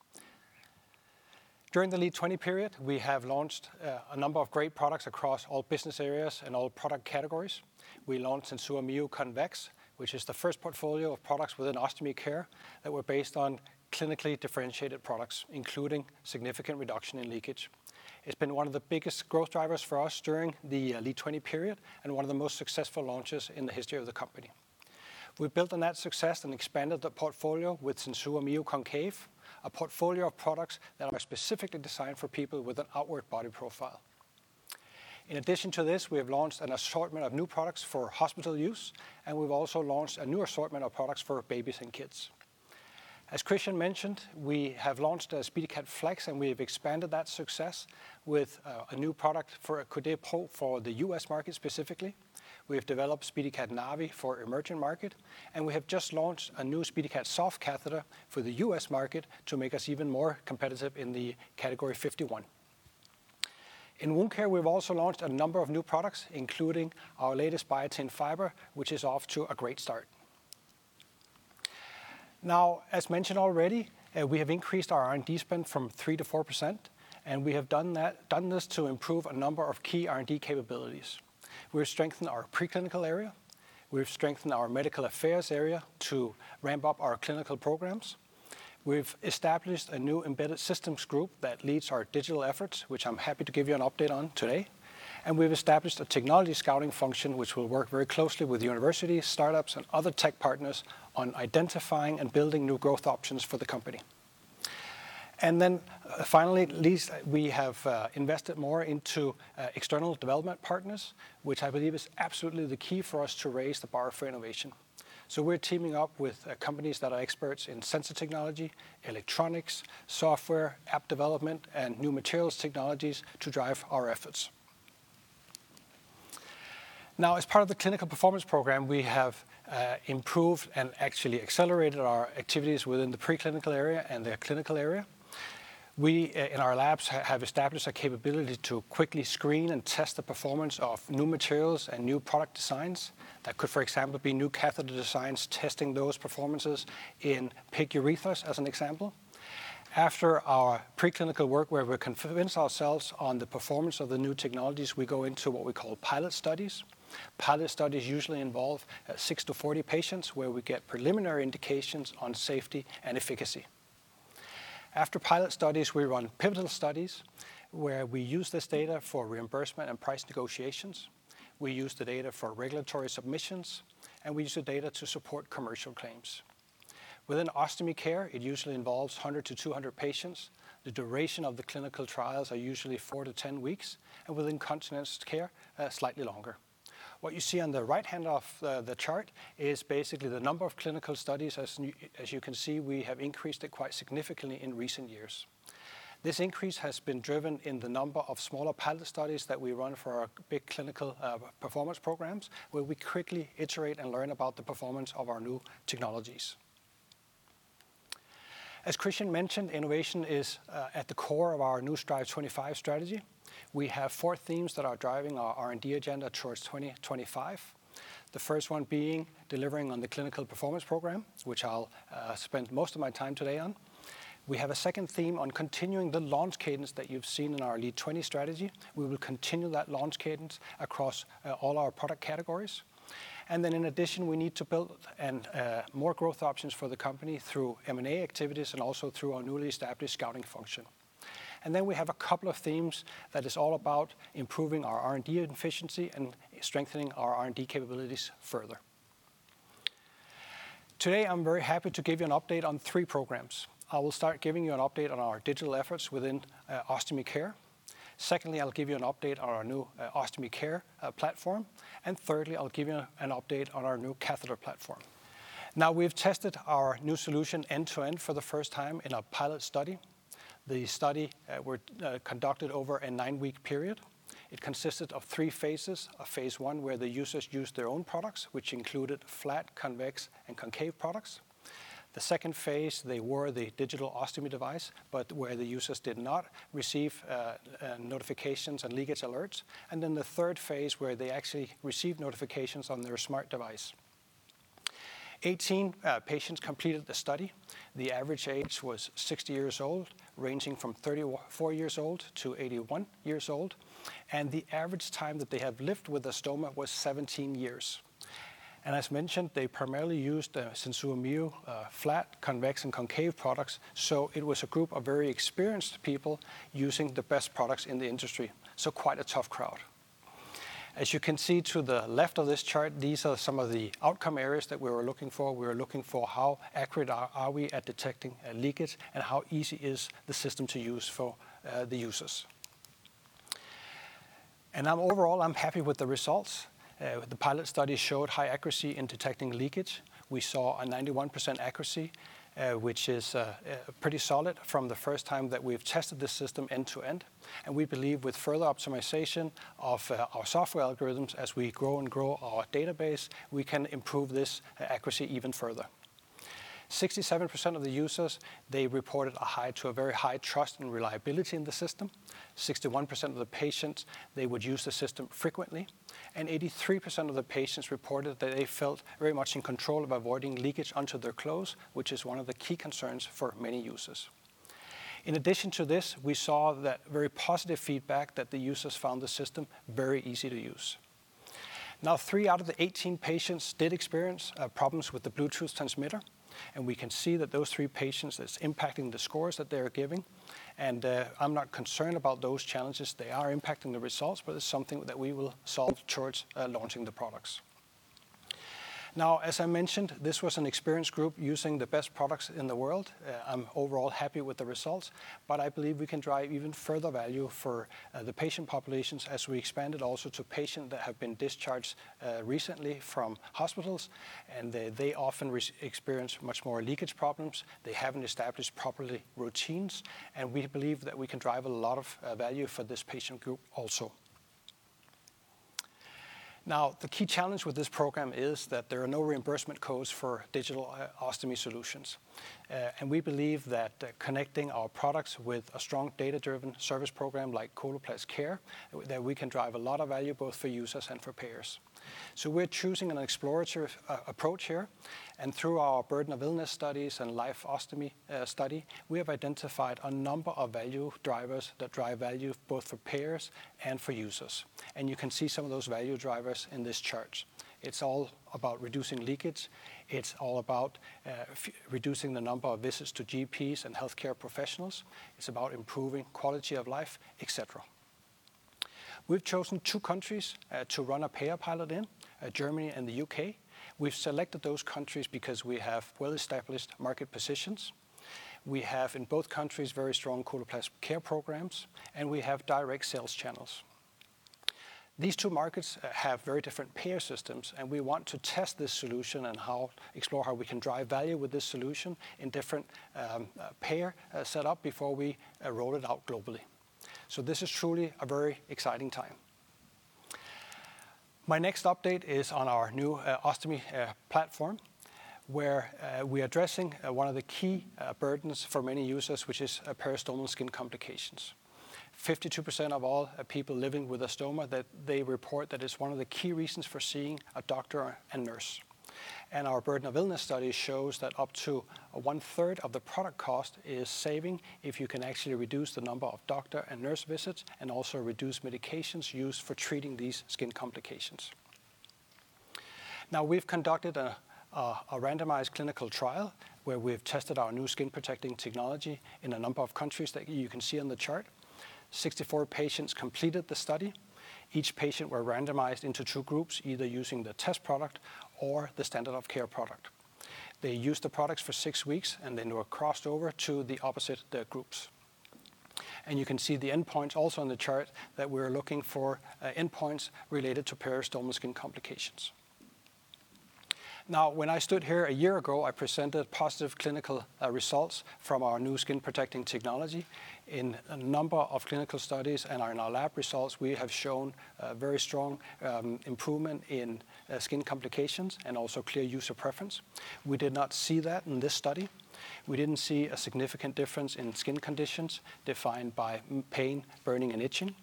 During the LEAD20 period, we have launched a number of great products across all business areas and all product categories. We launched SenSura Mio Convex, which is the first portfolio of products within Ostomy Care that were based on clinically differentiated products, including significant reduction in leakage. It's been one of the biggest growth drivers for us during the LEAD20 period and one of the most successful launches in the history of the company. We built on that success and expanded the portfolio with SenSura Mio Concave, a portfolio of products that are specifically designed for people with an outward body profile. In addition to this, we have launched an assortment of new products for hospital use, and we've also launched a new assortment of products for babies and kids. As Kristian mentioned, we have launched SpeediCath Flex, and we have expanded that success with a new product for a Coudé Pro for the U.S. market specifically. We have developed SpeediCath Navi for emerging market, and we have just launched a new SpeediCath Soft catheter for the U.S. market to make us even more competitive in the category 51. In Wound Care, we've also launched a number of new products, including our latest Biatain Fiber, which is off to a great start. As mentioned already, we have increased our R&D spend from 3%-4%. We have done this to improve a number of key R&D capabilities. We've strengthened our preclinical area. We've strengthened our medical affairs area to ramp up our clinical programs. We've established a new embedded systems group that leads our digital efforts, which I'm happy to give you an update on today. We've established a technology scouting function, which will work very closely with universities, startups, and other tech partners on identifying and building new growth options for the company. Finally, at least, we have invested more into external development partners, which I believe is absolutely the key for us to raise the bar for innovation. We're teaming up with companies that are experts in sensor technology, electronics, software, app development, and new materials technologies to drive our efforts. As part of the Clinical Performance Program, we have improved and actually accelerated our activities within the preclinical area and the clinical area. We, in our labs, have established a capability to quickly screen and test the performance of new materials and new product designs. That could, for example, be new catheter designs, testing those performances in pig urethras, as an example. After our preclinical work, where we convince ourselves on the performance of the new technologies, we go into what we call pilot studies. Pilot studies usually involve six to 40 patients where we get preliminary indications on safety and efficacy. After pilot studies, we run pivotal studies where we use this data for reimbursement and price negotiations. We use the data for regulatory submissions, we use the data to support commercial claims. Within Ostomy Care, it usually involves 100-200 patients. The duration of the clinical trials are usually 4-10 weeks, and within Continence Care, slightly longer. What you see on the right hand of the chart is basically the number of clinical studies. As you can see, we have increased it quite significantly in recent years. This increase has been driven in the number of smaller pilot studies that we run for our big Clinical Performance Programs, where we quickly iterate and learn about the performance of our new technologies. As Kristian mentioned, innovation is at the core of our new Strive25 strategy. We have four themes that are driving our R&D agenda towards 2025. The first one being delivering on the Clinical Performance Program, which I'll spend most of my time today on. We have a second theme on continuing the launch cadence that you've seen in our LEAD20 strategy. We will continue that launch cadence across all our product categories. In addition, we need to build more growth options for the company through M&A activities and also through our newly established scouting function. We have a couple of themes that is all about improving our R&D efficiency and strengthening our R&D capabilities further. Today, I'm very happy to give you an update on three programs. I will start giving you an update on our digital efforts within Ostomy Care. Secondly, I'll give you an update on our new Ostomy Care platform. Thirdly, I'll give you an update on our new catheter platform. Now, we've tested our new solution end-to-end for the first time in a pilot study. The study were conducted over a nine-week period. It consisted of three phases. A phase I where the users used their own products, which included flat, convex, and concave products. The second phase, they wore the digital ostomy device, where the users did not receive notifications and leakage alerts. The third phase, where they actually received notifications on their smart device. 18 patients completed the study. The average age was 60 years old, ranging from 34 years old-81 years old, the average time that they have lived with ostomy was 17 years. As mentioned, they primarily used the SenSura Mio flat, convex, and concave products. It was a group of very experienced people using the best products in the industry. Quite a tough crowd. As you can see to the left of this chart, these are some of the outcome areas that we were looking for. We were looking for how accurate are we at detecting leakage and how easy is the system to use for the users. Overall, I'm happy with the results. The pilot study showed high accuracy in detecting leakage. We saw a 91% accuracy, which is pretty solid from the first time that we've tested this system end to end. We believe with further optimization of our software algorithms, as we grow and grow our database, we can improve this accuracy even further. 67% of the users, they reported a high to a very high trust and reliability in the system. 61% of the patients, they would use the system frequently, and 83% of the patients reported that they felt very much in control of avoiding leakage onto their clothes, which is one of the key concerns for many users. In addition to this, we saw that very positive feedback that the users found the system very easy to use. 3 out of the 18 patients did experience problems with the Bluetooth transmitter, and we can see that those three patients, it's impacting the scores that they are giving, and I'm not concerned about those challenges. They are impacting the results, but it's something that we will solve towards launching the products. As I mentioned, this was an experienced group using the best products in the world. I'm overall happy with the results, but I believe we can drive even further value for the patient populations as we expand it also to patients that have been discharged recently from hospitals, and they often experience much more leakage problems. They haven't established properly routines, we believe that we can drive a lot of value for this patient group also. The key challenge with this program is that there are no reimbursement codes for Digital Ostomy Solutions. We believe that connecting our products with a strong data-driven service program like Coloplast Care, that we can drive a lot of value both for users and for payers. We're choosing an exploratory approach here, and through our burden of illness studies and life ostomy study, we have identified a number of value drivers that drive value both for payers and for users. You can see some of those value drivers in this chart. It's all about reducing leakage. It's all about reducing the number of visits to GPs and healthcare professionals. It's about improving quality of life, et cetera. We've chosen two countries to run a payer pilot in, Germany and the U.K. We've selected those countries because we have well-established market positions. We have, in both countries, very strong Coloplast Care programs, and we have direct sales channels. These two markets have very different payer systems, and we want to test this solution and explore how we can drive value with this solution in different payer setup before we roll it out globally. This is truly a very exciting time. My next update is on our new ostomy platform, where we're addressing one of the key burdens for many users, which is peristomal skin complications. 52% of all people living with ostomy, they report that it's one of the key reasons for seeing a doctor and nurse. Our burden of illness study shows that up to one third of the product cost is saving if you can actually reduce the number of doctor and nurse visits and also reduce medications used for treating these skin complications. We've conducted a randomized clinical trial where we've tested our new skin-protecting technology in a number of countries that you can see on the chart. 64 patients completed the study. Each patient were randomized into two groups, either using the test product or the standard of care product. They used the products for six weeks, then were crossed over to the opposite groups. You can see the endpoint also on the chart that we're looking for endpoints related to peristomal skin complications. When I stood here a year ago, I presented positive clinical results from our new skin-protecting technology. In a number of clinical studies and in our lab results, we have shown very strong improvement in skin complications and also clear user preference. We did not see that in this study. We didn't see a significant difference in skin conditions defined by pain, burning, and itching.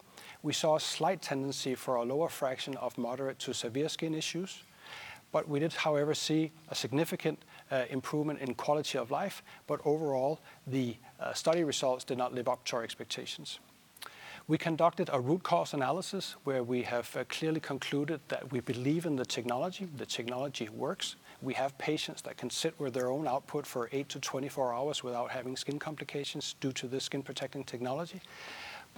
We saw a slight tendency for a lower fraction of moderate to severe skin issues, but we did, however, see a significant improvement in quality of life. Overall, the study results did not live up to our expectations. We conducted a root cause analysis where we have clearly concluded that we believe in the technology. The technology works. We have patients that can sit with their own output for 8-24 hours without having skin complications due to the skin-protecting technology.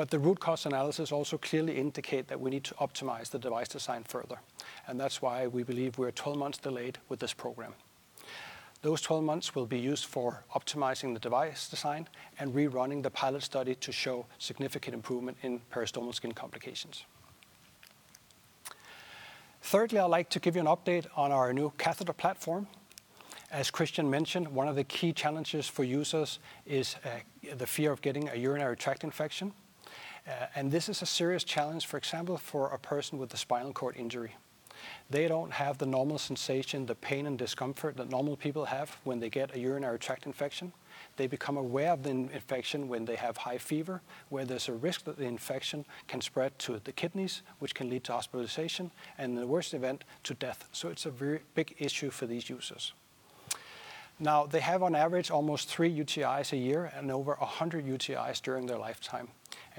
The root cause analysis also clearly indicate that we need to optimize the device design further, and that's why we believe we're 12 months delayed with this program. Those 12 months will be used for optimizing the device design and rerunning the pilot study to show significant improvement in peristomal skin complications. Thirdly, I'd like to give you an update on our new catheter platform. As Kristian mentioned, one of the key challenges for users is the fear of getting a urinary tract infection. This is a serious challenge, for example, for a person with a spinal cord injury. They don't have the normal sensation, the pain and discomfort that normal people have when they get a urinary tract infection. They become aware of the infection when they have high fever, where there's a risk that the infection can spread to the kidneys, which can lead to hospitalization and in the worst event, to death. It's a very big issue for these users. Now, they have on average almost three UTIs a year and over 100 UTIs during their lifetime.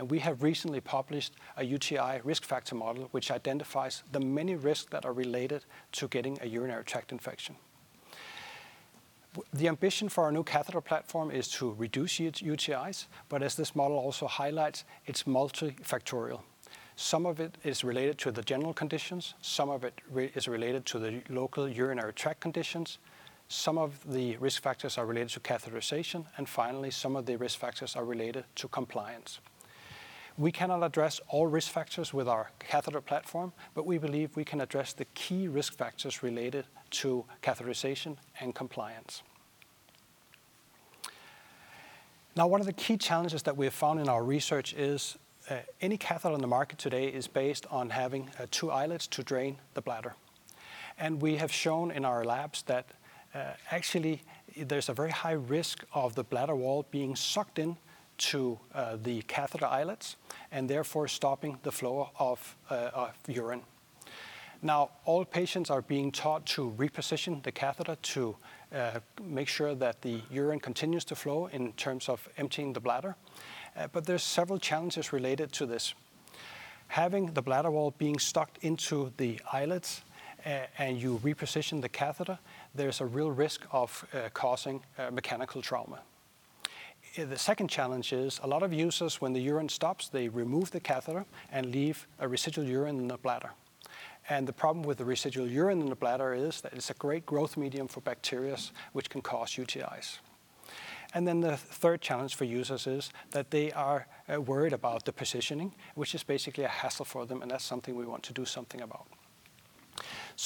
We have recently published a UTI risk factor model, which identifies the many risks that are related to getting a urinary tract infection. The ambition for our new catheter platform is to reduce UTIs, but as this model also highlights, it's multifactorial. Some of it is related to the general conditions. Some of it is related to the local urinary tract conditions. Some of the risk factors are related to catheterization. Finally, some of the risk factors are related to compliance. We cannot address all risk factors with our catheter platform, but we believe we can address the key risk factors related to catheterization and compliance. One of the key challenges that we have found in our research is any catheter on the market today is based on having two eyelets to drain the bladder. We have shown in our labs that actually, there's a very high risk of the bladder wall being sucked into the catheter eyelets and therefore stopping the flow of urine. All patients are being taught to reposition the catheter to make sure that the urine continues to flow in terms of emptying the bladder. There's several challenges related to this. Having the bladder wall being sucked into the eyelets, and you reposition the catheter, there's a real risk of causing mechanical trauma. The second challenge is a lot of users, when the urine stops, they remove the catheter and leave residual urine in the bladder. The problem with the residual urine in the bladder is that it's a great growth medium for bacteria, which can cause UTIs. The third challenge for users is that they are worried about the positioning, which is basically a hassle for them, and that's something we want to do something about.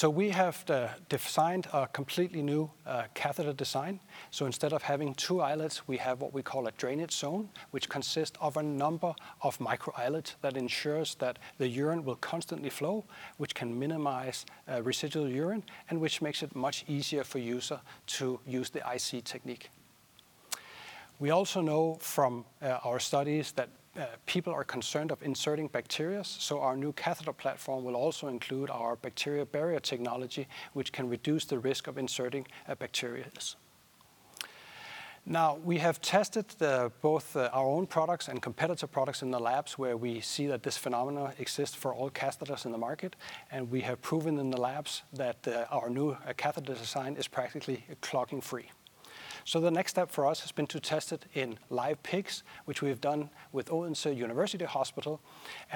We have designed a completely new catheter design. Instead of having two eyelets, we have what we call a drainage zone, which consists of a number of micro eyelets that ensures that the urine will constantly flow, which can minimize residual urine, and which makes it much easier for user to use the IC technique. We also know from our studies that people are concerned of inserting bacteria, so our new catheter platform will also include our bacteria barrier technology, which can reduce the risk of inserting bacteria. We have tested both our own products and competitor products in the labs, where we see that this phenomenon exists for all catheters in the market, and we have proven in the labs that our new catheter design is practically clogging-free. The next step for us has been to test it in live pigs, which we have done with Odense University Hospital.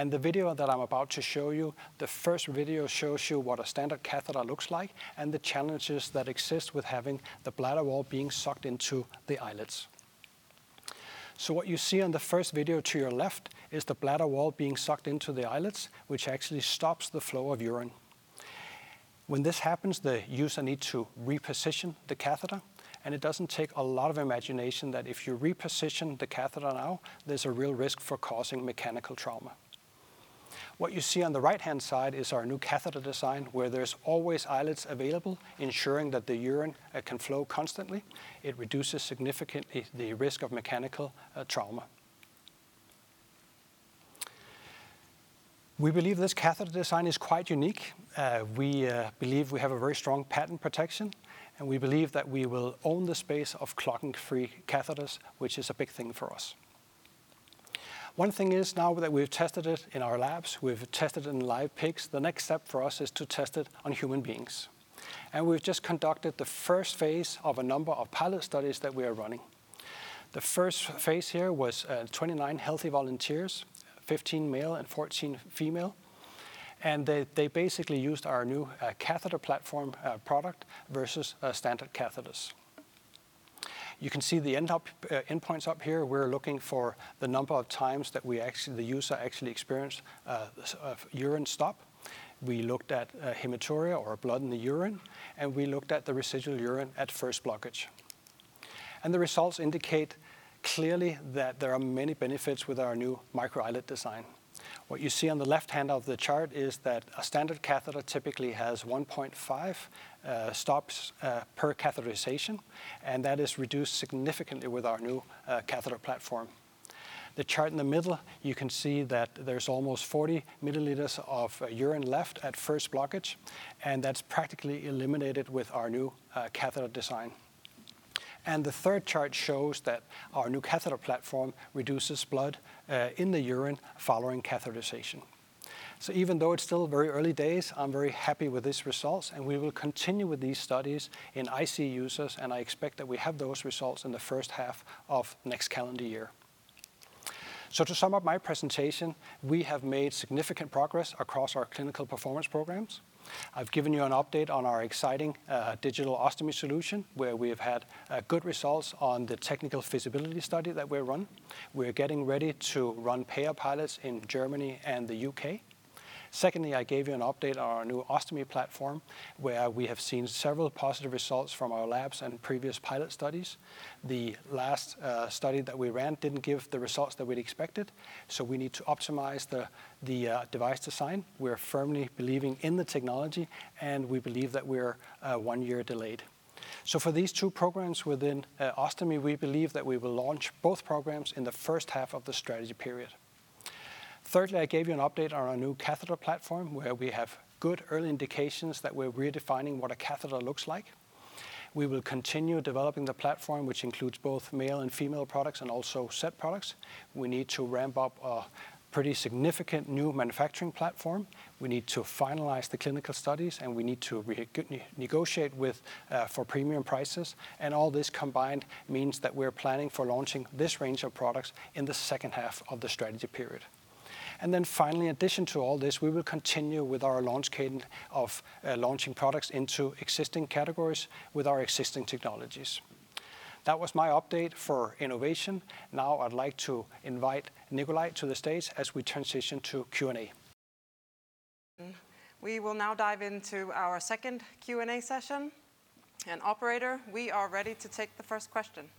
The video that I'm about to show you, the first video shows you what a standard catheter looks like and the challenges that exist with having the bladder wall being sucked into the eyelets. What you see on the first video to your left is the bladder wall being sucked into the eyelets, which actually stops the flow of urine. When this happens, the user needs to reposition the catheter, and it doesn't take a lot of imagination that if you reposition the catheter now, there's a real risk for causing mechanical trauma. What you see on the right-hand side is our new catheter design, where there's always eyelets available, ensuring that the urine can flow constantly. It reduces significantly the risk of mechanical trauma. We believe this catheter design is quite unique. We believe we have a very strong patent protection, and we believe that we will own the space of clogging-free catheters, which is a big thing for us. One thing is now that we've tested it in our labs, we've tested it in live pigs, the next step for us is to test it on human beings. We've just conducted phase I of a number of pilot studies that we are running. Phase I here was 29 healthy volunteers, 15 male and 14 female, they basically used our new catheter platform product versus standard catheters. You can see the endpoints up here. We're looking for the number of times that the user actually experienced a urine stop. We looked at hematuria or blood in the urine, we looked at the residual urine at first blockage. The results indicate clearly that there are many benefits with our new micro eyelet design. What you see on the left-hand of the chart is that a standard catheter typically has 1.5 stops per catheterization, and that is reduced significantly with our new catheter platform. The chart in the middle, you can see that there's almost 40 mL of urine left at first blockage, and that's practically eliminated with our new catheter design. The third chart shows that our new catheter platform reduces blood in the urine following catheterization. Even though it's still very early days, I'm very happy with these results, and we will continue with these studies in IC users, and I expect that we have those results in the first half of next calendar year. To sum up my presentation, we have made significant progress across our Clinical Performance Programs. I've given you an update on our exciting Digital Ostomy Solutions, where we have had good results on the technical feasibility study that we run. We're getting ready to run payer pilots in Germany and the U.K. I gave you an update on our new ostomy platform, where we have seen several positive results from our labs and previous pilot studies. The last study that we ran didn't give the results that we'd expected, so we need to optimize the device design. We are firmly believing in the technology, and we believe that we are one year delayed. For these two programs within ostomy, we believe that we will launch both programs in the first half of the strategy period. I gave you an update on our new catheter platform, where we have good early indications that we're redefining what a catheter looks like. We will continue developing the platform, which includes both male and female products and also set products. We need to ramp up a pretty significant new manufacturing platform. We need to finalize the clinical studies, and we need to negotiate for premium prices. All this combined means that we're planning for launching this range of products in the second half of the strategy period. Then finally, in addition to all this, we will continue with our launch cadence of launching products into existing categories with our existing technologies. That was my update for innovation. Now I'd like to invite Nicolai to the stage as we transition to Q&A. We will now dive into our second Q&A session. Operator, we are ready to take the first question.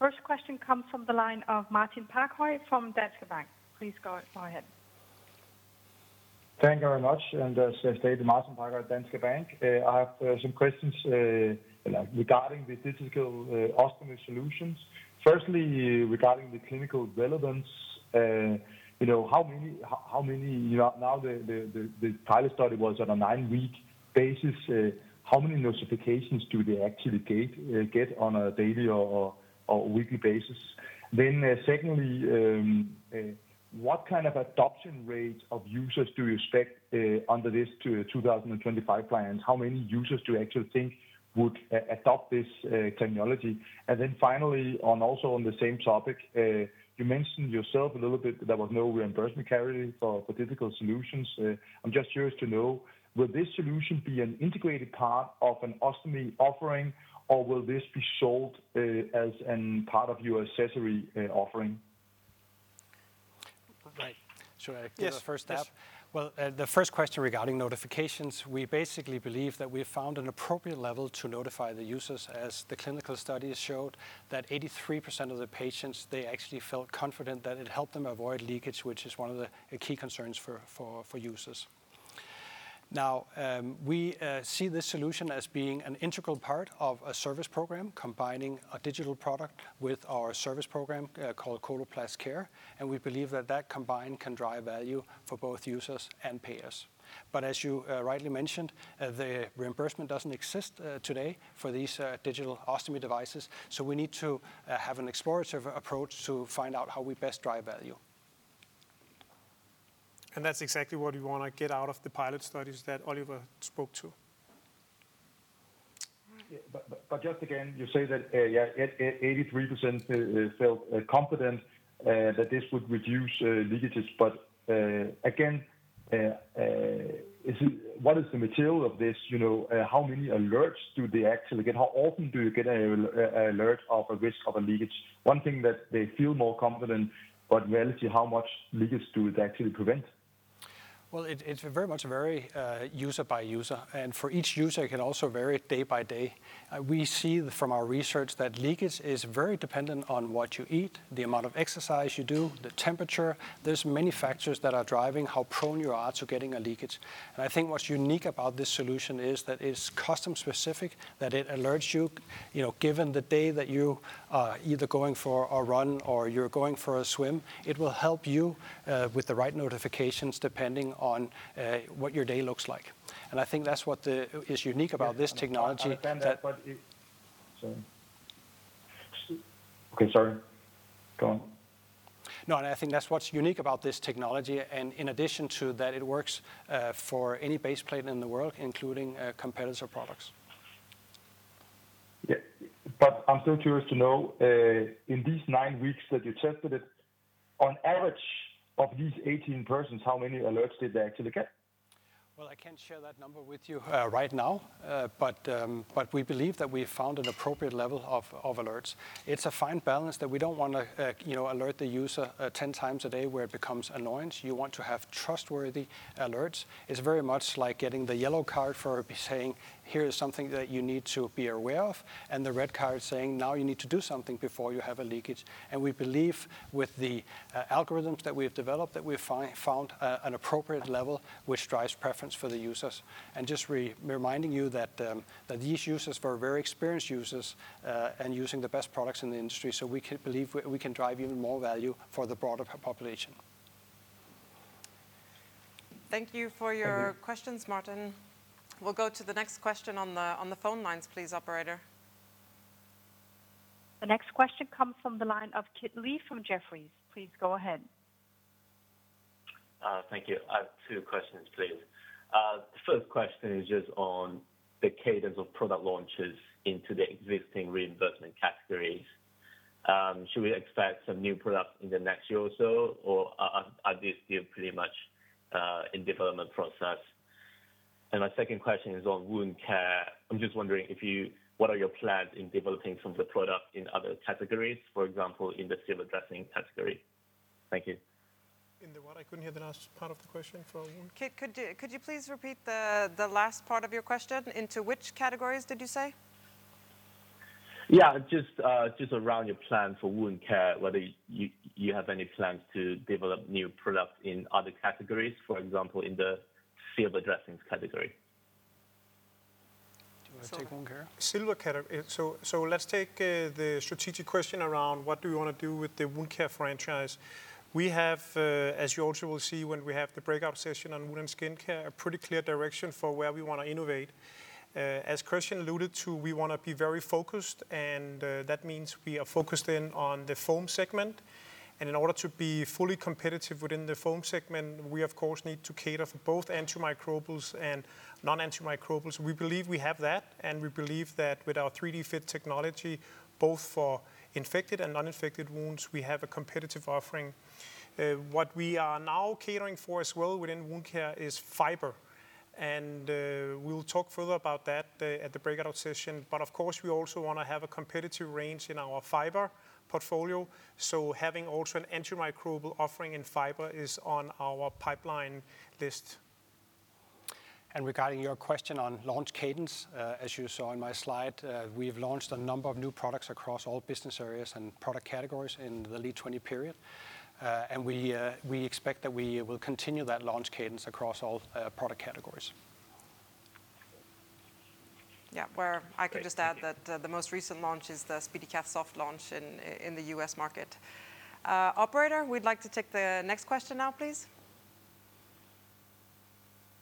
The first question comes from the line of Martin Parkhøi from Danske Bank. Please go ahead. Thank you very much. As stated, Martin Parkhøi, Danske Bank. I have some questions regarding the Digital Ostomy Solutions. Firstly, regarding the clinical relevance, now the pilot study was on a nine-week basis, how many notifications do they actually get on a daily or weekly basis? Secondly, what kind of adoption rate of users do you expect under this 2025 plan? How many users do you actually think would adopt this technology? Finally, also on the same topic, you mentioned yourself a little bit that there was no reimbursement carried for digital solutions. I'm just curious to know, will this solution be an integrated part of an ostomy offering, or will this be sold as a part of your accessory offering? Right. Should I take the first half? Yes. The first question regarding notifications, we basically believe that we have found an appropriate level to notify the users, as the clinical studies showed that 83% of the patients, they actually felt confident that it helped them avoid leakage, which is one of the key concerns for users. We see this solution as being an integral part of a service program, combining a digital product with our service program called Coloplast Care, and we believe that that combined can drive value for both users and payers. As you rightly mentioned, the reimbursement doesn't exist today for these digital ostomy devices. We need to have an explorative approach to find out how we best drive value. That's exactly what we want to get out of the pilot studies that Oliver spoke to. Just again, you say that 83% felt confident that this would reduce leakages. Again, what is the material of this? How many alerts do they actually get? How often do you get an alert of a risk of a leakage? One thing that they feel more confident, but we'll see how much leakage do they actually prevent. Well, it's very much user by user, and for each user, it can also vary day by day. We see from our research that leakage is very dependent on what you eat, the amount of exercise you do, the temperature. There's many factors that are driving how prone you are to getting a leakage. I think what's unique about this solution is that it's custom specific, that it alerts you, given the day that you are either going for a run or you're going for a swim, it will help you with the right notifications depending on what your day looks like. I think that's what is unique about this technology that- I understand that, but sorry. Go on. No, I think that's what's unique about this technology. In addition to that, it works for any base plate in the world, including competitor products. Yeah. I'm still curious to know, in these nine weeks that you tested it, on average of these 18 persons, how many alerts did they actually get? Well, I can't share that number with you right now. We believe that we have found an appropriate level of alerts. It's a fine balance that we don't want to alert the user 10 times a day where it becomes annoyance. You want to have trustworthy alerts. It's very much like getting the yellow card for saying, "Here is something that you need to be aware of." The red card saying, "Now you need to do something before you have a leakage." We believe with the algorithms that we have developed, that we have found an appropriate level which drives preference for the users. Just reminding you that these users were very experienced users and using the best products in the industry, so we believe we can drive even more value for the broader population. Thank you for your questions, Martin. Thank you. We'll go to the next question on the phone lines, please, operator. The next question comes from the line of Kit Lee from Jefferies. Please go ahead. Thank you. I have two questions, please. The first question is just on the cadence of product launches into the existing reimbursement categories. Should we expect some new products in the next year or so, or are these still pretty much in development process? My second question is on Wound Care. I'm just wondering, what are your plans in developing some of the products in other categories, for example, in the silver dressing category? Thank you. In the what? I couldn't hear the last part of the question, sorry. Kit, could you please repeat the last part of your question? Into which categories, did you say? Yeah, just around your plan for Wound Care, whether you have any plans to develop new products in other categories, for example, in the silver dressings category. Do you want to take Wound Care? Silver category. Let's take the strategic question around what do we want to do with the Wound Care franchise. We have, as you also will see when we have the breakout session on Wound & Skin Care, a pretty clear direction for where we want to innovate. As Kristian alluded to, we want to be very focused, and that means we are focused in on the foam segment. In order to be fully competitive within the foam segment, we of course need to cater for both antimicrobials and non-antimicrobials. We believe we have that, and we believe that with our 3DFit Technology, both for infected and non-infected wounds, we have a competitive offering. What we are now catering for as well within Wound Care is Biatain Fiber, and we'll talk further about that at the breakout session. Of course, we also want to have a competitive range in our fiber portfolio, so having also an antimicrobial offering in fiber is on our pipeline list. Regarding your question on launch cadence, as you saw in my slide, we've launched a number of new products across all business areas and product categories in the LEAD20 period. We expect that we will continue that launch cadence across all product categories. Yeah. Where I can just add that the most recent launch is the SpeediCath Soft launch in the U.S. market. Operator, we'd like to take the next question now, please.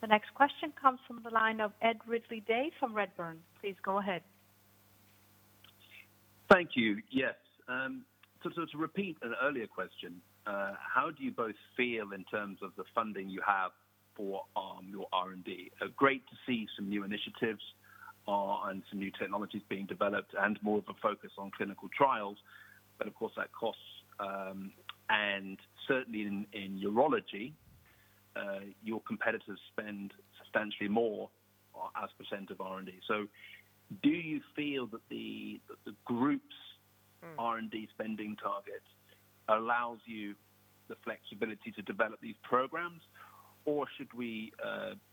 The next question comes from the line of Ed Ridley-Day from Redburn. Please go ahead. Thank you. Yes. To repeat an earlier question, how do you both feel in terms of the funding you have for your R&D? Great to see some new initiatives and some new technologies being developed and more of a focus on clinical trials, but of course that costs. Certainly in urology, your competitors spend substantially more as a percent of R&D. Do you feel that the group's R&D spending target allows you the flexibility to develop these programs, or should we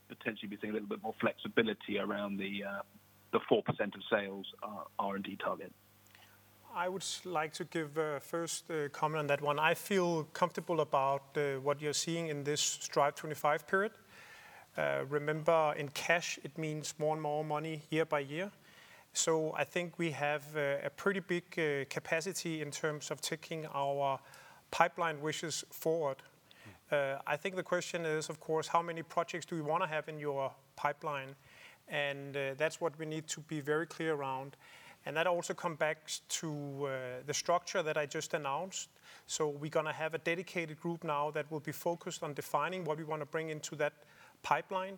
potentially be seeing a little bit more flexibility around the 4% of sales R&D target? I would like to give first a comment on that one. I feel comfortable about what you're seeing in this Strive25 period. Remember, in cash, it means more and more money year by year. I think we have a pretty big capacity in terms of taking our pipeline wishes forward. I think the question is, of course, how many projects do we want to have in your pipeline? That's what we need to be very clear around. That also comes back to the structure that I just announced. We're going to have a dedicated group now that will be focused on defining what we want to bring into that pipeline.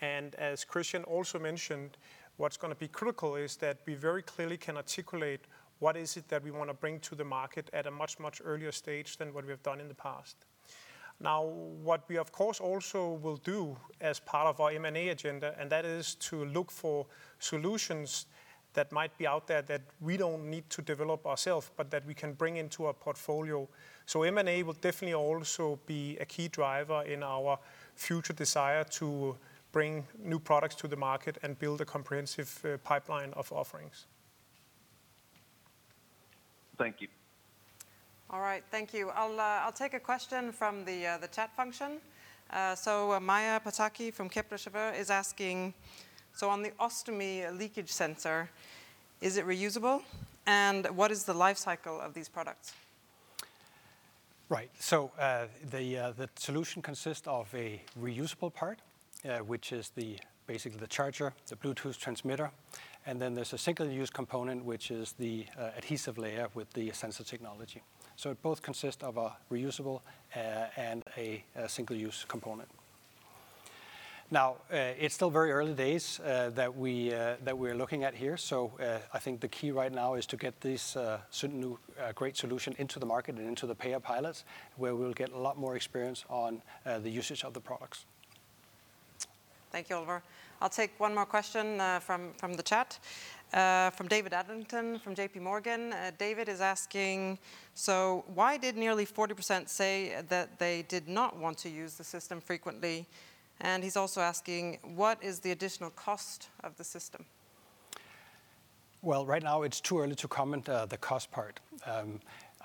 As Kristian also mentioned, what's going to be critical is that we very clearly can articulate what is it that we want to bring to the market at a much, much earlier stage than what we have done in the past. What we of course also will do as part of our M&A agenda, and that is to look for solutions that might be out there that we don't need to develop ourself, but that we can bring into our portfolio. M&A will definitely also be a key driver in our future desire to bring new products to the market and build a comprehensive pipeline of offerings. Thank you. All right. Thank you. I'll take a question from the chat function. Maja Pataki from Kepler Cheuvreux is asking, "On the ostomy leakage sensor, is it reusable? And what is the life cycle of these products? Right. The solution consists of a reusable part, which is basically the charger, the Bluetooth transmitter, and then there's a single-use component, which is the adhesive layer with the sensor technology. It both consists of a reusable and a single-use component. It's still very early days that we're looking at here, so I think the key right now is to get this certain new great solution into the market and into the payer pilots, where we'll get a lot more experience on the usage of the products. Thank you, Oliver. I'll take one more question from the chat, from David Adlington from JPMorgan. David is asking, "So why did nearly 40% say that they did not want to use the system frequently?" He's also asking, "What is the additional cost of the system? Well, right now it's too early to comment the cost part.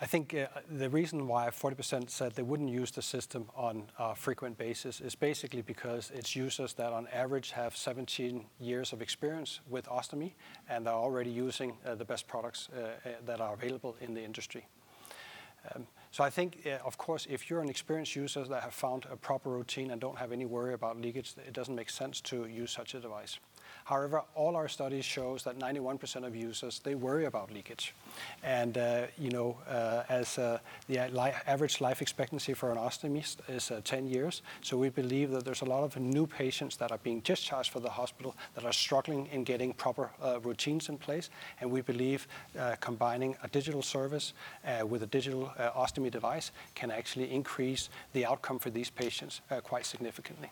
I think the reason why 40% said they wouldn't use the system on a frequent basis is basically because its users that on average have 17 years of experience with ostomy, and are already using the best products that are available in the industry. I think, of course, if you're an experienced user that have found a proper routine and don't have any worry about leakage, it doesn't make sense to use such a device. However, all our studies show that 91% of users, they worry about leakage. As the average life expectancy for an ostomist is 10 years, we believe that there's a lot of new patients that are being discharged from the hospital that are struggling in getting proper routines in place, and we believe combining a digital service with a digital ostomy device can actually increase the outcome for these patients quite significantly.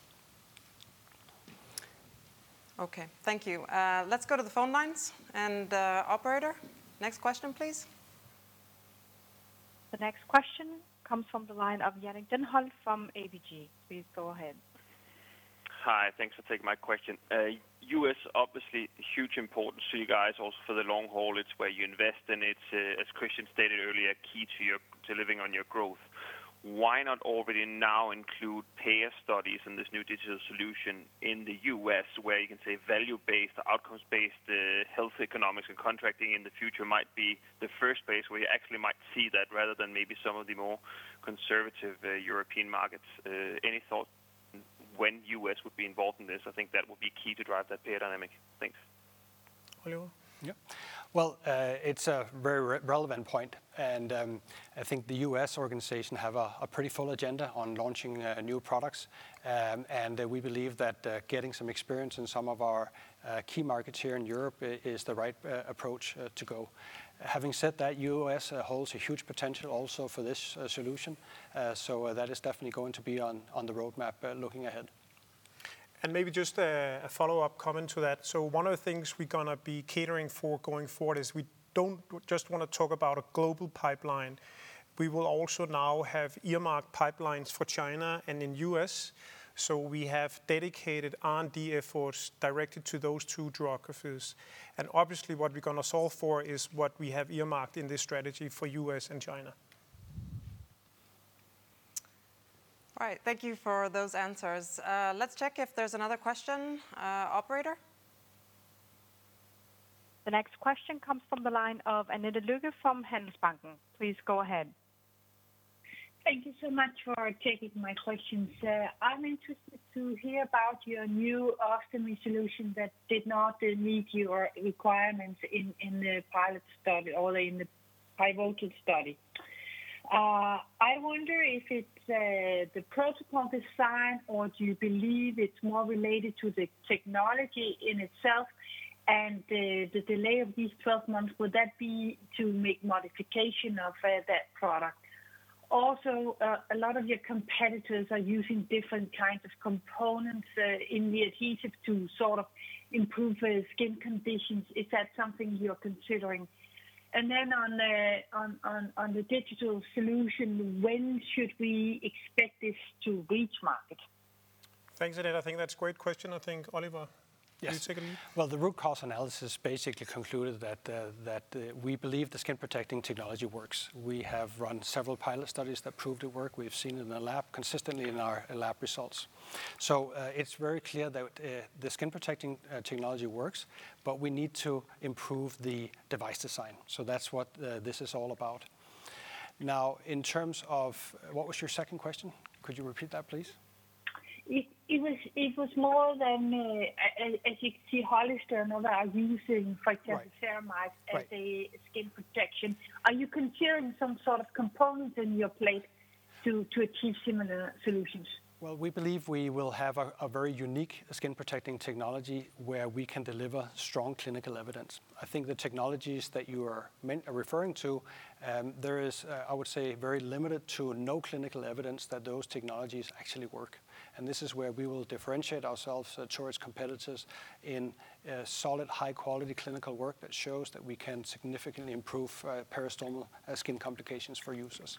Okay. Thank you. Let's go to the phone lines. Operator, next question, please. The next question comes from the line of Jannick Denholt from ABG. Please go ahead. Hi. Thanks for taking my question. U.S., obviously, huge importance to you guys also for the long haul. It's where you invest, it's, as Kristian stated earlier, key to delivering on your growth. Why not already now include payer studies in this new digital solution in the U.S., where you can say value-based, outcomes-based health economics and contracting in the future might be the first place where you actually might see that rather than maybe some of the more conservative European markets. Any thought when U.S. would be involved in this? I think that would be key to drive that payer dynamic. Thanks. Oliver? Yeah. Well, it's a very relevant point, and I think the U.S. organization have a pretty full agenda on launching new products. We believe that getting some experience in some of our key markets here in Europe is the right approach to go. Having said that, U.S. holds a huge potential also for this solution. That is definitely going to be on the roadmap looking ahead. Maybe just a follow-up comment to that. One of the things we're going to be catering for going forward is we don't just want to talk about a global pipeline. We will also now have earmarked pipelines for China and in U.S. We have dedicated R&D efforts directed to those two geographies. Obviously, what we're going to solve for is what we have earmarked in this strategy for U.S. and China. All right. Thank you for those answers. Let's check if there's another question. Operator? The next question comes from the line of Annette Lykke from Handelsbanken. Please go ahead. Thank you so much for taking my questions. I'm interested to hear about your new Ostomy solution that did not meet your requirements in the pilot study or in the pivotal study. I wonder if it's the protocol design, or do you believe it's more related to the technology in itself, and the delay of these 12 months, would that be to make modification of that product? Also a lot of your competitors are using different kinds of components in the adhesive to sort of improve skin conditions. Is that something you're considering? On the digital solution, when should we expect this to reach market? Thanks, Annette. I think that's a great question. Yes. Can you take it? Well, the root cause analysis basically concluded that we believe the skin protecting technology works. We have run several pilot studies that prove it works. We've seen it in the lab consistently in our lab results. It's very clear that the skin protecting technology works, but we need to improve the device design. That's what this is all about. Now, what was your second question? Could you repeat that, please? It was more than, as you can see Hollister and others are using, for instance- Right ceramides as a skin protection. Are you considering some sort of component in your plate to achieve similar solutions? Well, we believe we will have a very unique skin protecting technology where we can deliver strong clinical evidence. I think the technologies that you are referring to, there is, I would say, very limited to no clinical evidence that those technologies actually work. This is where we will differentiate ourselves towards competitors in solid, high-quality clinical work that shows that we can significantly improve peristomal skin complications for users.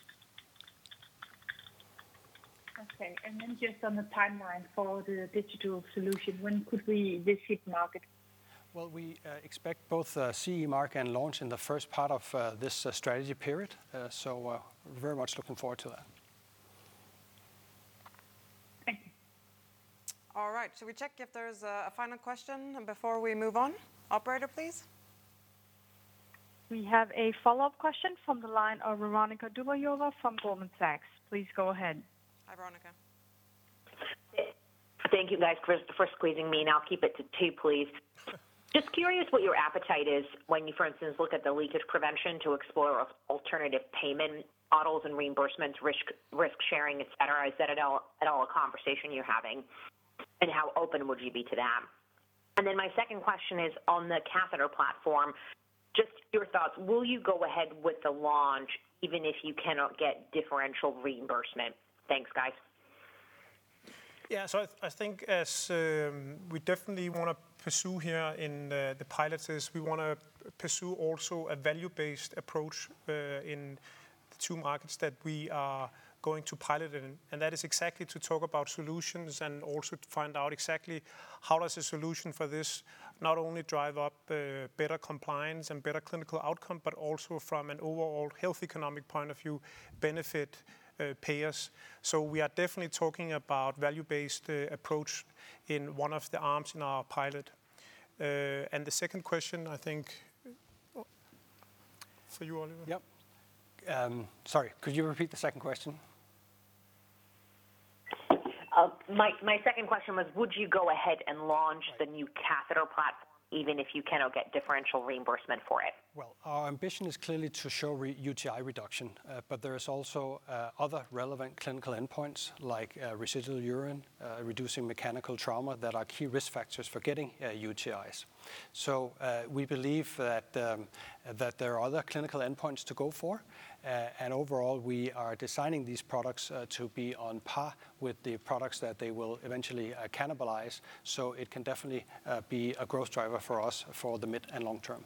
Okay. Then just on the timeline for the digital solution, when could this hit market? Well, we expect both CE mark and launch in the first part of this strategy period. We're very much looking forward to that. Thank you. All right. Shall we check if there's a final question before we move on? Operator, please. We have a follow-up question from the line of Veronika Dubajova from Goldman Sachs. Please go ahead. Hi, Veronika. Thank you guys for squeezing me in. I'll keep it to two, please. Just curious what your appetite is when you, for instance, look at the leakage prevention to explore alternative payment models and reimbursements, risk sharing, et cetera. Is that at all a conversation you're having, and how open would you be to that? My second question is on the catheter platform, just your thoughts. Will you go ahead with the launch even if you cannot get differential reimbursement? Thanks, guys. Yeah. I think as we definitely want to pursue here in the pilots is we want to pursue also a value-based approach in the two markets that we are going to pilot in. That is exactly to talk about solutions and also to find out exactly how does a solution for this not only drive up better compliance and better clinical outcome, but also from an overall health economic point of view, benefit payers. We are definitely talking about value-based approach in one of the arms in our pilot. The second question, I think, for you, Oliver. Yep. Sorry, could you repeat the second question? My second question was, would you go ahead and launch the new catheter platform even if you cannot get differential reimbursement for it? Our ambition is clearly to show UTI reduction, but there is also other relevant clinical endpoints like residual urine, reducing mechanical trauma that are key risk factors for getting UTIs. We believe that there are other clinical endpoints to go for. Overall, we are designing these products to be on par with the products that they will eventually cannibalize. It can definitely be a growth driver for us for the mid and long term.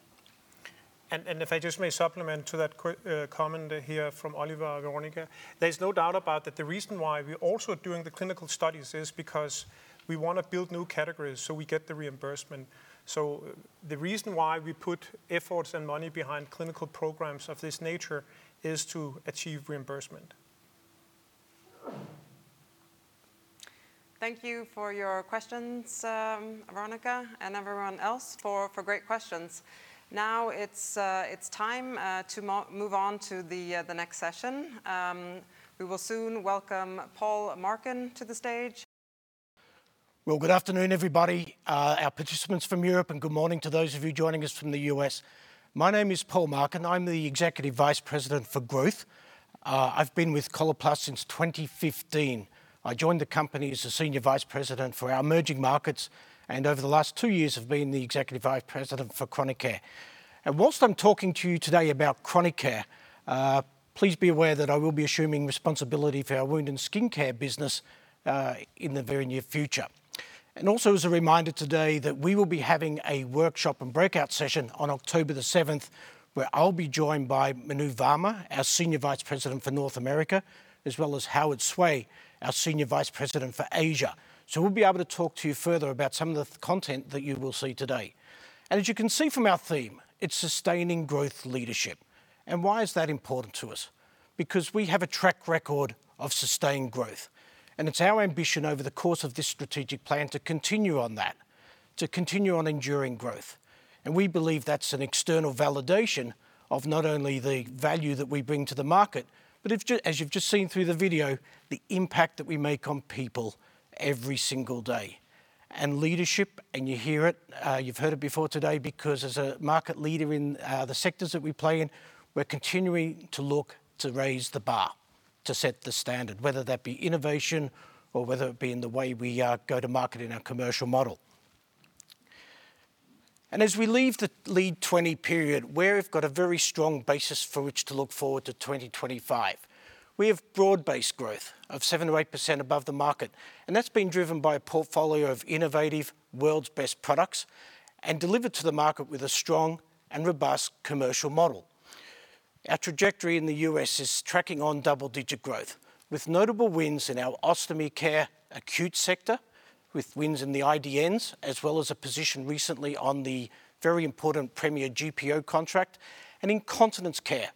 If I just may supplement to that comment here from Oliver and Veronika, there's no doubt about that the reason why we're also doing the clinical studies is because we want to build new categories so we get the reimbursement. The reason why we put efforts and money behind clinical programs of this nature is to achieve reimbursement. Thank you for your questions, Veronika, and everyone else, for great questions. Now it's time to move on to the next session. We will soon welcome Paul Marcun to the stage. Well, good afternoon, everybody, our participants from Europe, and good morning to those of you joining us from the U.S. My name is Paul Marcun. I'm the Executive Vice President for growth. I've been with Coloplast since 2015. I joined the company as the Senior Vice President for our emerging markets, and over the last two years have been the Executive Vice President for Chronic Care. Whilst I'm talking to you today about Chronic Care, please be aware that I will be assuming responsibility for our Wound & Skin Care business in the very near future. Also as a reminder today that we will be having a workshop and breakout session on October 7th, where I'll be joined by Manu Varma, our Senior Vice President for North America, as well as Howard Sui, our Senior Vice President for Asia. We'll be able to talk to you further about some of the content that you will see today. As you can see from our theme, it's sustaining growth leadership. Why is that important to us? Because we have a track record of sustained growth, and it's our ambition over the course of this strategic plan to continue on that, to continue on enduring growth. We believe that's an external validation of not only the value that we bring to the market, but as you've just seen through the video, the impact that we make on people every single day. Leadership, and you hear it, you've heard it before today, because as a market leader in the sectors that we play in, we're continuing to look to raise the bar, to set the standard, whether that be innovation or whether it be in the way we go to market in our commercial model. As we leave the LEAD20 period, we've got a very strong basis for which to look forward to 2025. We have broad-based growth of 7%-8% above the market, and that's been driven by a portfolio of innovative world's best products and delivered to the market with a strong and robust commercial model. Our trajectory in the U.S. is tracking on double-digit growth, with notable wins in our Ostomy Care acute sector, with wins in the IDNs, as well as a position recently on the very important Premier GPO contract. In Continence Care,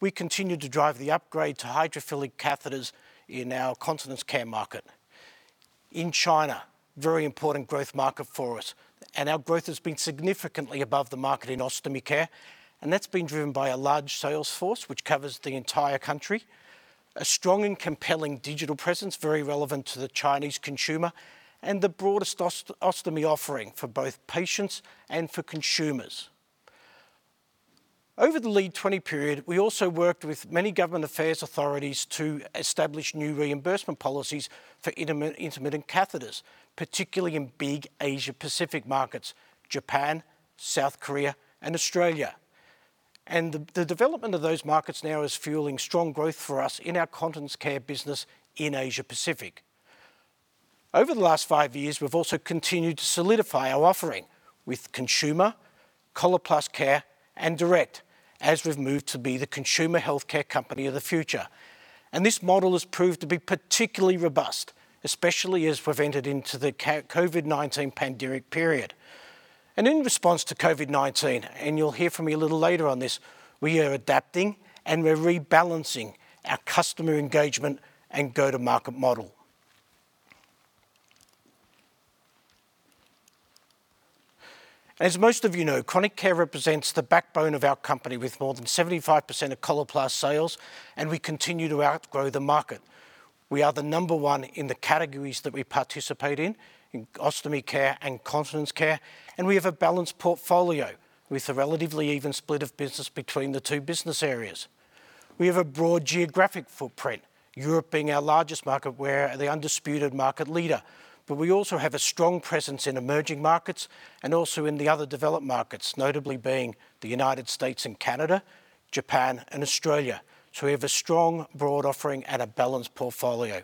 we continue to drive the upgrade to hydrophilic catheters in our Continence Care market. In China, very important growth market for us, our growth has been significantly above the market in Ostomy Care, and that's been driven by a large sales force, which covers the entire country, a strong and compelling digital presence, very relevant to the Chinese consumer, and the broadest ostomy offering for both patients and for consumers. Over the LEAD20 period, we also worked with many government affairs authorities to establish new reimbursement policies for intermittent catheters, particularly in big Asia-Pacific markets, Japan, South Korea, and Australia. The development of those markets now is fueling strong growth for us in our Continence Care business in Asia-Pacific. Over the last five years, we've also continued to solidify our offering with consumer, Coloplast Care, and direct as we've moved to be the consumer healthcare company of the future. This model has proved to be particularly robust, especially as we've entered into the COVID-19 pandemic period. In response to COVID-19, and you'll hear from me a little later on this, we are adapting and we're rebalancing our customer engagement and go-to-market model. As most of you know, Chronic Care represents the backbone of our company with more than 75% of Coloplast sales, and we continue to outgrow the market. We are the number one in the categories that we participate in Ostomy Care and Continence Care, and we have a balanced portfolio with a relatively even split of business between the two business areas. We have a broad geographic footprint, Europe being our largest market, we're the undisputed market leader. We also have a strong presence in emerging markets and also in the other developed markets, notably being the U.S. and Canada, Japan, and Australia. We have a strong broad offering and a balanced portfolio.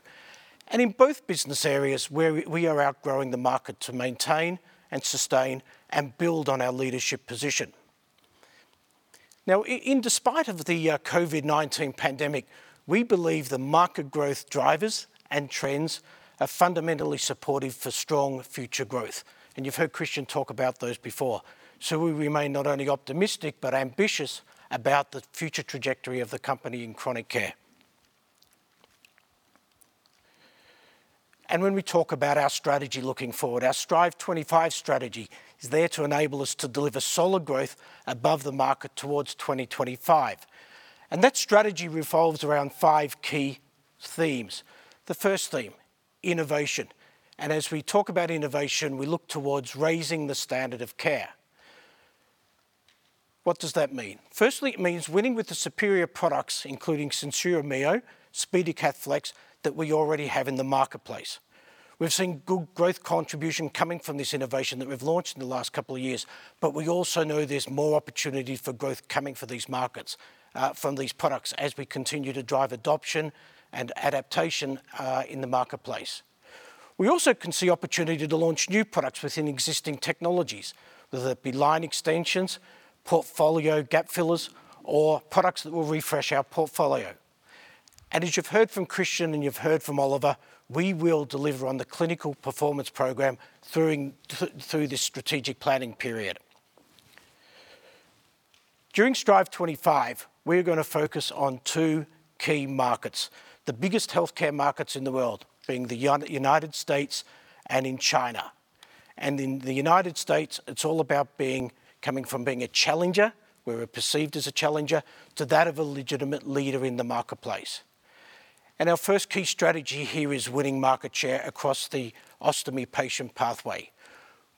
In both business areas, we are outgrowing the market to maintain and sustain and build on our leadership position. Now, in despite of the COVID-19 pandemic, we believe the market growth drivers and trends are fundamentally supportive for strong future growth, and you've heard Kristian talk about those before. We remain not only optimistic but ambitious about the future trajectory of the company in chronic care. When we talk about our strategy looking forward, our Strive25 strategy is there to enable us to deliver solid growth above the market towards 2025. That strategy revolves around five key themes. The first theme, Innovation. As we talk about innovation, we look towards raising the standard of care. What does that mean? Firstly, it means winning with the superior products, including SenSura Mio, SpeediCath Flex, that we already have in the marketplace. We've seen good growth contribution coming from this innovation that we've launched in the last couple of years, but we also know there's more opportunity for growth coming for these markets from these products as we continue to drive adoption and adaptation in the marketplace. We also can see opportunity to launch new products within existing technologies, whether it be line extensions, portfolio gap fillers, or products that will refresh our portfolio. As you've heard from Kristian and you've heard from Oliver, we will deliver on the Clinical Performance Program through this strategic planning period. During Strive25, we're going to focus on two key markets, the biggest healthcare markets in the world, being the U.S. and in China. In the U.S., it's all about coming from being a challenger, where we're perceived as a challenger, to that of a legitimate leader in the marketplace. Our first key strategy here is winning market share across the ostomy patient pathway.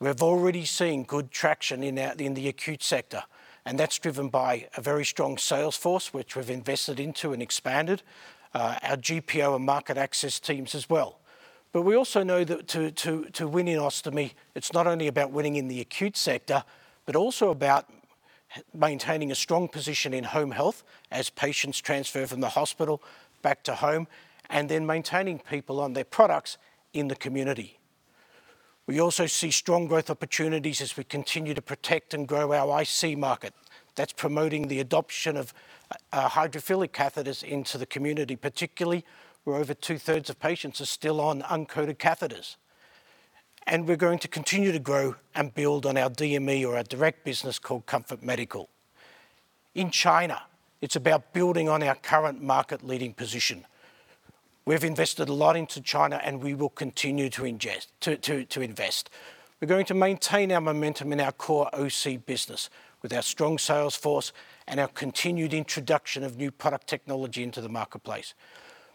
We've already seen good traction in the acute sector, and that's driven by a very strong sales force, which we've invested into and expanded, our GPO and market access teams as well. We also know that to win in ostomy, it's not only about winning in the acute sector, but also about maintaining a strong position in home health as patients transfer from the hospital back to home, and then maintaining people on their products in the community. We also see strong growth opportunities as we continue to protect and grow our IC market. That's promoting the adoption of hydrophilic catheters into the community, particularly where over two-thirds of patients are still on uncoated catheters. We're going to continue to grow and build on our DME or our direct business called Comfort Medical. In China, it's about building on our current market-leading position. We've invested a lot into China, and we will continue to invest. We're going to maintain our momentum in our core OC business with our strong sales force and our continued introduction of new product technology into the marketplace.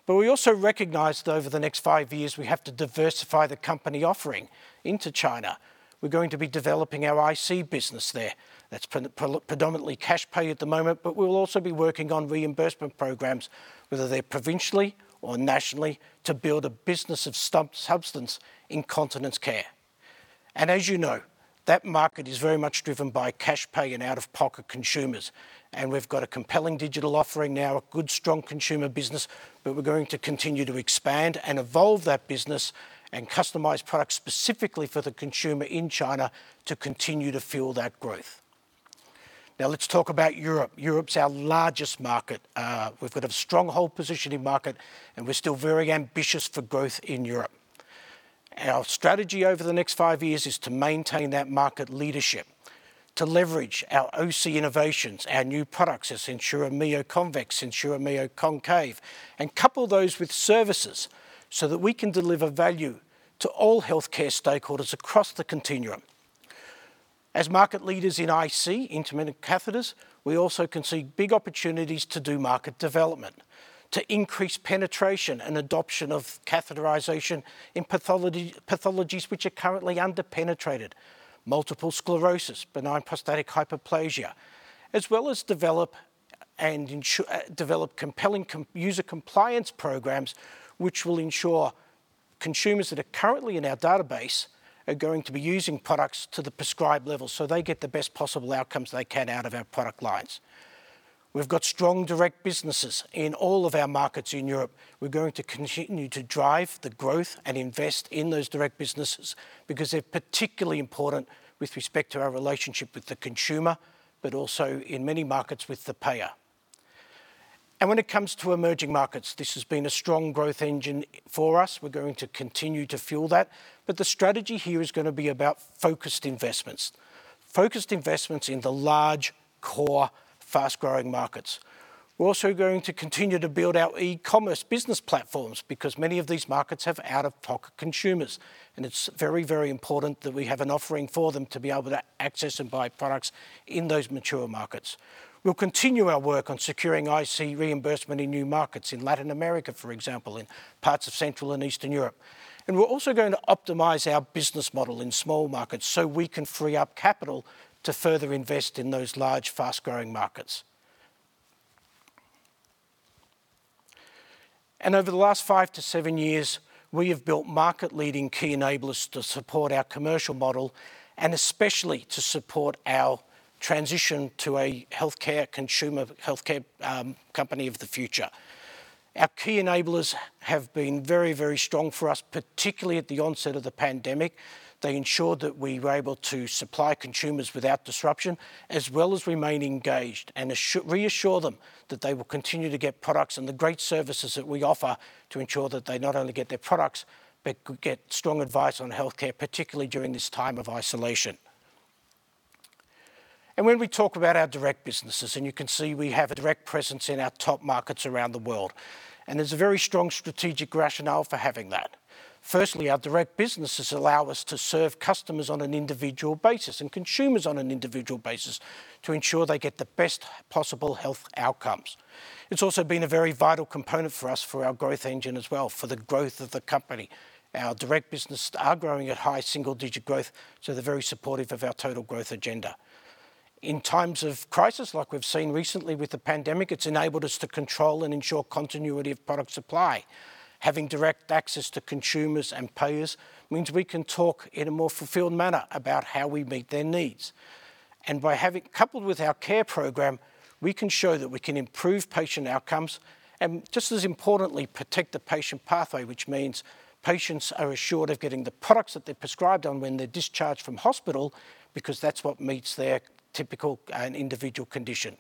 We also recognize that over the next five years, we have to diversify the company offering into China. We're going to be developing our IC business there. That's predominantly cash pay at the moment, but we'll also be working on reimbursement programs, whether they're provincially or nationally, to build a business of substance in Continence Care. As you know, that market is very much driven by cash pay and out-of-pocket consumers, and we've got a compelling digital offering now, a good, strong consumer business. We're going to continue to expand and evolve that business and customize products specifically for the consumer in China to continue to fuel that growth. Let's talk about Europe. Europe's our largest market. We've got a stronghold position in market, and we're still very ambitious for growth in Europe. Our strategy over the next five years is to maintain that market leadership, to leverage our OC innovations, our new products as SenSura Mio Convex, SenSura Mio Concave, and couple those with services so that we can deliver value to all healthcare stakeholders across the continuum. As market leaders in IC, intermittent catheters, we also can see big opportunities to do market development to increase penetration and adoption of catheterization in pathologies which are currently under-penetrated: multiple sclerosis, benign prostatic hyperplasia, as well as develop compelling user compliance programs which will ensure consumers that are currently in our database are going to be using products to the prescribed level so they get the best possible outcomes they can out of our product lines. We've got strong direct businesses in all of our markets in Europe. We're going to continue to drive the growth and invest in those direct businesses because they're particularly important with respect to our relationship with the consumer, but also in many markets with the payer. When it comes to emerging markets, this has been a strong growth engine for us. We're going to continue to fuel that. The strategy here is going to be about focused investments. Focused investments in the large, core, fast-growing markets. We're also going to continue to build our e-commerce business platforms because many of these markets have out-of-pocket consumers, and it's very, very important that we have an offering for them to be able to access and buy products in those mature markets. We'll continue our work on securing IC reimbursement in new markets, in Latin America, for example, in parts of Central and Eastern Europe. We're also going to optimize our business model in small markets so we can free up capital to further invest in those large, fast-growing markets. Over the last 5-7 years, we have built market-leading key enablers to support our commercial model and especially to support our transition to a healthcare consumer, healthcare company of the future. Our key enablers have been very, very strong for us, particularly at the onset of the pandemic. They ensured that we were able to supply consumers without disruption, as well as remain engaged and reassure them that they will continue to get products and the great services that we offer to ensure that they not only get their products, but could get strong advice on healthcare, particularly during this time of isolation. When we talk about our direct businesses, you can see we have a direct presence in our top markets around the world. There's a very strong strategic rationale for having that. Firstly, our direct businesses allow us to serve customers on an individual basis and consumers on an individual basis to ensure they get the best possible health outcomes. It's also been a very vital component for us for our growth engine as well, for the growth of the company. Our direct business are growing at high single-digit growth. They're very supportive of our total growth agenda. In times of crisis, like we've seen recently with the pandemic, it's enabled us to control and ensure continuity of product supply. Having direct access to consumers and payers means we can talk in a more fulfilled manner about how we meet their needs. By having coupled with our Coloplast Care program, we can show that we can improve patient outcomes, and just as importantly, protect the patient pathway, which means patients are assured of getting the products that they're prescribed on when they're discharged from hospital because that's what meets their typical and individual condition.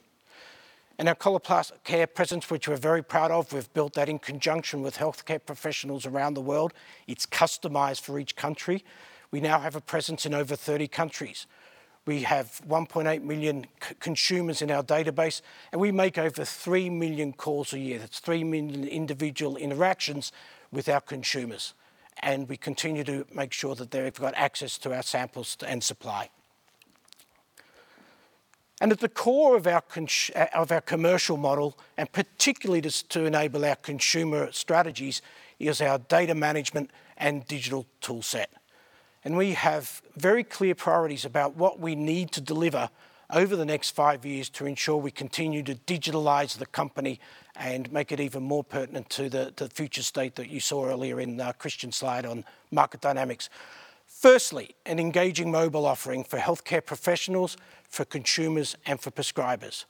Our Coloplast Care presence, which we're very proud of, we've built that in conjunction with healthcare professionals around the world. It's customized for each country. We now have a presence in over 30 countries. We have 1.8 million consumers in our database, and we make over 3 million calls a year. That's 3 million individual interactions with our consumers. We continue to make sure that they've got access to our samples and supply. At the core of our commercial model, and particularly to enable our consumer strategies, is our data management and digital toolset. We have very clear priorities about what we need to deliver over the next five years to ensure we continue to digitalize the company and make it even more pertinent to the future state that you saw earlier in Kristian's slide on market dynamics. Firstly, an engaging mobile offering for healthcare professionals, for consumers, and for prescribers.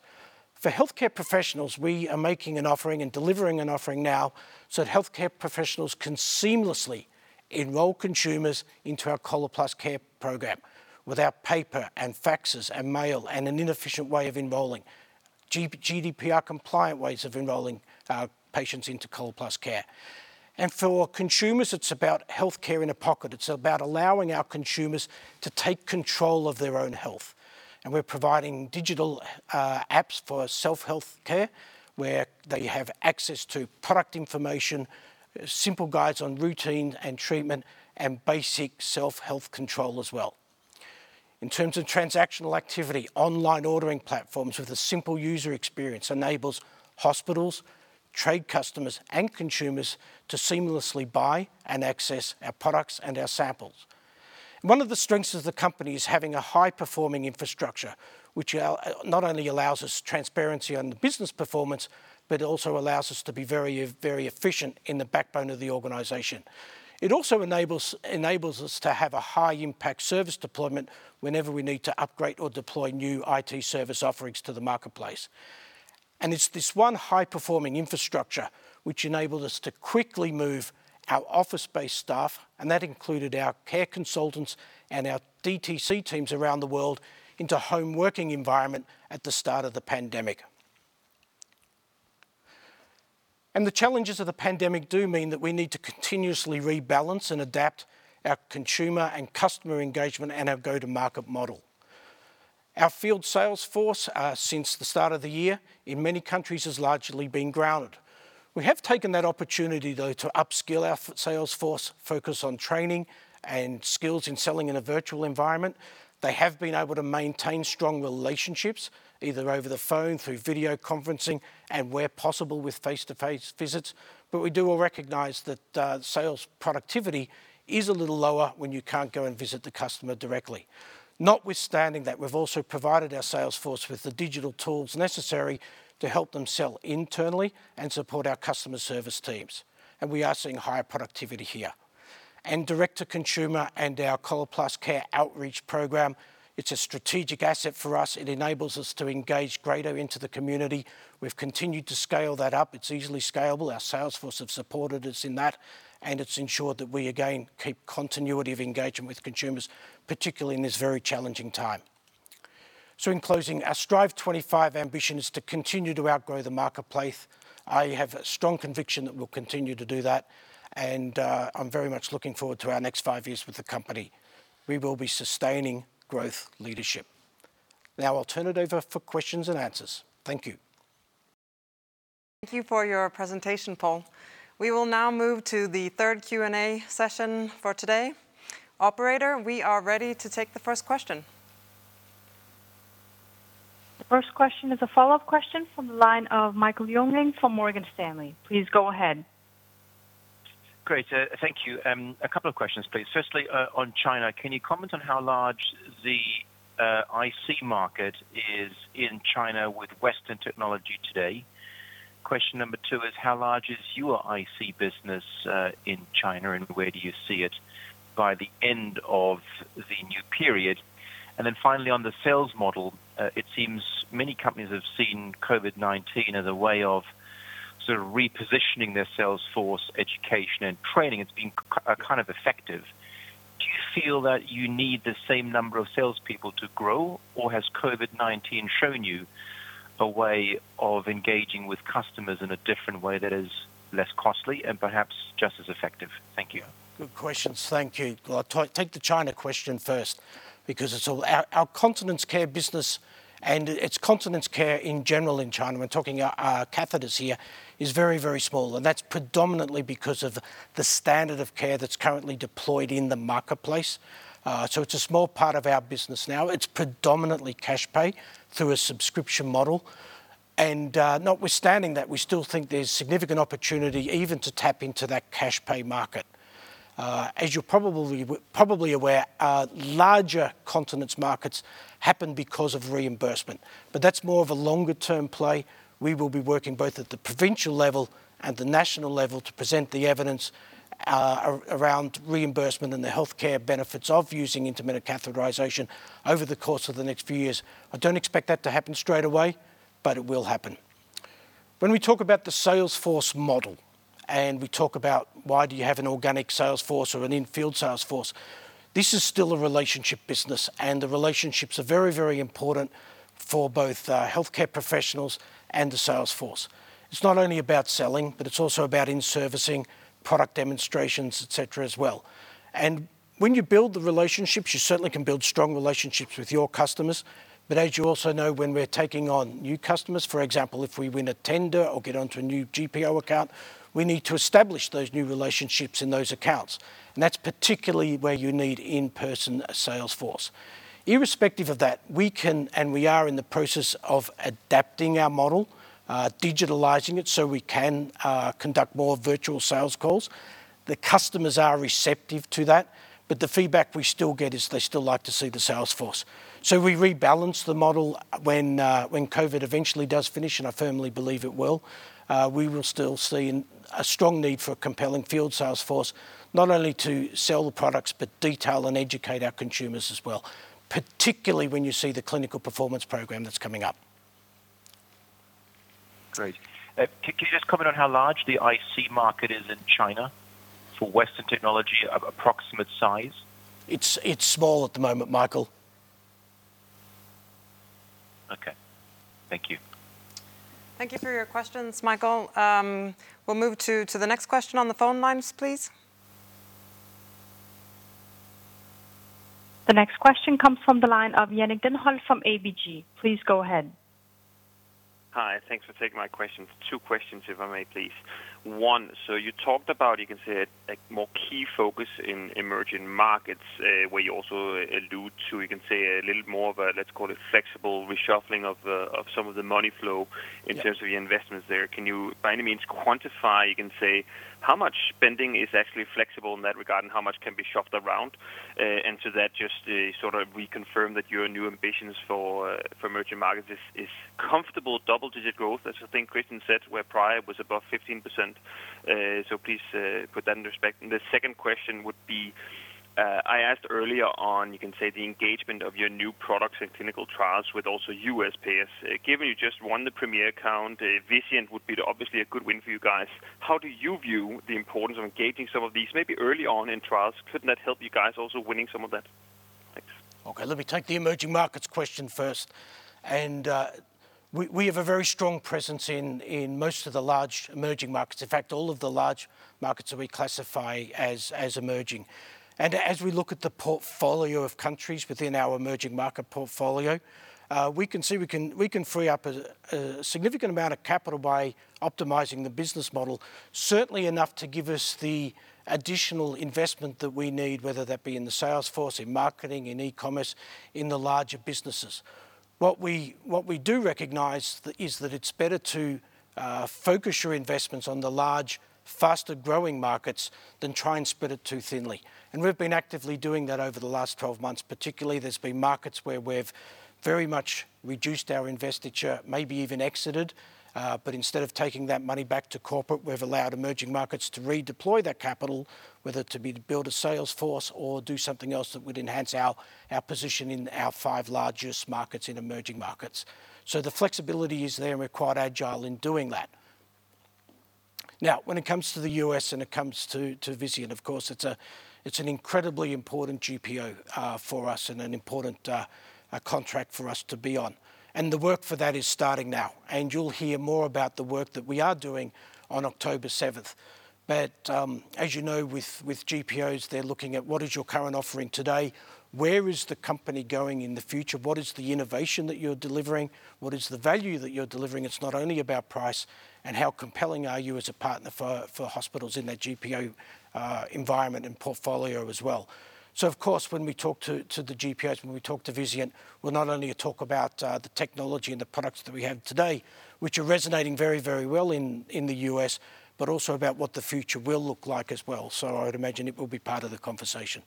For healthcare professionals, we are making an offering and delivering an offering now so that healthcare professionals can seamlessly enroll consumers into our Coloplast Care program without paper and faxes and mail and an inefficient way of enrolling. GDPR-compliant ways of enrolling patients into Coloplast Care. For consumers, it's about healthcare in a pocket. It's about allowing our consumers to take control of their own health. We're providing digital apps for self-healthcare, where they have access to product information, simple guides on routines and treatment, and basic self-health control as well. In terms of transactional activity, online ordering platforms with a simple user experience enables hospitals, trade customers, and consumers to seamlessly buy and access our products and our samples. One of the strengths of the company is having a high-performing infrastructure, which not only allows us transparency on the business performance, but it also allows us to be very efficient in the backbone of the organization. It also enables us to have a high-impact service deployment whenever we need to upgrade or deploy new IT service offerings to the marketplace. It's this one high-performing infrastructure which enabled us to quickly move our office-based staff, and that included our care consultants and our DTC teams around the world, into home working environment at the start of the pandemic. The challenges of the pandemic do mean that we need to continuously rebalance and adapt our consumer and customer engagement and our go-to-market model. Our field sales force, since the start of the year, in many countries, has largely been grounded. We have taken that opportunity, though, to upskill our sales force, focus on training, and skills in selling in a virtual environment. They have been able to maintain strong relationships, either over the phone, through video conferencing, and where possible with face-to-face visits. We do all recognize that sales productivity is a little lower when you can't go and visit the customer directly. Notwithstanding that, we have also provided our sales force with the digital tools necessary to help them sell internally and support our customer service teams. We are seeing higher productivity here. Direct-to-consumer and our Coloplast Care outreach program, it is a strategic asset for us. It enables us to engage greater into the community. We have continued to scale that up. It is easily scalable. Our sales force have supported us in that, and it has ensured that we, again, keep continuity of engagement with consumers, particularly in this very challenging time. In closing, our Strive25 ambition is to continue to outgrow the marketplace. I have a strong conviction that we will continue to do that, and I am very much looking forward to our next five years with the company. We will be sustaining growth leadership. I will turn it over for questions and answers. Thank you. Thank you for your presentation, Paul. We will now move to the third Q&A session for today. Operator, we are ready to take the first question. The first question is a follow-up question from the line of Michael Jüngling from Morgan Stanley. Please go ahead. Great. Thank you. A couple of questions, please. Firstly, on China, can you comment on how large the IC market is in China with Western technology today? Question number 2 is how large is your IC business in China, and where do you see it by the end of the new period? Finally, on the sales model, it seems many companies have seen COVID-19 as a way of sort of repositioning their sales force education and training. It's been kind of effective. Do you feel that you need the same number of salespeople to grow, or has COVID-19 shown you a way of engaging with customers in a different way that is less costly and perhaps just as effective? Thank you. Good questions. Thank you. I'll take the China question first because it's our Continence Care business, and it's Continence Care in general in China, we're talking catheters here, is very, very small, and that's predominantly because of the standard of care that's currently deployed in the marketplace. It's a small part of our business now. It's predominantly cash pay through a subscription model. Notwithstanding that, we still think there's significant opportunity even to tap into that cash pay market. As you're probably aware, larger Continence markets happen because of reimbursement. That's more of a longer-term play. We will be working both at the provincial level and the national level to present the evidence around reimbursement and the healthcare benefits of using intermittent catheterization over the course of the next few years. I don't expect that to happen straight away, but it will happen. When we talk about the sales force model, and we talk about why do you have an organic sales force or an in-field sales force, this is still a relationship business, and the relationships are very, very important for both healthcare professionals and the sales force. It's not only about selling, but it's also about in-servicing, product demonstrations, et cetera, as well. When you build the relationships, you certainly can build strong relationships with your customers. As you also know, when we're taking on new customers, for example, if we win a tender or get onto a new GPO account, we need to establish those new relationships in those accounts. That's particularly where you need in-person sales force. Irrespective of that, we can and we are in the process of adapting our model, digitalizing it so we can conduct more virtual sales calls. The customers are receptive to that, but the feedback we still get is they still like to see the sales force. We rebalance the model when COVID eventually does finish, and I firmly believe it will, we will still see a strong need for a compelling field sales force, not only to sell the products, but detail and educate our consumers as well. Particularly when you see the Clinical Performance Program that's coming up. Great. Can you just comment on how large the IC market is in China for Western technology, approximate size? It's small at the moment, Michael. Okay. Thank you. Thank you for your questions, Michael. We'll move to the next question on the phone lines, please. The next question comes from the line of Jannick Denholt from ABG. Please go ahead. Hi, thanks for taking my questions. Two questions, if I may, please. One, you talked about a more key focus in emerging markets, where you also allude to a little more of a flexible reshuffling of some of the money flow in terms of your investments there. Can you, by any means, quantify how much spending is actually flexible in that regard, and how much can be shopped around? To that, just to sort of reconfirm that your new ambitions for emerging markets is comfortable double-digit growth, as I think Kristian said, where prior it was above 15%. Please put that in respect. The second question would be, I asked earlier on, the engagement of your new products in clinical trials with also U.S. payers. Given you just won the Premier account, Vizient would be obviously a good win for you guys. How do you view the importance of engaging some of these maybe early on in trials? Could that help you guys also winning some of that? Thanks. Okay, let me take the emerging markets question first. We have a very strong presence in most of the large emerging markets. In fact, all of the large markets that we classify as emerging. As we look at the portfolio of countries within our emerging market portfolio, we can see we can free up a significant amount of capital by optimizing the business model, certainly enough to give us the additional investment that we need, whether that be in the sales force, in marketing, in e-commerce, in the larger businesses. What we do recognize is that it's better to focus your investments on the large, faster-growing markets than try and spread it too thinly. We've been actively doing that over the last 12 months. Particularly, there's been markets where we've very much reduced our investiture, maybe even exited. Instead of taking that money back to corporate, we've allowed emerging markets to redeploy that capital, whether to build a sales force or do something else that would enhance our position in our five largest markets in emerging markets. The flexibility is there, and we're quite agile in doing that. Now, when it comes to the U.S. and it comes to Vizient, of course, it's an incredibly important GPO for us and an important contract for us to be on. The work for that is starting now. You'll hear more about the work that we are doing on October 7th. As you know, with GPOs, they're looking at what is your current offering today, where is the company going in the future, what is the innovation that you're delivering, what is the value that you're delivering? It's not only about price and how compelling are you as a partner for hospitals in that GPO environment and portfolio as well. Of course, when we talk to the GPOs, when we talk to Vizient, we'll not only talk about the technology and the products that we have today, which are resonating very, very well in the U.S., but also about what the future will look like as well. I would imagine it will be part of the conversation.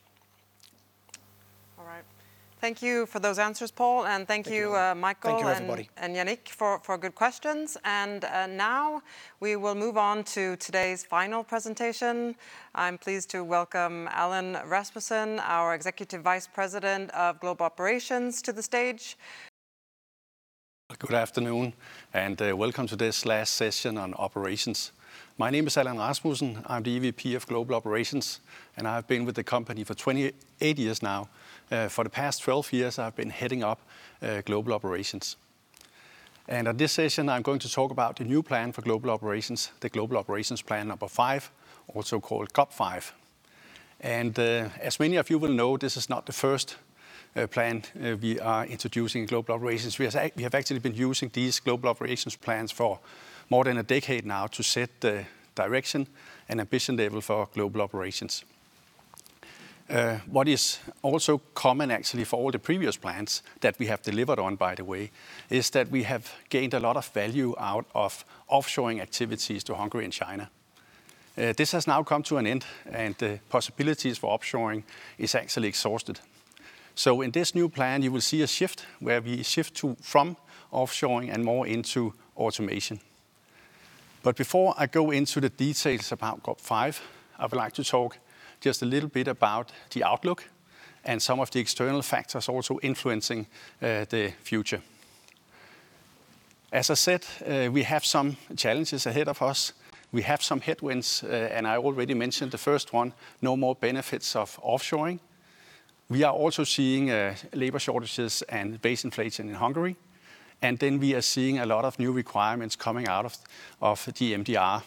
All right. Thank you for those answers, Paul. Thank you, Michael and- Thank you, everybody. Jannick, for good questions. Now we will move on to today's final presentation. I'm pleased to welcome Allan Rasmussen, our Executive Vice President of Global Operations, to the stage. Good afternoon, welcome to this last session on Operations. My name is Allan Rasmussen. I'm the EVP of Global Operations, and I have been with the company for 28 years now. For the past 12 years, I've been heading up Global Operations. At this session, I'm going to talk about the new plan for Global Operations, the Global Operations Plan 5, also called GOp5. As many of you will know, this is not the first plan we are introducing in Global Operations. We have actually been using these Global Operations plans for more than a decade now to set the direction and ambition level for our global operations. What is also common, actually, for all the previous plans that we have delivered on, by the way, is that we have gained a lot of value out of offshoring activities to Hungary and China. This has now come to an end, and the possibilities for offshoring is actually exhausted. In this new plan, you will see a shift where we shift from offshoring and more into automation. Before I go into the details about GOp5, I would like to talk just a little bit about the outlook and some of the external factors also influencing the future. As I said, we have some challenges ahead of us. We have some headwinds, and I already mentioned the first one, no more benefits of offshoring. We are also seeing labor shortages and base inflation in Hungary. We are seeing a lot of new requirements coming out of the MDR.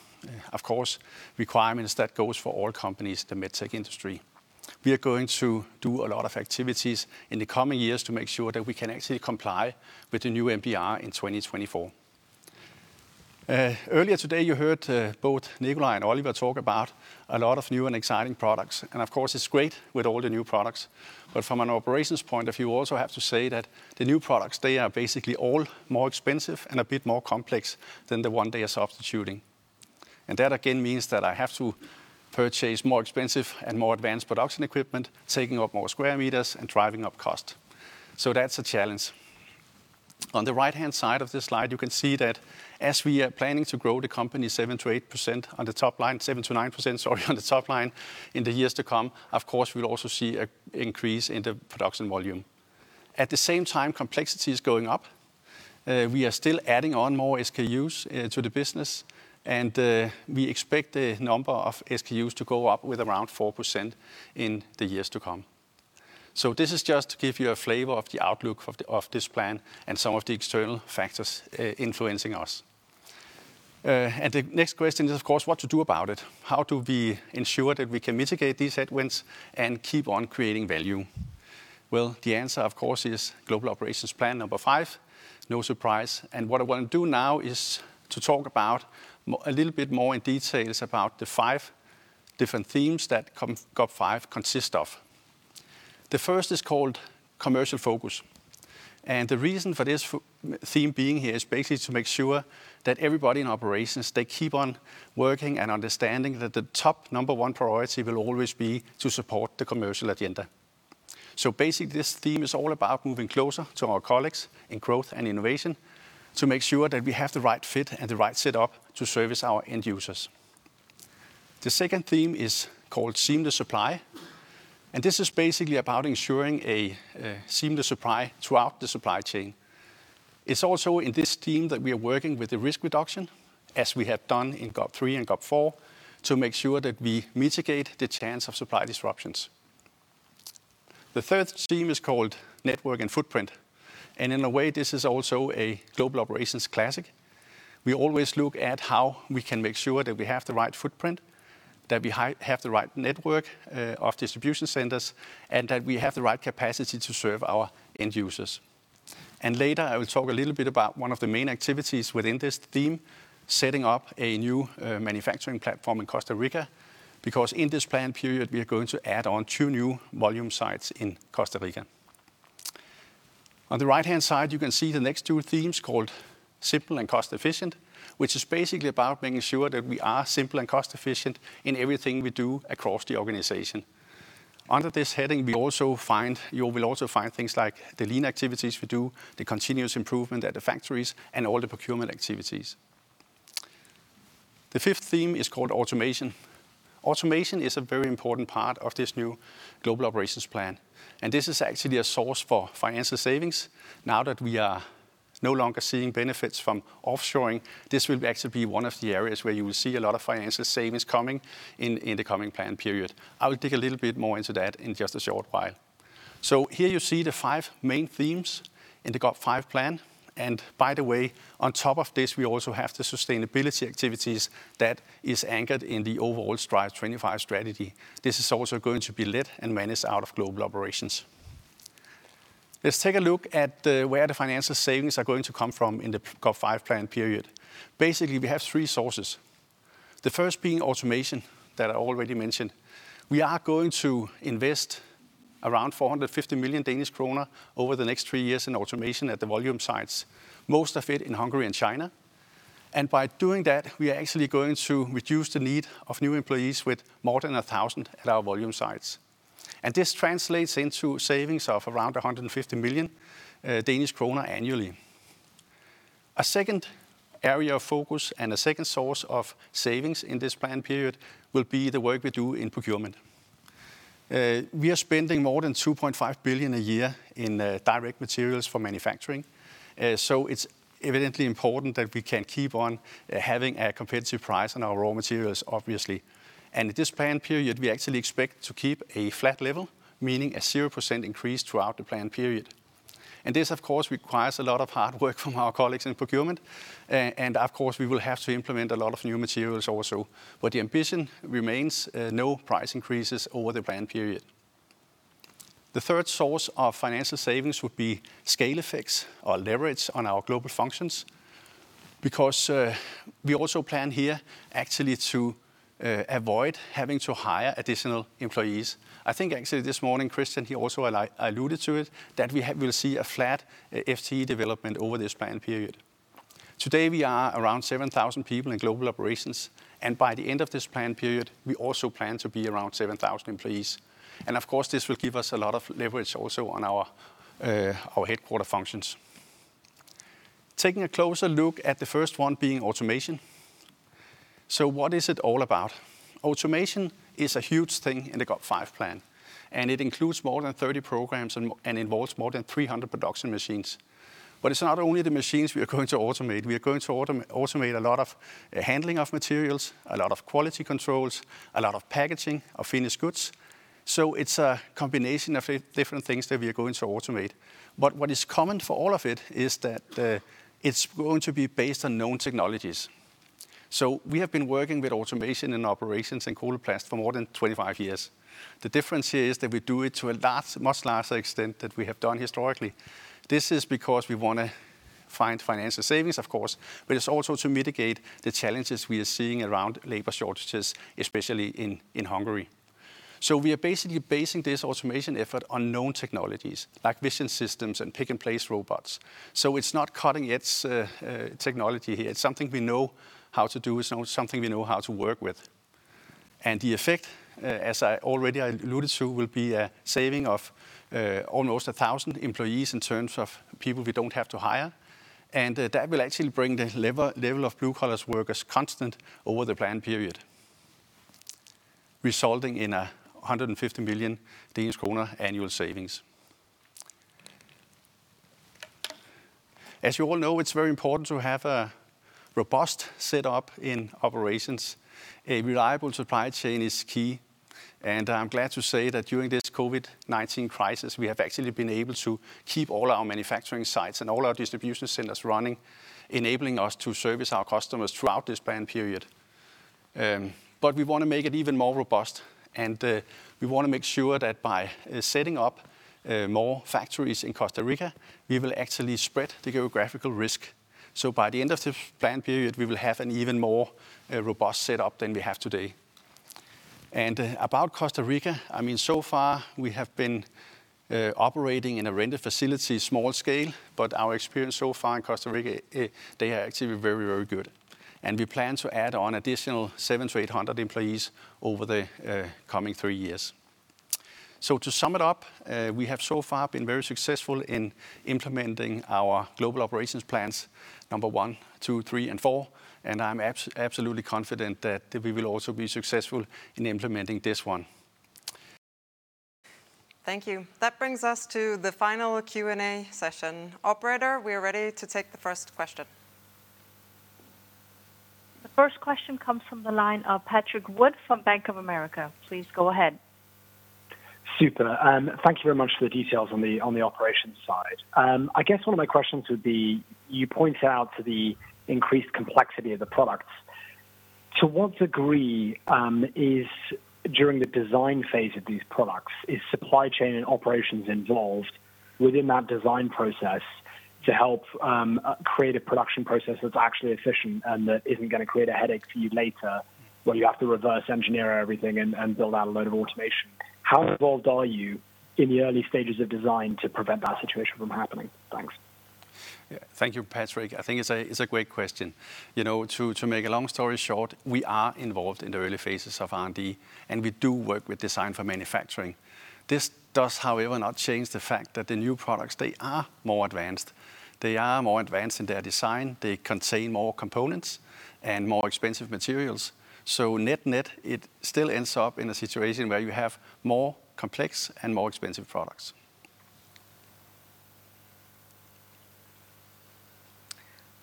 Of course, requirements that go for all companies, the medtech industry. We are going to do a lot of activities in the coming years to make sure that we can actually comply with the new MDR in 2024. Earlier today, you heard both Nicolai and Oliver talk about a lot of new and exciting products. Of course, it's great with all the new products, but from an operations point of view, also have to say that the new products, they are basically all more expensive and a bit more complex than the one they are substituting. That again, means that I have to purchase more expensive and more advanced production equipment, taking up more sq m and driving up cost. That's a challenge. On the right-hand side of this slide, you can see that as we are planning to grow the company 7%-8% on the top line, 7%-9%, sorry, on the top line in the years to come, of course, we'll also see an increase in the production volume. At the same time, complexity is going up. We are still adding on more SKUs to the business, and we expect the number of SKUs to go up with around 4% in the years to come. This is just to give you a flavor of the outlook of this plan and some of the external factors influencing us. The next question is, of course, what to do about it. How do we ensure that we can mitigate these headwinds and keep on creating value? The answer, of course, is Global Operations Plan 5. No surprise. What I want to do now is to talk about a little bit more in details about the five different themes that GOp5 consists of. The first is called Commercial Focus. The reason for this theme being here is basically to make sure that everybody in operations, they keep on working and understanding that the top number one priority will always be to support the commercial agenda. Basically, this theme is all about moving closer to our colleagues in growth and innovation to make sure that we have the right fit and the right setup to service our end users. The second theme is called Seamless Supply, and this is basically about ensuring a seamless supply throughout the supply chain. It's also in this theme that we are working with the risk reduction, as we have done in GOp3 and GOp4, to make sure that we mitigate the chance of supply disruptions. The third theme is called Network and Footprint. In a way, this is also a Global Operations classic. We always look at how we can make sure that we have the right footprint, that we have the right network of distribution centers, and that we have the right capacity to serve our end users. Later, I will talk a little bit about one of the main activities within this theme, setting up a new manufacturing platform in Costa Rica, because in this plan period, we are going to add on two new volume sites in Costa Rica. On the right-hand side, you can see the next two themes called Simple and Cost Efficient, which is basically about making sure that we are simple and cost efficient in everything we do across the organization. Under this heading, you will also find things like the lean activities we do, the continuous improvement at the factories, and all the procurement activities. The fifth theme is called Automation. Automation is a very important part of this new Global Operations Plan, and this is actually a source for financial savings. Now that we are no longer seeing benefits from offshoring, this will actually be one of the areas where you will see a lot of financial savings coming in the coming plan period. I will dig a little bit more into that in just a short while. Here you see the five main themes in the GOp5 plan. By the way, on top of this, we also have the sustainability activities that is anchored in the overall Strive25 strategy. This is also going to be led and managed out of Global Operations. Let's take a look at where the financial savings are going to come from in the GOp5 plan period. Basically, we have three sources. The first being automation that I already mentioned. We are going to invest around 450 million Danish kroner over the next three years in automation at the volume sites, most of it in Hungary and China. By doing that, we are actually going to reduce the need of new employees with more than 1,000 at our volume sites. This translates into savings of around 150 million Danish kroner annually. A second area of focus and a second source of savings in this plan period will be the work we do in procurement. We are spending more than 2.5 billion a year in direct materials for manufacturing. It's evidently important that we can keep on having a competitive price on our raw materials, obviously. In this plan period, we actually expect to keep a flat level, meaning a 0% increase throughout the plan period. This, of course, requires a lot of hard work from our colleagues in procurement. Of course, we will have to implement a lot of new materials also. The ambition remains no price increases over the plan period. The third source of financial savings would be scale effects or leverage on our global functions because we also plan here actually to avoid having to hire additional employees. I think actually this morning, Kristian, he also alluded to it, that we will see a flat FTE development over this plan period. Today, we are around 7,000 people in Global Operations. By the end of this plan period, we also plan to be around 7,000 employees. Of course, this will give us a lot of leverage also on our headquarter functions. Taking a closer look at the first one being automation. What is it all about? Automation is a huge thing in the GOp5 plan. It includes more than 30 programs and involves more than 300 production machines. It's not only the machines we are going to automate. We are going to automate a lot of handling of materials, a lot of quality controls, a lot of packaging of finished goods. It's a combination of different things that we are going to automate. What is common for all of it is that it's going to be based on known technologies. We have been working with automation and operations in Coloplast for more than 25 years. The difference here is that we do it to a much larger extent that we have done historically. This is because we want to find financial savings, of course, but it's also to mitigate the challenges we are seeing around labor shortages, especially in Hungary. We are basically basing this automation effort on known technologies, like vision systems and pick-and-place robots. It's not cutting-edge technology here. It's something we know how to do, something we know how to work with. The effect, as I already alluded to, will be a saving of almost 1,000 employees in terms of people we don't have to hire. That will actually bring the level of blue-collar workers constant over the plan period, resulting in a 150 million Danish kroner annual savings. As you all know, it's very important to have a robust set-up in operations. A reliable supply chain is key, and I'm glad to say that during this COVID-19 crisis, we have actually been able to keep all our manufacturing sites and all our distribution centers running, enabling us to service our customers throughout this plan period. We want to make it even more robust, and we want to make sure that by setting up more factories in Costa Rica, we will actually spread the geographical risk. By the end of the plan period, we will have an even more robust set-up than we have today. About Costa Rica, so far we have been operating in a rented facility, small scale, but our experience so far in Costa Rica, they are actually very good. We plan to add on additional 700-800 employees over the coming three years. To sum it up, we have so far been very successful in implementing our Global Operations Plans number 1, 2, 3, and 4, and I'm absolutely confident that we will also be successful in implementing this one. Thank you. That brings us to the final Q&A session. Operator, we are ready to take the first question. The first question comes from the line of Patrick Wood from Bank of America. Please go ahead. Super. Thank you very much for the details on the operations side. I guess one of my questions would be, you point out to the increased complexity of the products. To what degree during the design phase of these products, is supply chain and operations involved within that design process to help create a production process that's actually efficient and that isn't going to create a headache for you later where you have to reverse engineer everything and build out a load of automation? How involved are you in the early stages of design to prevent that situation from happening? Thanks. Thank you, Patrick. I think it's a great question. To make a long story short, we are involved in the early phases of R&D, and we do work with design for manufacturing. This does, however, not change the fact that the new products, they are more advanced. They are more advanced in their design. They contain more components and more expensive materials. Net-net, it still ends up in a situation where you have more complex and more expensive products.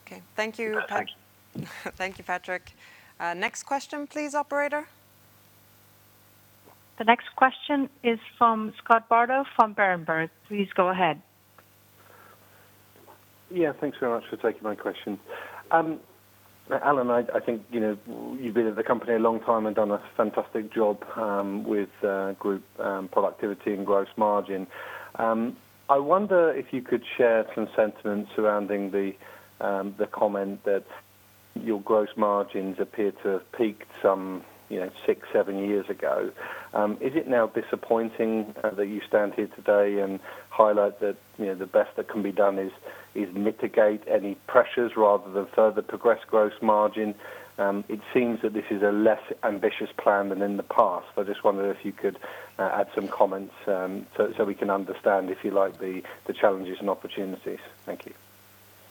Okay. Thank you. No, thank you. Thank you, Patrick. Next question, please, operator. The next question is from Scott Bardo from Berenberg. Please go ahead. Yeah. Thanks very much for taking my question. Allan, I think you've been at the company a long time and done a fantastic job with group productivity and gross margin. I wonder if you could share some sentiment surrounding the comment that your gross margins appear to have peaked some six, seven years ago. Is it now disappointing that you stand here today and highlight that the best that can be done is mitigate any pressures rather than further progress gross margin? It seems that this is a less ambitious plan than in the past. I just wondered if you could add some comments so we can understand, if you like, the challenges and opportunities. Thank you.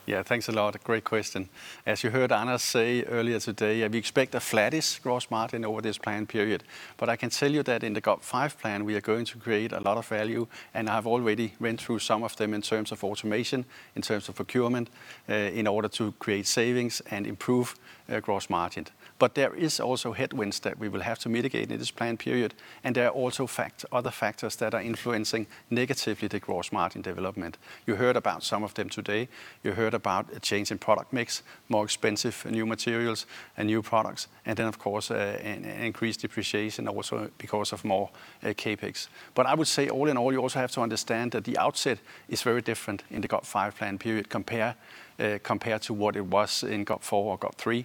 Yeah, thanks a lot. Great question. As you heard Anders say earlier today, we expect the flattest gross margin over this plan period. I can tell you that in the GOp5 plan, we are going to create a lot of value, and I've already went through some of them in terms of automation, in terms of procurement, in order to create savings and improve gross margin. There is also headwinds that we will have to mitigate in this plan period, and there are also other factors that are influencing negatively the gross margin development. You heard about some of them today. You heard about a change in product mix, more expensive new materials and new products, and then, of course, an increased depreciation also because of more CapEx. I would say, all in all, you also have to understand that the outset is very different in the GOp5 plan period compared to what it was in GOp4 or GOp3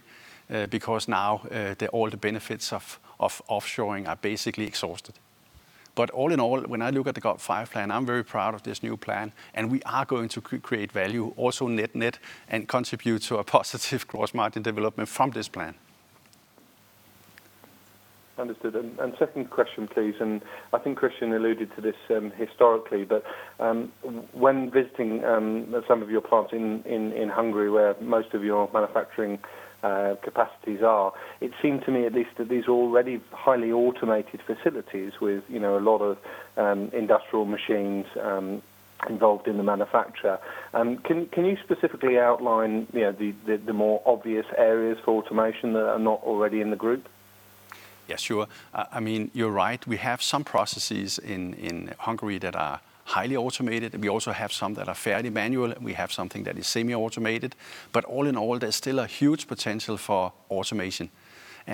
because now all the benefits of offshoring are basically exhausted. All in all, when I look at the GOp5 plan, I'm very proud of this new plan, and we are going to create value also net-net and contribute to a positive gross margin development from this plan. Understood. Second question, please, and I think Kristian alluded to this historically, but when visiting some of your plants in Hungary where most of your manufacturing capacities are, it seemed to me at least that these already highly automated facilities with a lot of industrial machines involved in the manufacture. Can you specifically outline the more obvious areas for automation that are not already in the group? Yeah, sure. You're right. We have some processes in Hungary that are highly automated, and we also have some that are fairly manual, and we have something that is semi-automated. All in all, there's still a huge potential for automation.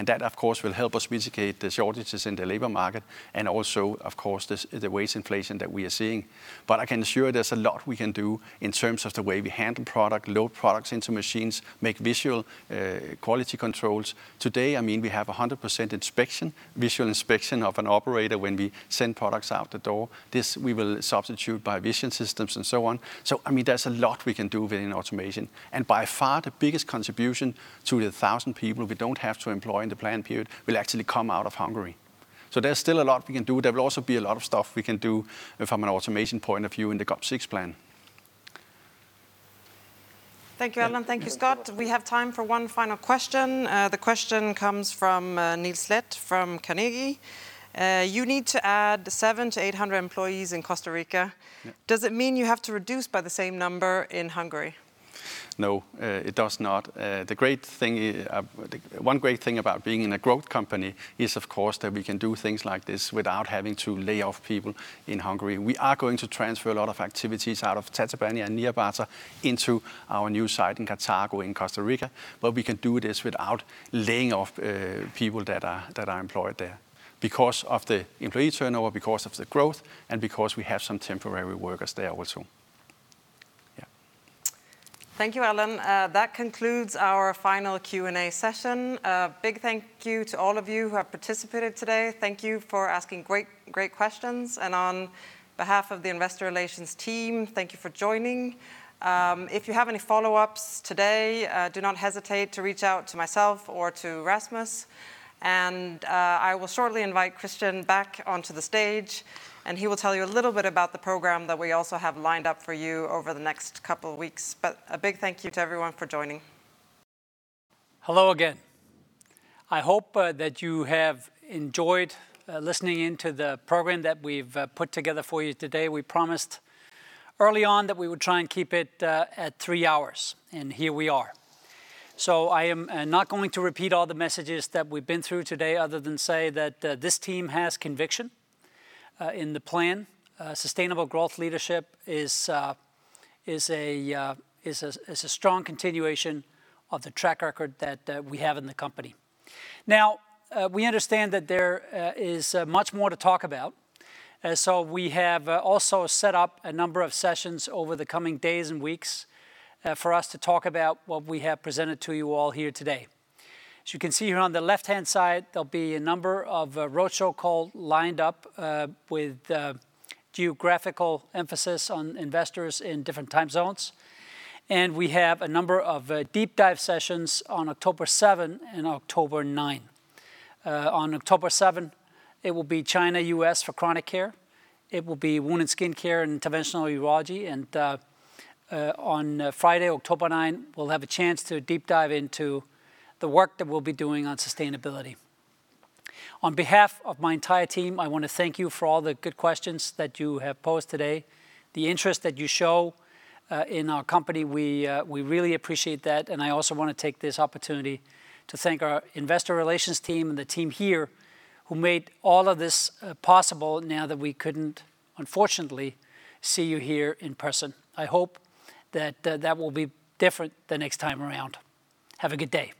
That, of course, will help us mitigate the shortages in the labor market, and also, of course, the wage inflation that we are seeing. I can assure there's a lot we can do in terms of the way we handle product, load products into machines, make visual quality controls. Today, we have 100% inspection, visual inspection of an operator when we send products out the door. This we will substitute by vision systems and so on. There's a lot we can do within automation. By far, the biggest contribution to the 1,000 people we don't have to employ in the plan period will actually come out of Hungary. There's still a lot we can do. There will also be a lot of stuff we can do from an automation point of view in the GOp6 plan. Thank you, Allan. Thank you, Scott. We have time for one final question. The question comes from Niels Leth from Carnegie. You need to add 700-800 employees in Costa Rica. Yeah. Does it mean you have to reduce by the same number in Hungary? No, it does not. One great thing about being in a growth company is, of course, that we can do things like this without having to lay off people in Hungary. We are going to transfer a lot of activities out of Tatabánya and Nyírbátor into our new site in Cartago, in Costa Rica. We can do this without laying off people that are employed there because of the employee turnover, because of the growth, and because we have some temporary workers there also. Yeah. Thank you, Allan. That concludes our final Q&A session. A big thank you to all of you who have participated today. Thank you for asking great questions. On behalf of the investor relations team, thank you for joining. If you have any follow-ups today, do not hesitate to reach out to myself or to Rasmus. I will shortly invite Kristian back onto the stage, and he will tell you a little bit about the program that we also have lined up for you over the next couple of weeks. A big thank you to everyone for joining. Hello again. I hope that you have enjoyed listening in to the program that we've put together for you today. We promised early on that we would try and keep it at 3 hours, and here we are. I am not going to repeat all the messages that we've been through today other than say that this team has conviction in the plan. Sustainable growth leadership is a strong continuation of the track record that we have in the company. We understand that there is much more to talk about. We have also set up a number of sessions over the coming days and weeks for us to talk about what we have presented to you all here today. As you can see here on the left-hand side, there'll be a number of roadshow call lined up with geographical emphasis on investors in different time zones. We have a number of deep dive sessions on October 7 and October 9. On October 7, it will be China, U.S. for Chronic Care. It will be Wound & Skin Care, Interventional Urology, and on Friday, October 9, we'll have a chance to deep dive into the work that we'll be doing on sustainability. On behalf of my entire team, I want to thank you for all the good questions that you have posed today. The interest that you show in our company, we really appreciate that. I also want to take this opportunity to thank our investor relations team and the team here who made all of this possible now that we couldn't, unfortunately, see you here in person. I hope that that will be different the next time around. Have a good day.